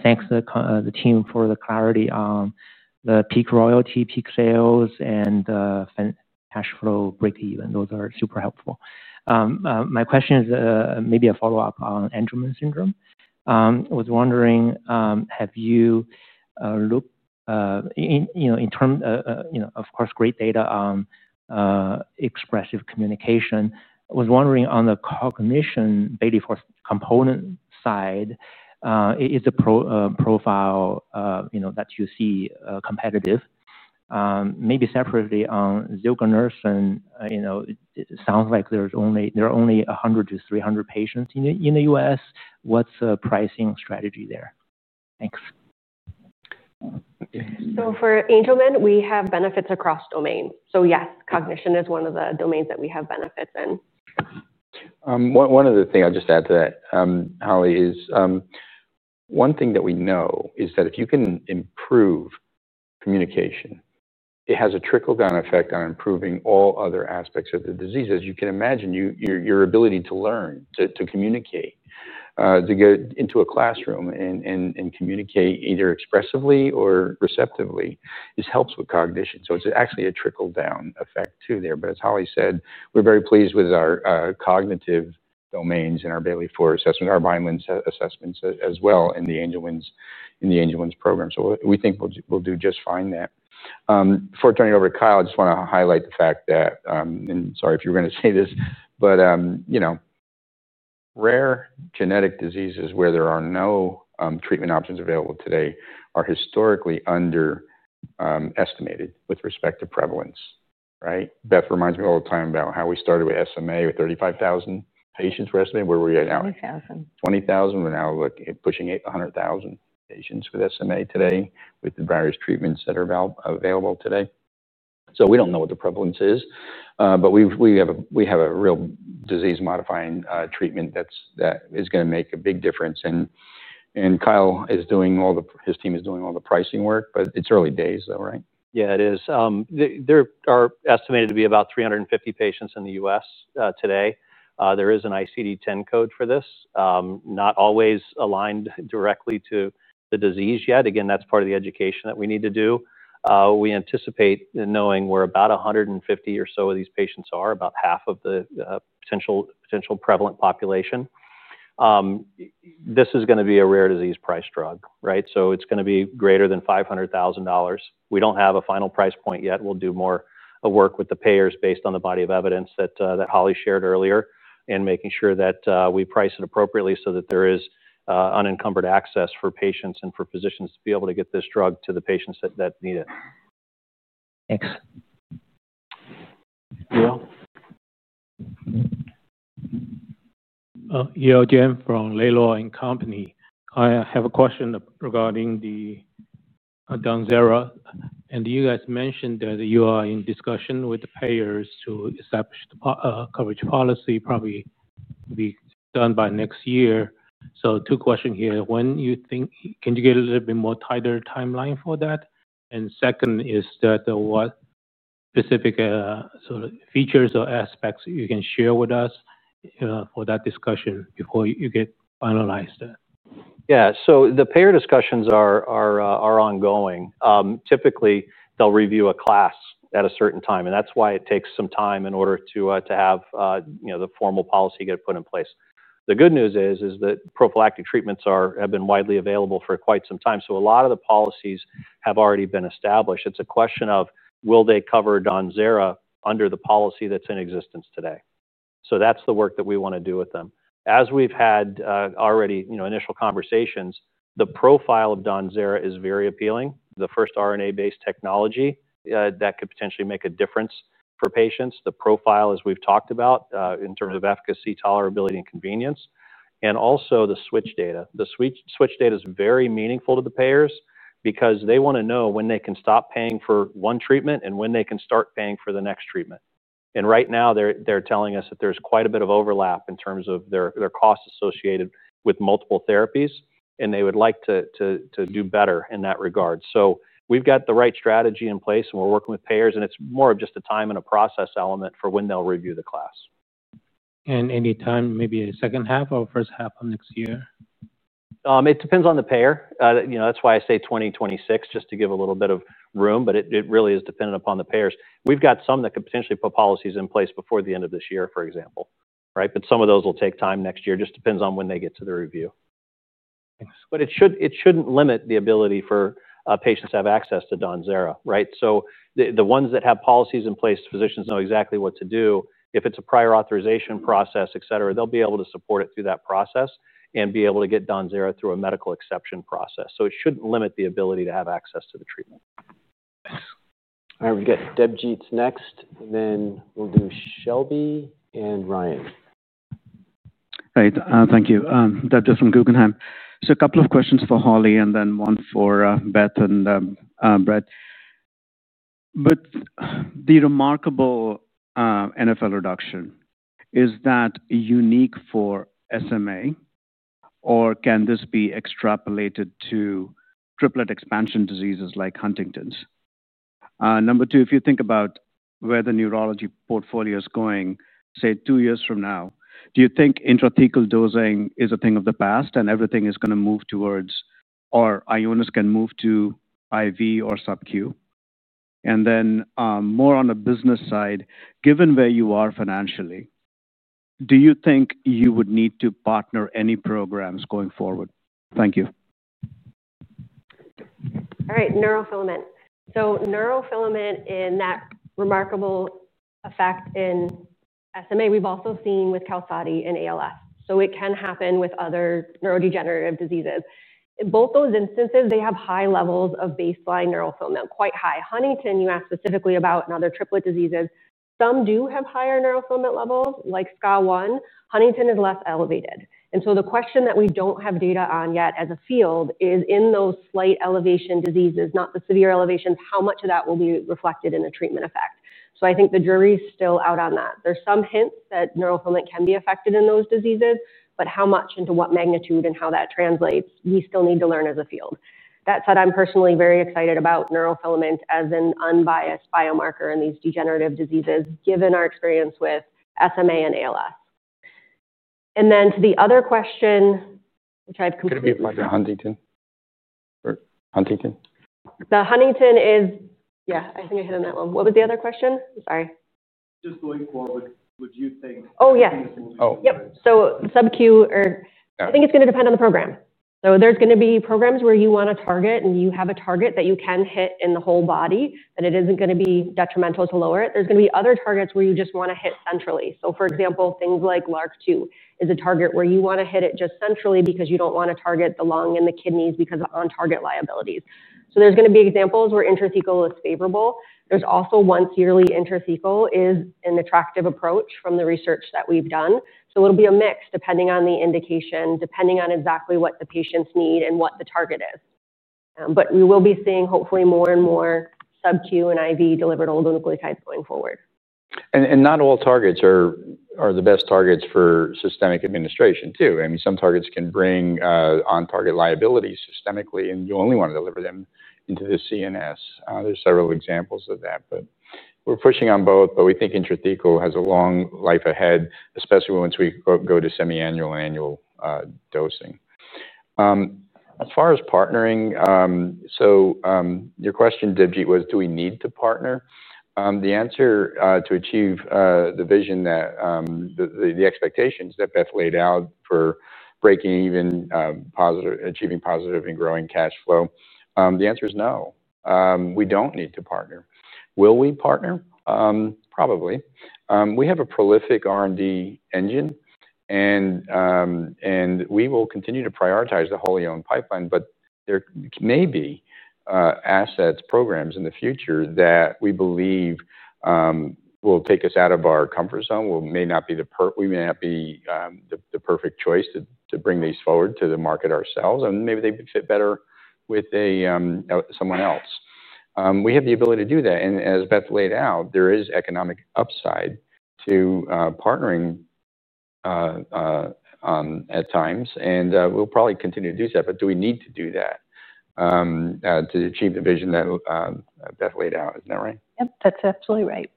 thank the team for the clarity on the peak royalty, peak sales, and the cash flow break even. Those are super helpful. My question is maybe a follow-up on Angelman syndrome. I was wondering, have you looked in terms, of course, great data on expressive communication? I was wondering on the cognition, baited force component side, is the profile that you see competitive? Maybe separately on Zilganersen, it sounds like there are only 100-300 patients in the U.S. What's the pricing strategy there? Thanks. For Angelman, we have benefits across domains. Yes, cognition is one of the domains that we have benefits in. One other thing I'll just add to that, Holly, is one thing that we know is that if you can improve communication, it has a trickle-down effect on improving all other aspects of the disease. As you can imagine, your ability to learn, to communicate, to go into a classroom and communicate either expressively or receptively, this helps with cognition. It's actually a trickle-down effect too there. As Holly said, we're very pleased with our cognitive domains and our baited force assessment, our Vineland assessments as well in the Angelman's program. We think we'll do just fine there. Before turning it over to Kyle, I just want to highlight the fact that, and sorry if you're going to say this, rare genetic diseases where there are no treatment options available today are historically underestimated with respect to prevalence, right? Beth reminds me all the time about how we started with SMA with 35,000 patients for SMA. Where were we at now? 20,000. 20,000, but now we're pushing 800,000 patients with SMA today with the various treatments that are available today. We don't know what the prevalence is, but we have a real disease-modifying treatment that is going to make a big difference. Kyle is doing all the, his team is doing all the pricing work. It's early days, though, right? Yeah, it is. There are estimated to be about 350 patients in the U.S. today. There is an ICD-10 code for this, not always aligned directly to the disease yet. That's part of the education that we need to do. We anticipate knowing where about 150 or so of these patients are, about half of the potential prevalent population. This is going to be a rare disease price drug, right? It's going to be greater than $500,000. We don't have a final price point yet. We'll do more work with the payers based on the body of evidence that Holly shared earlier and making sure that we price it appropriately so that there is unencumbered access for patients and for physicians to be able to get this drug to the patients that need it. Thanks. Yale? Yale again from Laylow and Company. I have a question regarding the DAWNZERA. You guys mentioned that you are in discussion with the payers to establish a coverage policy, probably be done by next year. Two questions here. Can you give a little bit more tighter timeline for that? Second is that what specific features or aspects you can share with us for that discussion before you get finalized? Yeah. The payer discussions are ongoing. Typically, they'll review a class at a certain time, and that's why it takes some time in order to have the formal policy get put in place. The good news is that prophylactic treatments have been widely available for quite some time, so a lot of the policies have already been established. It's a question of will they cover DAWNZERA under the policy that's in existence today? That's the work that we want to do with them. As we've had already initial conversations, the profile of DAWNZERA is very appealing. The first RNA-based technology that could potentially make a difference for patients, the profile, as we've talked about, in terms of efficacy, tolerability, and convenience. Also, the switch data. The switch data is very meaningful to the payers because they want to know when they can stop paying for one treatment and when they can start paying for the next treatment. Right now, they're telling us that there's quite a bit of overlap in terms of their costs associated with multiple therapies, and they would like to do better in that regard. We've got the right strategy in place, and we're working with payers. It's more of just a time and a process element for when they'll review the class. Any time, maybe a second half or first half of next year? It depends on the payer. That's why I say 2026, just to give a little bit of room. It really is dependent upon the payers. We've got some that could potentially put policies in place before the end of this year, for example, right? Some of those will take time next year. It just depends on when they get to the review. Thanks. It shouldn't limit the ability for patients to have access to DAWNZERA, right? The ones that have policies in place, physicians know exactly what to do. If it's a prior authorization process, et cetera, they'll be able to support it through that process and be able to get DAWNZERA through a medical exception process. It shouldn't limit the ability to have access to the treatment. Thanks. All right. We've got Deb Jeats next, and then we'll do Shelby and Ryan. All right. Thank you. Deb, just from Guggenheim. A couple of questions for Holly and then one for Beth and Brett. The remarkable NFL reduction, is that unique for SMA? Can this be extrapolated to triplet expansion diseases like Huntington's? Number two, if you think about where the neurology portfolio is going, say two years from now, do you think intrathecal dosing is a thing of the past and everything is going to move towards or Ionis can move to IV or sub-Q? More on the business side, given where you are financially, do you think you would need to partner any programs going forward? Thank you. All right. Neurofilament. Neurofilament in that remarkable effect in SMA, we've also seen with QALSODY and ALS. It can happen with other neurodegenerative diseases. In both those instances, they have high levels of baseline neurofilament, quite high. Huntington, you asked specifically about, and other triplet diseases. Some do have higher neurofilament levels, like SCAR1. Huntington is less elevated. The question that we don't have data on yet as a field is in those slight elevation diseases, not the severe elevations, how much of that will be reflected in a treatment effect. I think the jury is still out on that. There's some hints that neurofilament can be affected in those diseases. How much and to what magnitude and how that translates, we still need to learn as a field. That said, I'm personally very excited about neurofilament as an unbiased biomarker in these degenerative diseases, given our experience with SMA and ALS. To the other question, which I've completely. Could it be Huntington? The Huntington is, yeah, I think I hit on that one. What was the other question? Sorry. Just going forward, would you think? Oh, yes. Oh, yep. Sub-Q, I think it's going to depend on the program. There's going to be programs where you want to target and you have a target that you can hit in the whole body, that it isn't going to be detrimental to lower it. There's going to be other targets where you just want to hit centrally. For example, things like LARC2 is a target where you want to hit it just centrally because you don't want to target the lung and the kidneys because of on-target liabilities. There's going to be examples where intrathecal is favorable. Once yearly intrathecal is an attractive approach from the research that we've done. It'll be a mix depending on the indication, depending on exactly what the patients need and what the target is. We will be seeing hopefully more and more sub-Q and IV delivered oligonucleotides going forward. Not all targets are the best targets for systemic administration too. Some targets can bring on-target liability systemically, and you only want to deliver them into the CNS. There are several examples of that. We are pushing on both. We think intrathecal has a long life ahead, especially once we go to semiannual and annual dosing. As far as partnering, your question, Deb Jeat, was do we need to partner? The answer to achieve the vision, the expectations that Beth laid out for breaking even, achieving positive and growing cash flow, is no. We do not need to partner. Will we partner? Probably. We have a prolific R&D engine, and we will continue to prioritize the wholly owned pipeline. There may be assets, programs in the future that we believe will take us out of our comfort zone. We may not be the perfect choice to bring these forward to the market ourselves, and maybe they would fit better with someone else. We have the ability to do that. As Beth laid out, there is economic upside to partnering at times, and we will probably continue to do so. Do we need to do that to achieve the vision that Beth laid out? Isn't that right? Yep, that's absolutely right.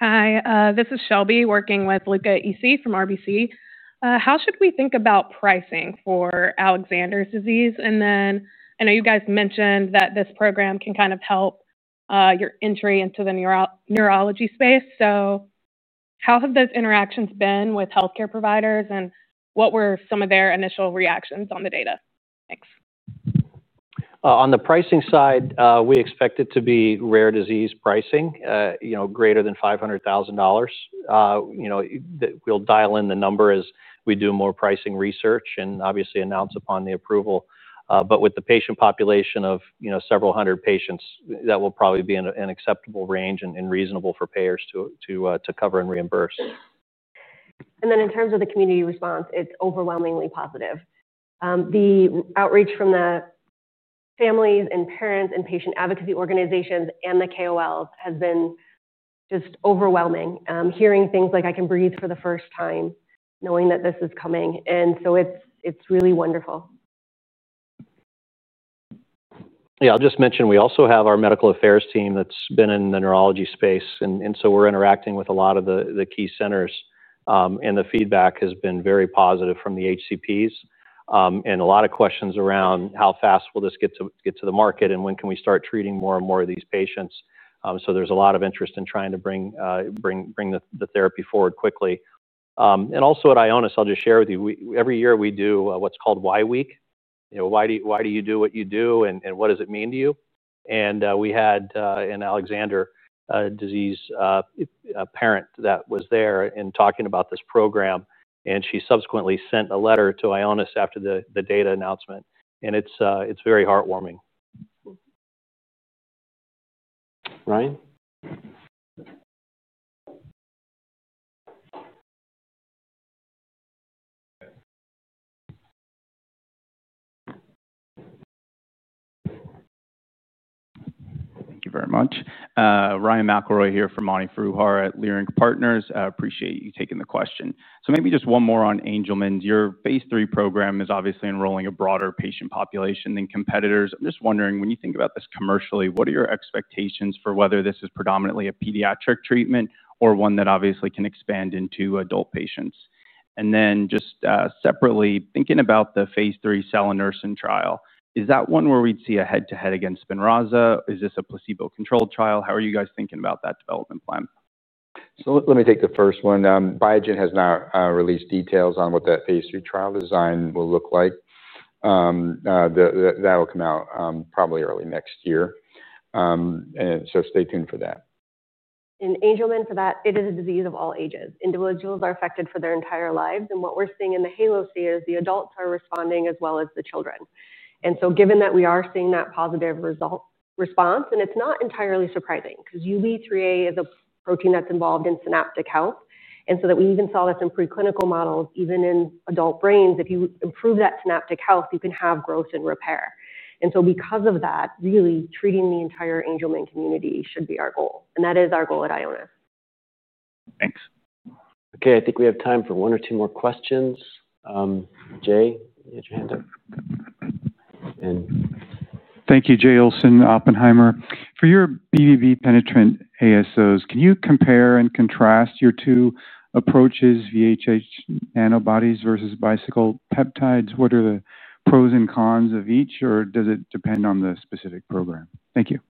Hi. This is Shelby working with Luca Issi from RBC. How should we think about pricing for Alexander disease? I know you guys mentioned that this program can kind of help your entry into the neurology space. How have those interactions been with health care providers? What were some of their initial reactions on the data? Thanks. On the pricing side, we expect it to be rare disease pricing, you know, greater than $500,000. We'll dial in the number as we do more pricing research and obviously announce upon the approval. With the patient population of several hundred patients, that will probably be an acceptable range and reasonable for payers to cover and reimburse. In terms of the community response, it's overwhelmingly positive. The outreach from the families and parents and patient advocacy organizations and the KOLs has been just overwhelming. Hearing things like I can breathe for the first time, knowing that this is coming, is really wonderful. Yeah, I'll just mention we also have our Medical Affairs team that's been in the neurology space, so we're interacting with a lot of the key centers. The feedback has been very positive from the HCPs, and a lot of questions around how fast will this get to the market and when can we start treating more and more of these patients. There's a lot of interest in trying to bring the therapy forward quickly. Also at Ionis, I'll just share with you, every year we do what's called Y Week. Why do you do what you do? What does it mean to you? We had an Alexander disease parent that was there and talking about this program, and she subsequently sent a letter to Ionis after the data announcement. It's very heartwarming. Ryan? Thank you very much. Ryan McElroy here from Monty Fruehar at Leerink Partners. Appreciate you taking the question. Maybe just one more on Angelman. Your phase III program is obviously enrolling a broader patient population than competitors. I'm just wondering, when you think about this commercially, what are your expectations for whether this is predominantly a pediatric treatment or one that obviously can expand into adult patients? Just separately, thinking about the phase III Sal and Ersin trial, is that one where we'd see a head-to-head against Spinraza? Is this a placebo-controlled trial? How are you guys thinking about that development plan? Let me take the first one. Biogen has not released details on what that phase III trial design will look like. That will come out probably early next year. Stay tuned for that. In Angelman, it is a disease of all ages. Individuals are affected for their entire lives. What we're seeing in the HALO study is the adults are responding as well as the children. Given that we are seeing that positive response, it's not entirely surprising because UB3A is a protein that's involved in synaptic health. We even saw this in preclinical models, even in adult brains. If you improve that synaptic health, you can have growth and repair. Because of that, really treating the entire Angelman community should be our goal. That is our goal at Ionis. Thanks. OK, I think we have time for one or two more questions. Jay, you had your hand up. Thank you, Britt Olsen, Oppenheimer. For your BBB penetrant ASOs, can you compare and contrast your two approaches, VHH antibodies versus bicycle peptides? What are the pros and cons of each? Does it depend on the specific program? Thank you.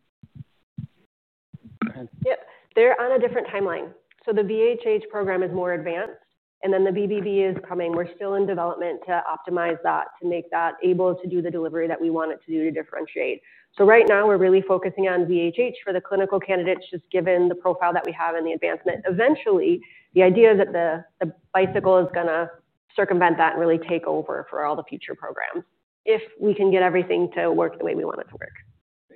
They're on a different timeline. The VHH program is more advanced, and the BBB is coming. We're still in development to optimize that, to make that able to do the delivery that we want it to do to differentiate. Right now, we're really focusing on VHH for the clinical candidates, just given the profile that we have and the advancement. Eventually, the idea is that the bicycle is going to circumvent that and really take over for all the future programs if we can get everything to work the way we want it to work.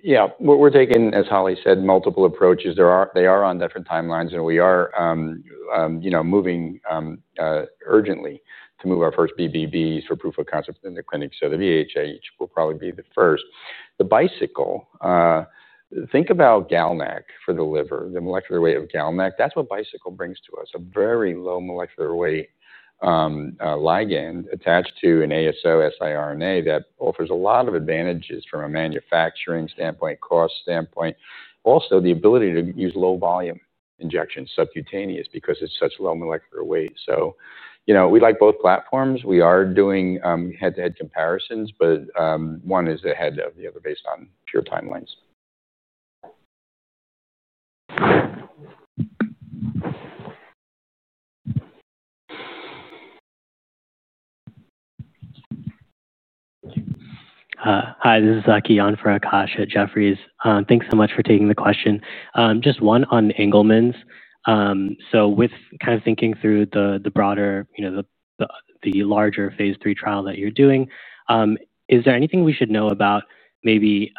Yeah. What we're taking, as Holly said, multiple approaches. They are on different timelines. We are moving urgently to move our first BBBs for proof of concept in the clinic. The VHH will probably be the first. The bicycle, think about GALNEC for the liver, the molecular weight of GALNEC. That's what bicycle brings to us, a very low molecular weight ligand attached to an ASO siRNA that offers a lot of advantages from a manufacturing standpoint, cost standpoint. Also, the ability to use low volume injections, subcutaneous, because it's such low molecular weight. We like both platforms. We are doing head-to-head comparisons. One is ahead of the other based on pure timelines. Hi. This is Aki on for Akasha Jeffries. Thanks so much for taking the question. Just one on Angelman's. With kind of thinking through the broader, the larger phase III trial that you're doing, is there anything we should know about maybe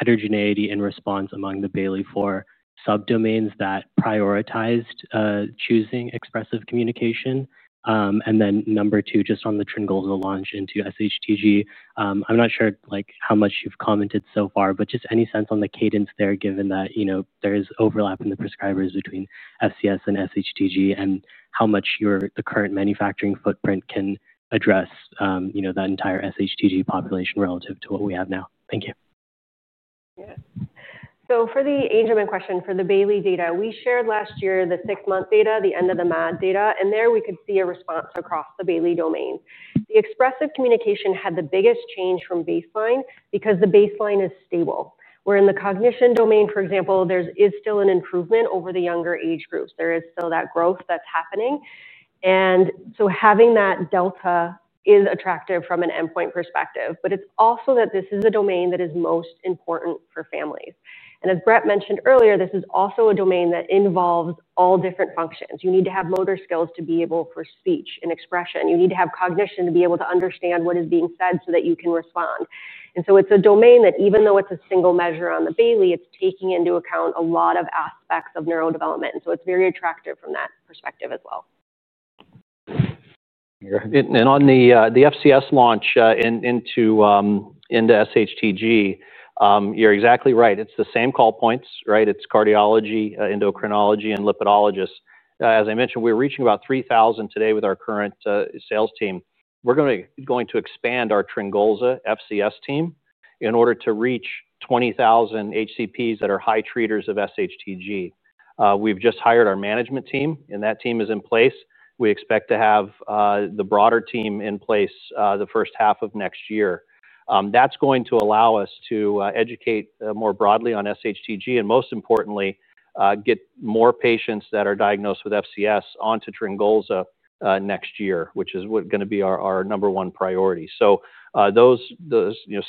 heterogeneity in response among the Bailey IV subdomains that prioritized choosing expressive communication? Number two, just on the Tryngolza launch into SHTG, I'm not sure how much you've commented so far, but just any sense on the cadence there, given that there is overlap in the prescribers between FCS and SHTG and how much the current manufacturing footprint can address that entire SHTG population relative to what we have now? Thank you. For the Angelman question, for the Bailey data, we shared last year the six-month data, the end-of-the-math data. There we could see a response across the Bailey domain. The expressive communication had the biggest change from baseline because the baseline is stable. Where in the cognition domain, for example, there is still an improvement over the younger age groups. There is still that growth that's happening. Having that delta is attractive from an endpoint perspective. It's also that this is a domain that is most important for families. As Brett mentioned earlier, this is also a domain that involves all different functions. You need to have motor skills to be able for speech and expression. You need to have cognition to be able to understand what is being said so that you can respond. It's a domain that even though it's a single measure on the Bailey, it's taking into account a lot of aspects of neurodevelopment. It's very attractive from that perspective as well. On the FCS launch into SHTG, you're exactly right. It's the same call points, right? It's cardiology, endocrinology, and lipidologists. As I mentioned, we're reaching about 3,000 today with our current sales team. We're going to expand our Tryngolza FCS team in order to reach 20,000 HCPs that are high treaters of SHTG. We've just hired our management team, and that team is in place. We expect to have the broader team in place the first half of next year. That is going to allow us to educate more broadly on SHTG and, most importantly, get more patients that are diagnosed with FCS onto Tryngolza next year, which is going to be our number one priority. The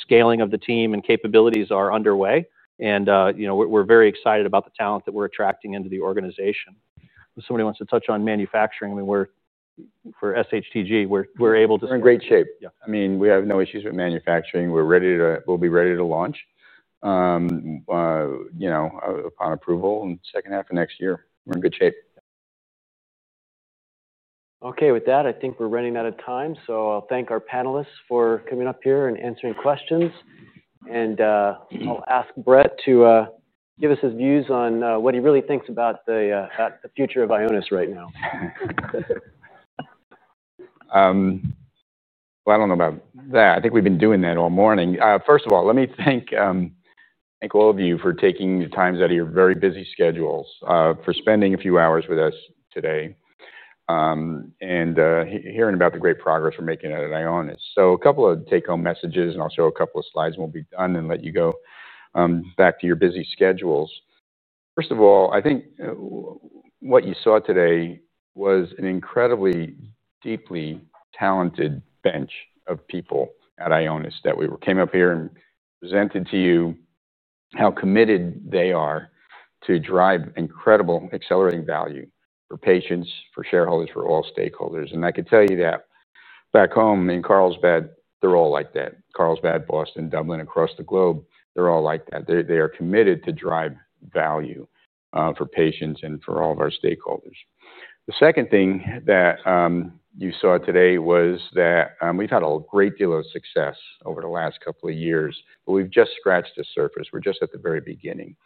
scaling of the team and capabilities are underway, and we're very excited about the talent that we're attracting into the organization. If somebody wants to touch on manufacturing, I mean, for SHTG, we're able to. We're in great shape. I mean, we have no issues with manufacturing. We'll be ready to launch upon approval in the second half of next year. We're in good shape. OK, with that, I think we're running out of time. I'll thank our panelists for coming up here and answering questions. I'll ask Brett to give us his views on what he really thinks about the future of Ionis Pharmaceuticals right now. I don't know about that. I think we've been doing that all morning. First of all, let me thank all of you for taking the time out of your very busy schedules for spending a few hours with us today and hearing about the great progress we're making at Ionis Pharmaceuticals. A couple of take-home messages. I'll show a couple of slides, and we'll be done and let you go back to your busy schedules. First of all, I think what you saw today was an incredibly deeply talented bench of people at Ionis Pharmaceuticals that came up here and presented to you how committed they are to drive incredible accelerating value for patients, for shareholders, for all stakeholders. I could tell you that back home in Carlsbad, they're all like that. Carlsbad, Boston, Dublin, across the globe, they're all like that. They are committed to drive value for patients and for all of our stakeholders. The second thing that you saw today was that we've had a great deal of success over the last couple of years. We've just scratched the surface. We're just at the very beginning.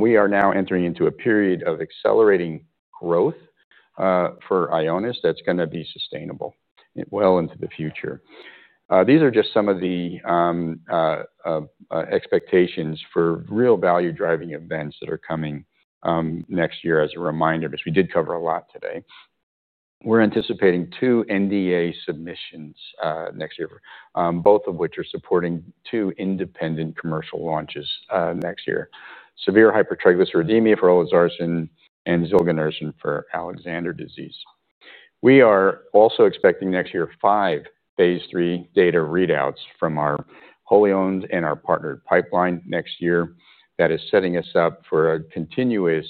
We are now entering into a period of accelerating growth for Ionis Pharmaceuticals that's going to be sustainable well into the future. These are just some of the expectations for real value-driving events that are coming next year as a reminder, because we did cover a lot today. We're anticipating two NDA submissions next year, both of which are supporting two independent commercial launches next year, severe hypertriglyceridemia for Olezarsen and Zilganersen for Alexander disease. We are also expecting next year five phase III data readouts from our wholly owned and our partnered pipeline next year that is setting us up for continuous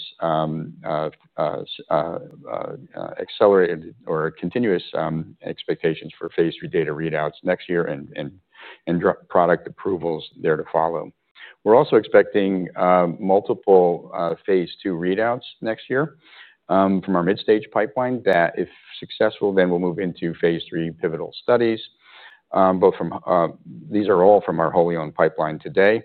expectations for phase III data readouts next year and product approvals there to follow. We're also expecting multiple phase II readouts next year from our mid-stage pipeline that, if successful, then will move into phase III pivotal studies. These are all from our wholly owned pipeline today.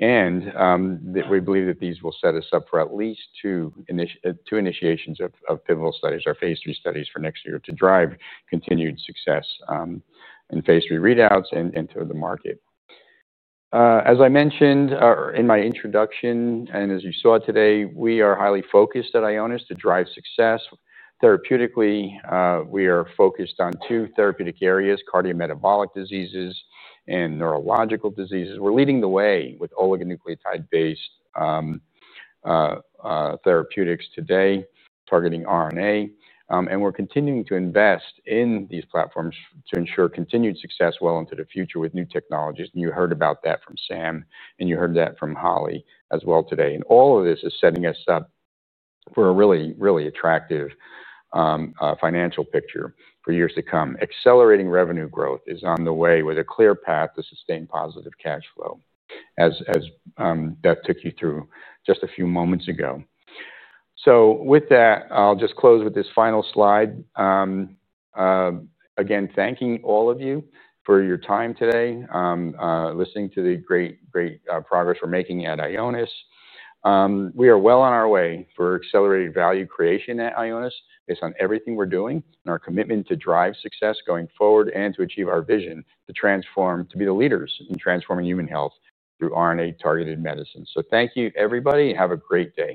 We believe that these will set us up for at least two initiations of pivotal studies, our phase III studies for next year to drive continued success in phase III readouts and into the market. As I mentioned in my introduction and as you saw today, we are highly focused at Ionis Pharmaceuticals to drive success therapeutically. We are focused on two therapeutic areas, cardiometabolic diseases and neurological diseases. We're leading the way with oligonucleotide technology today targeting RNA. We are continuing to invest in these platforms to ensure continued success well into the future with new technologies. You heard about that from Sam. You heard that from Holly as well today. All of this is setting us up for a really, really attractive financial picture for years to come. Accelerating revenue growth is on the way with a clear path to sustained positive cash flow, as Beth took you through just a few moments ago. I will just close with this final slide. Again, thanking all of you for your time today, listening to the great progress we're making at Ionis Pharmaceuticals. We are well on our way for accelerated value creation at Ionis Pharmaceuticals based on everything we're doing and our commitment to drive success going forward and to achieve our vision to be the leaders in transforming human health through RNA-targeted medicine. Thank you, everybody. Have a great day.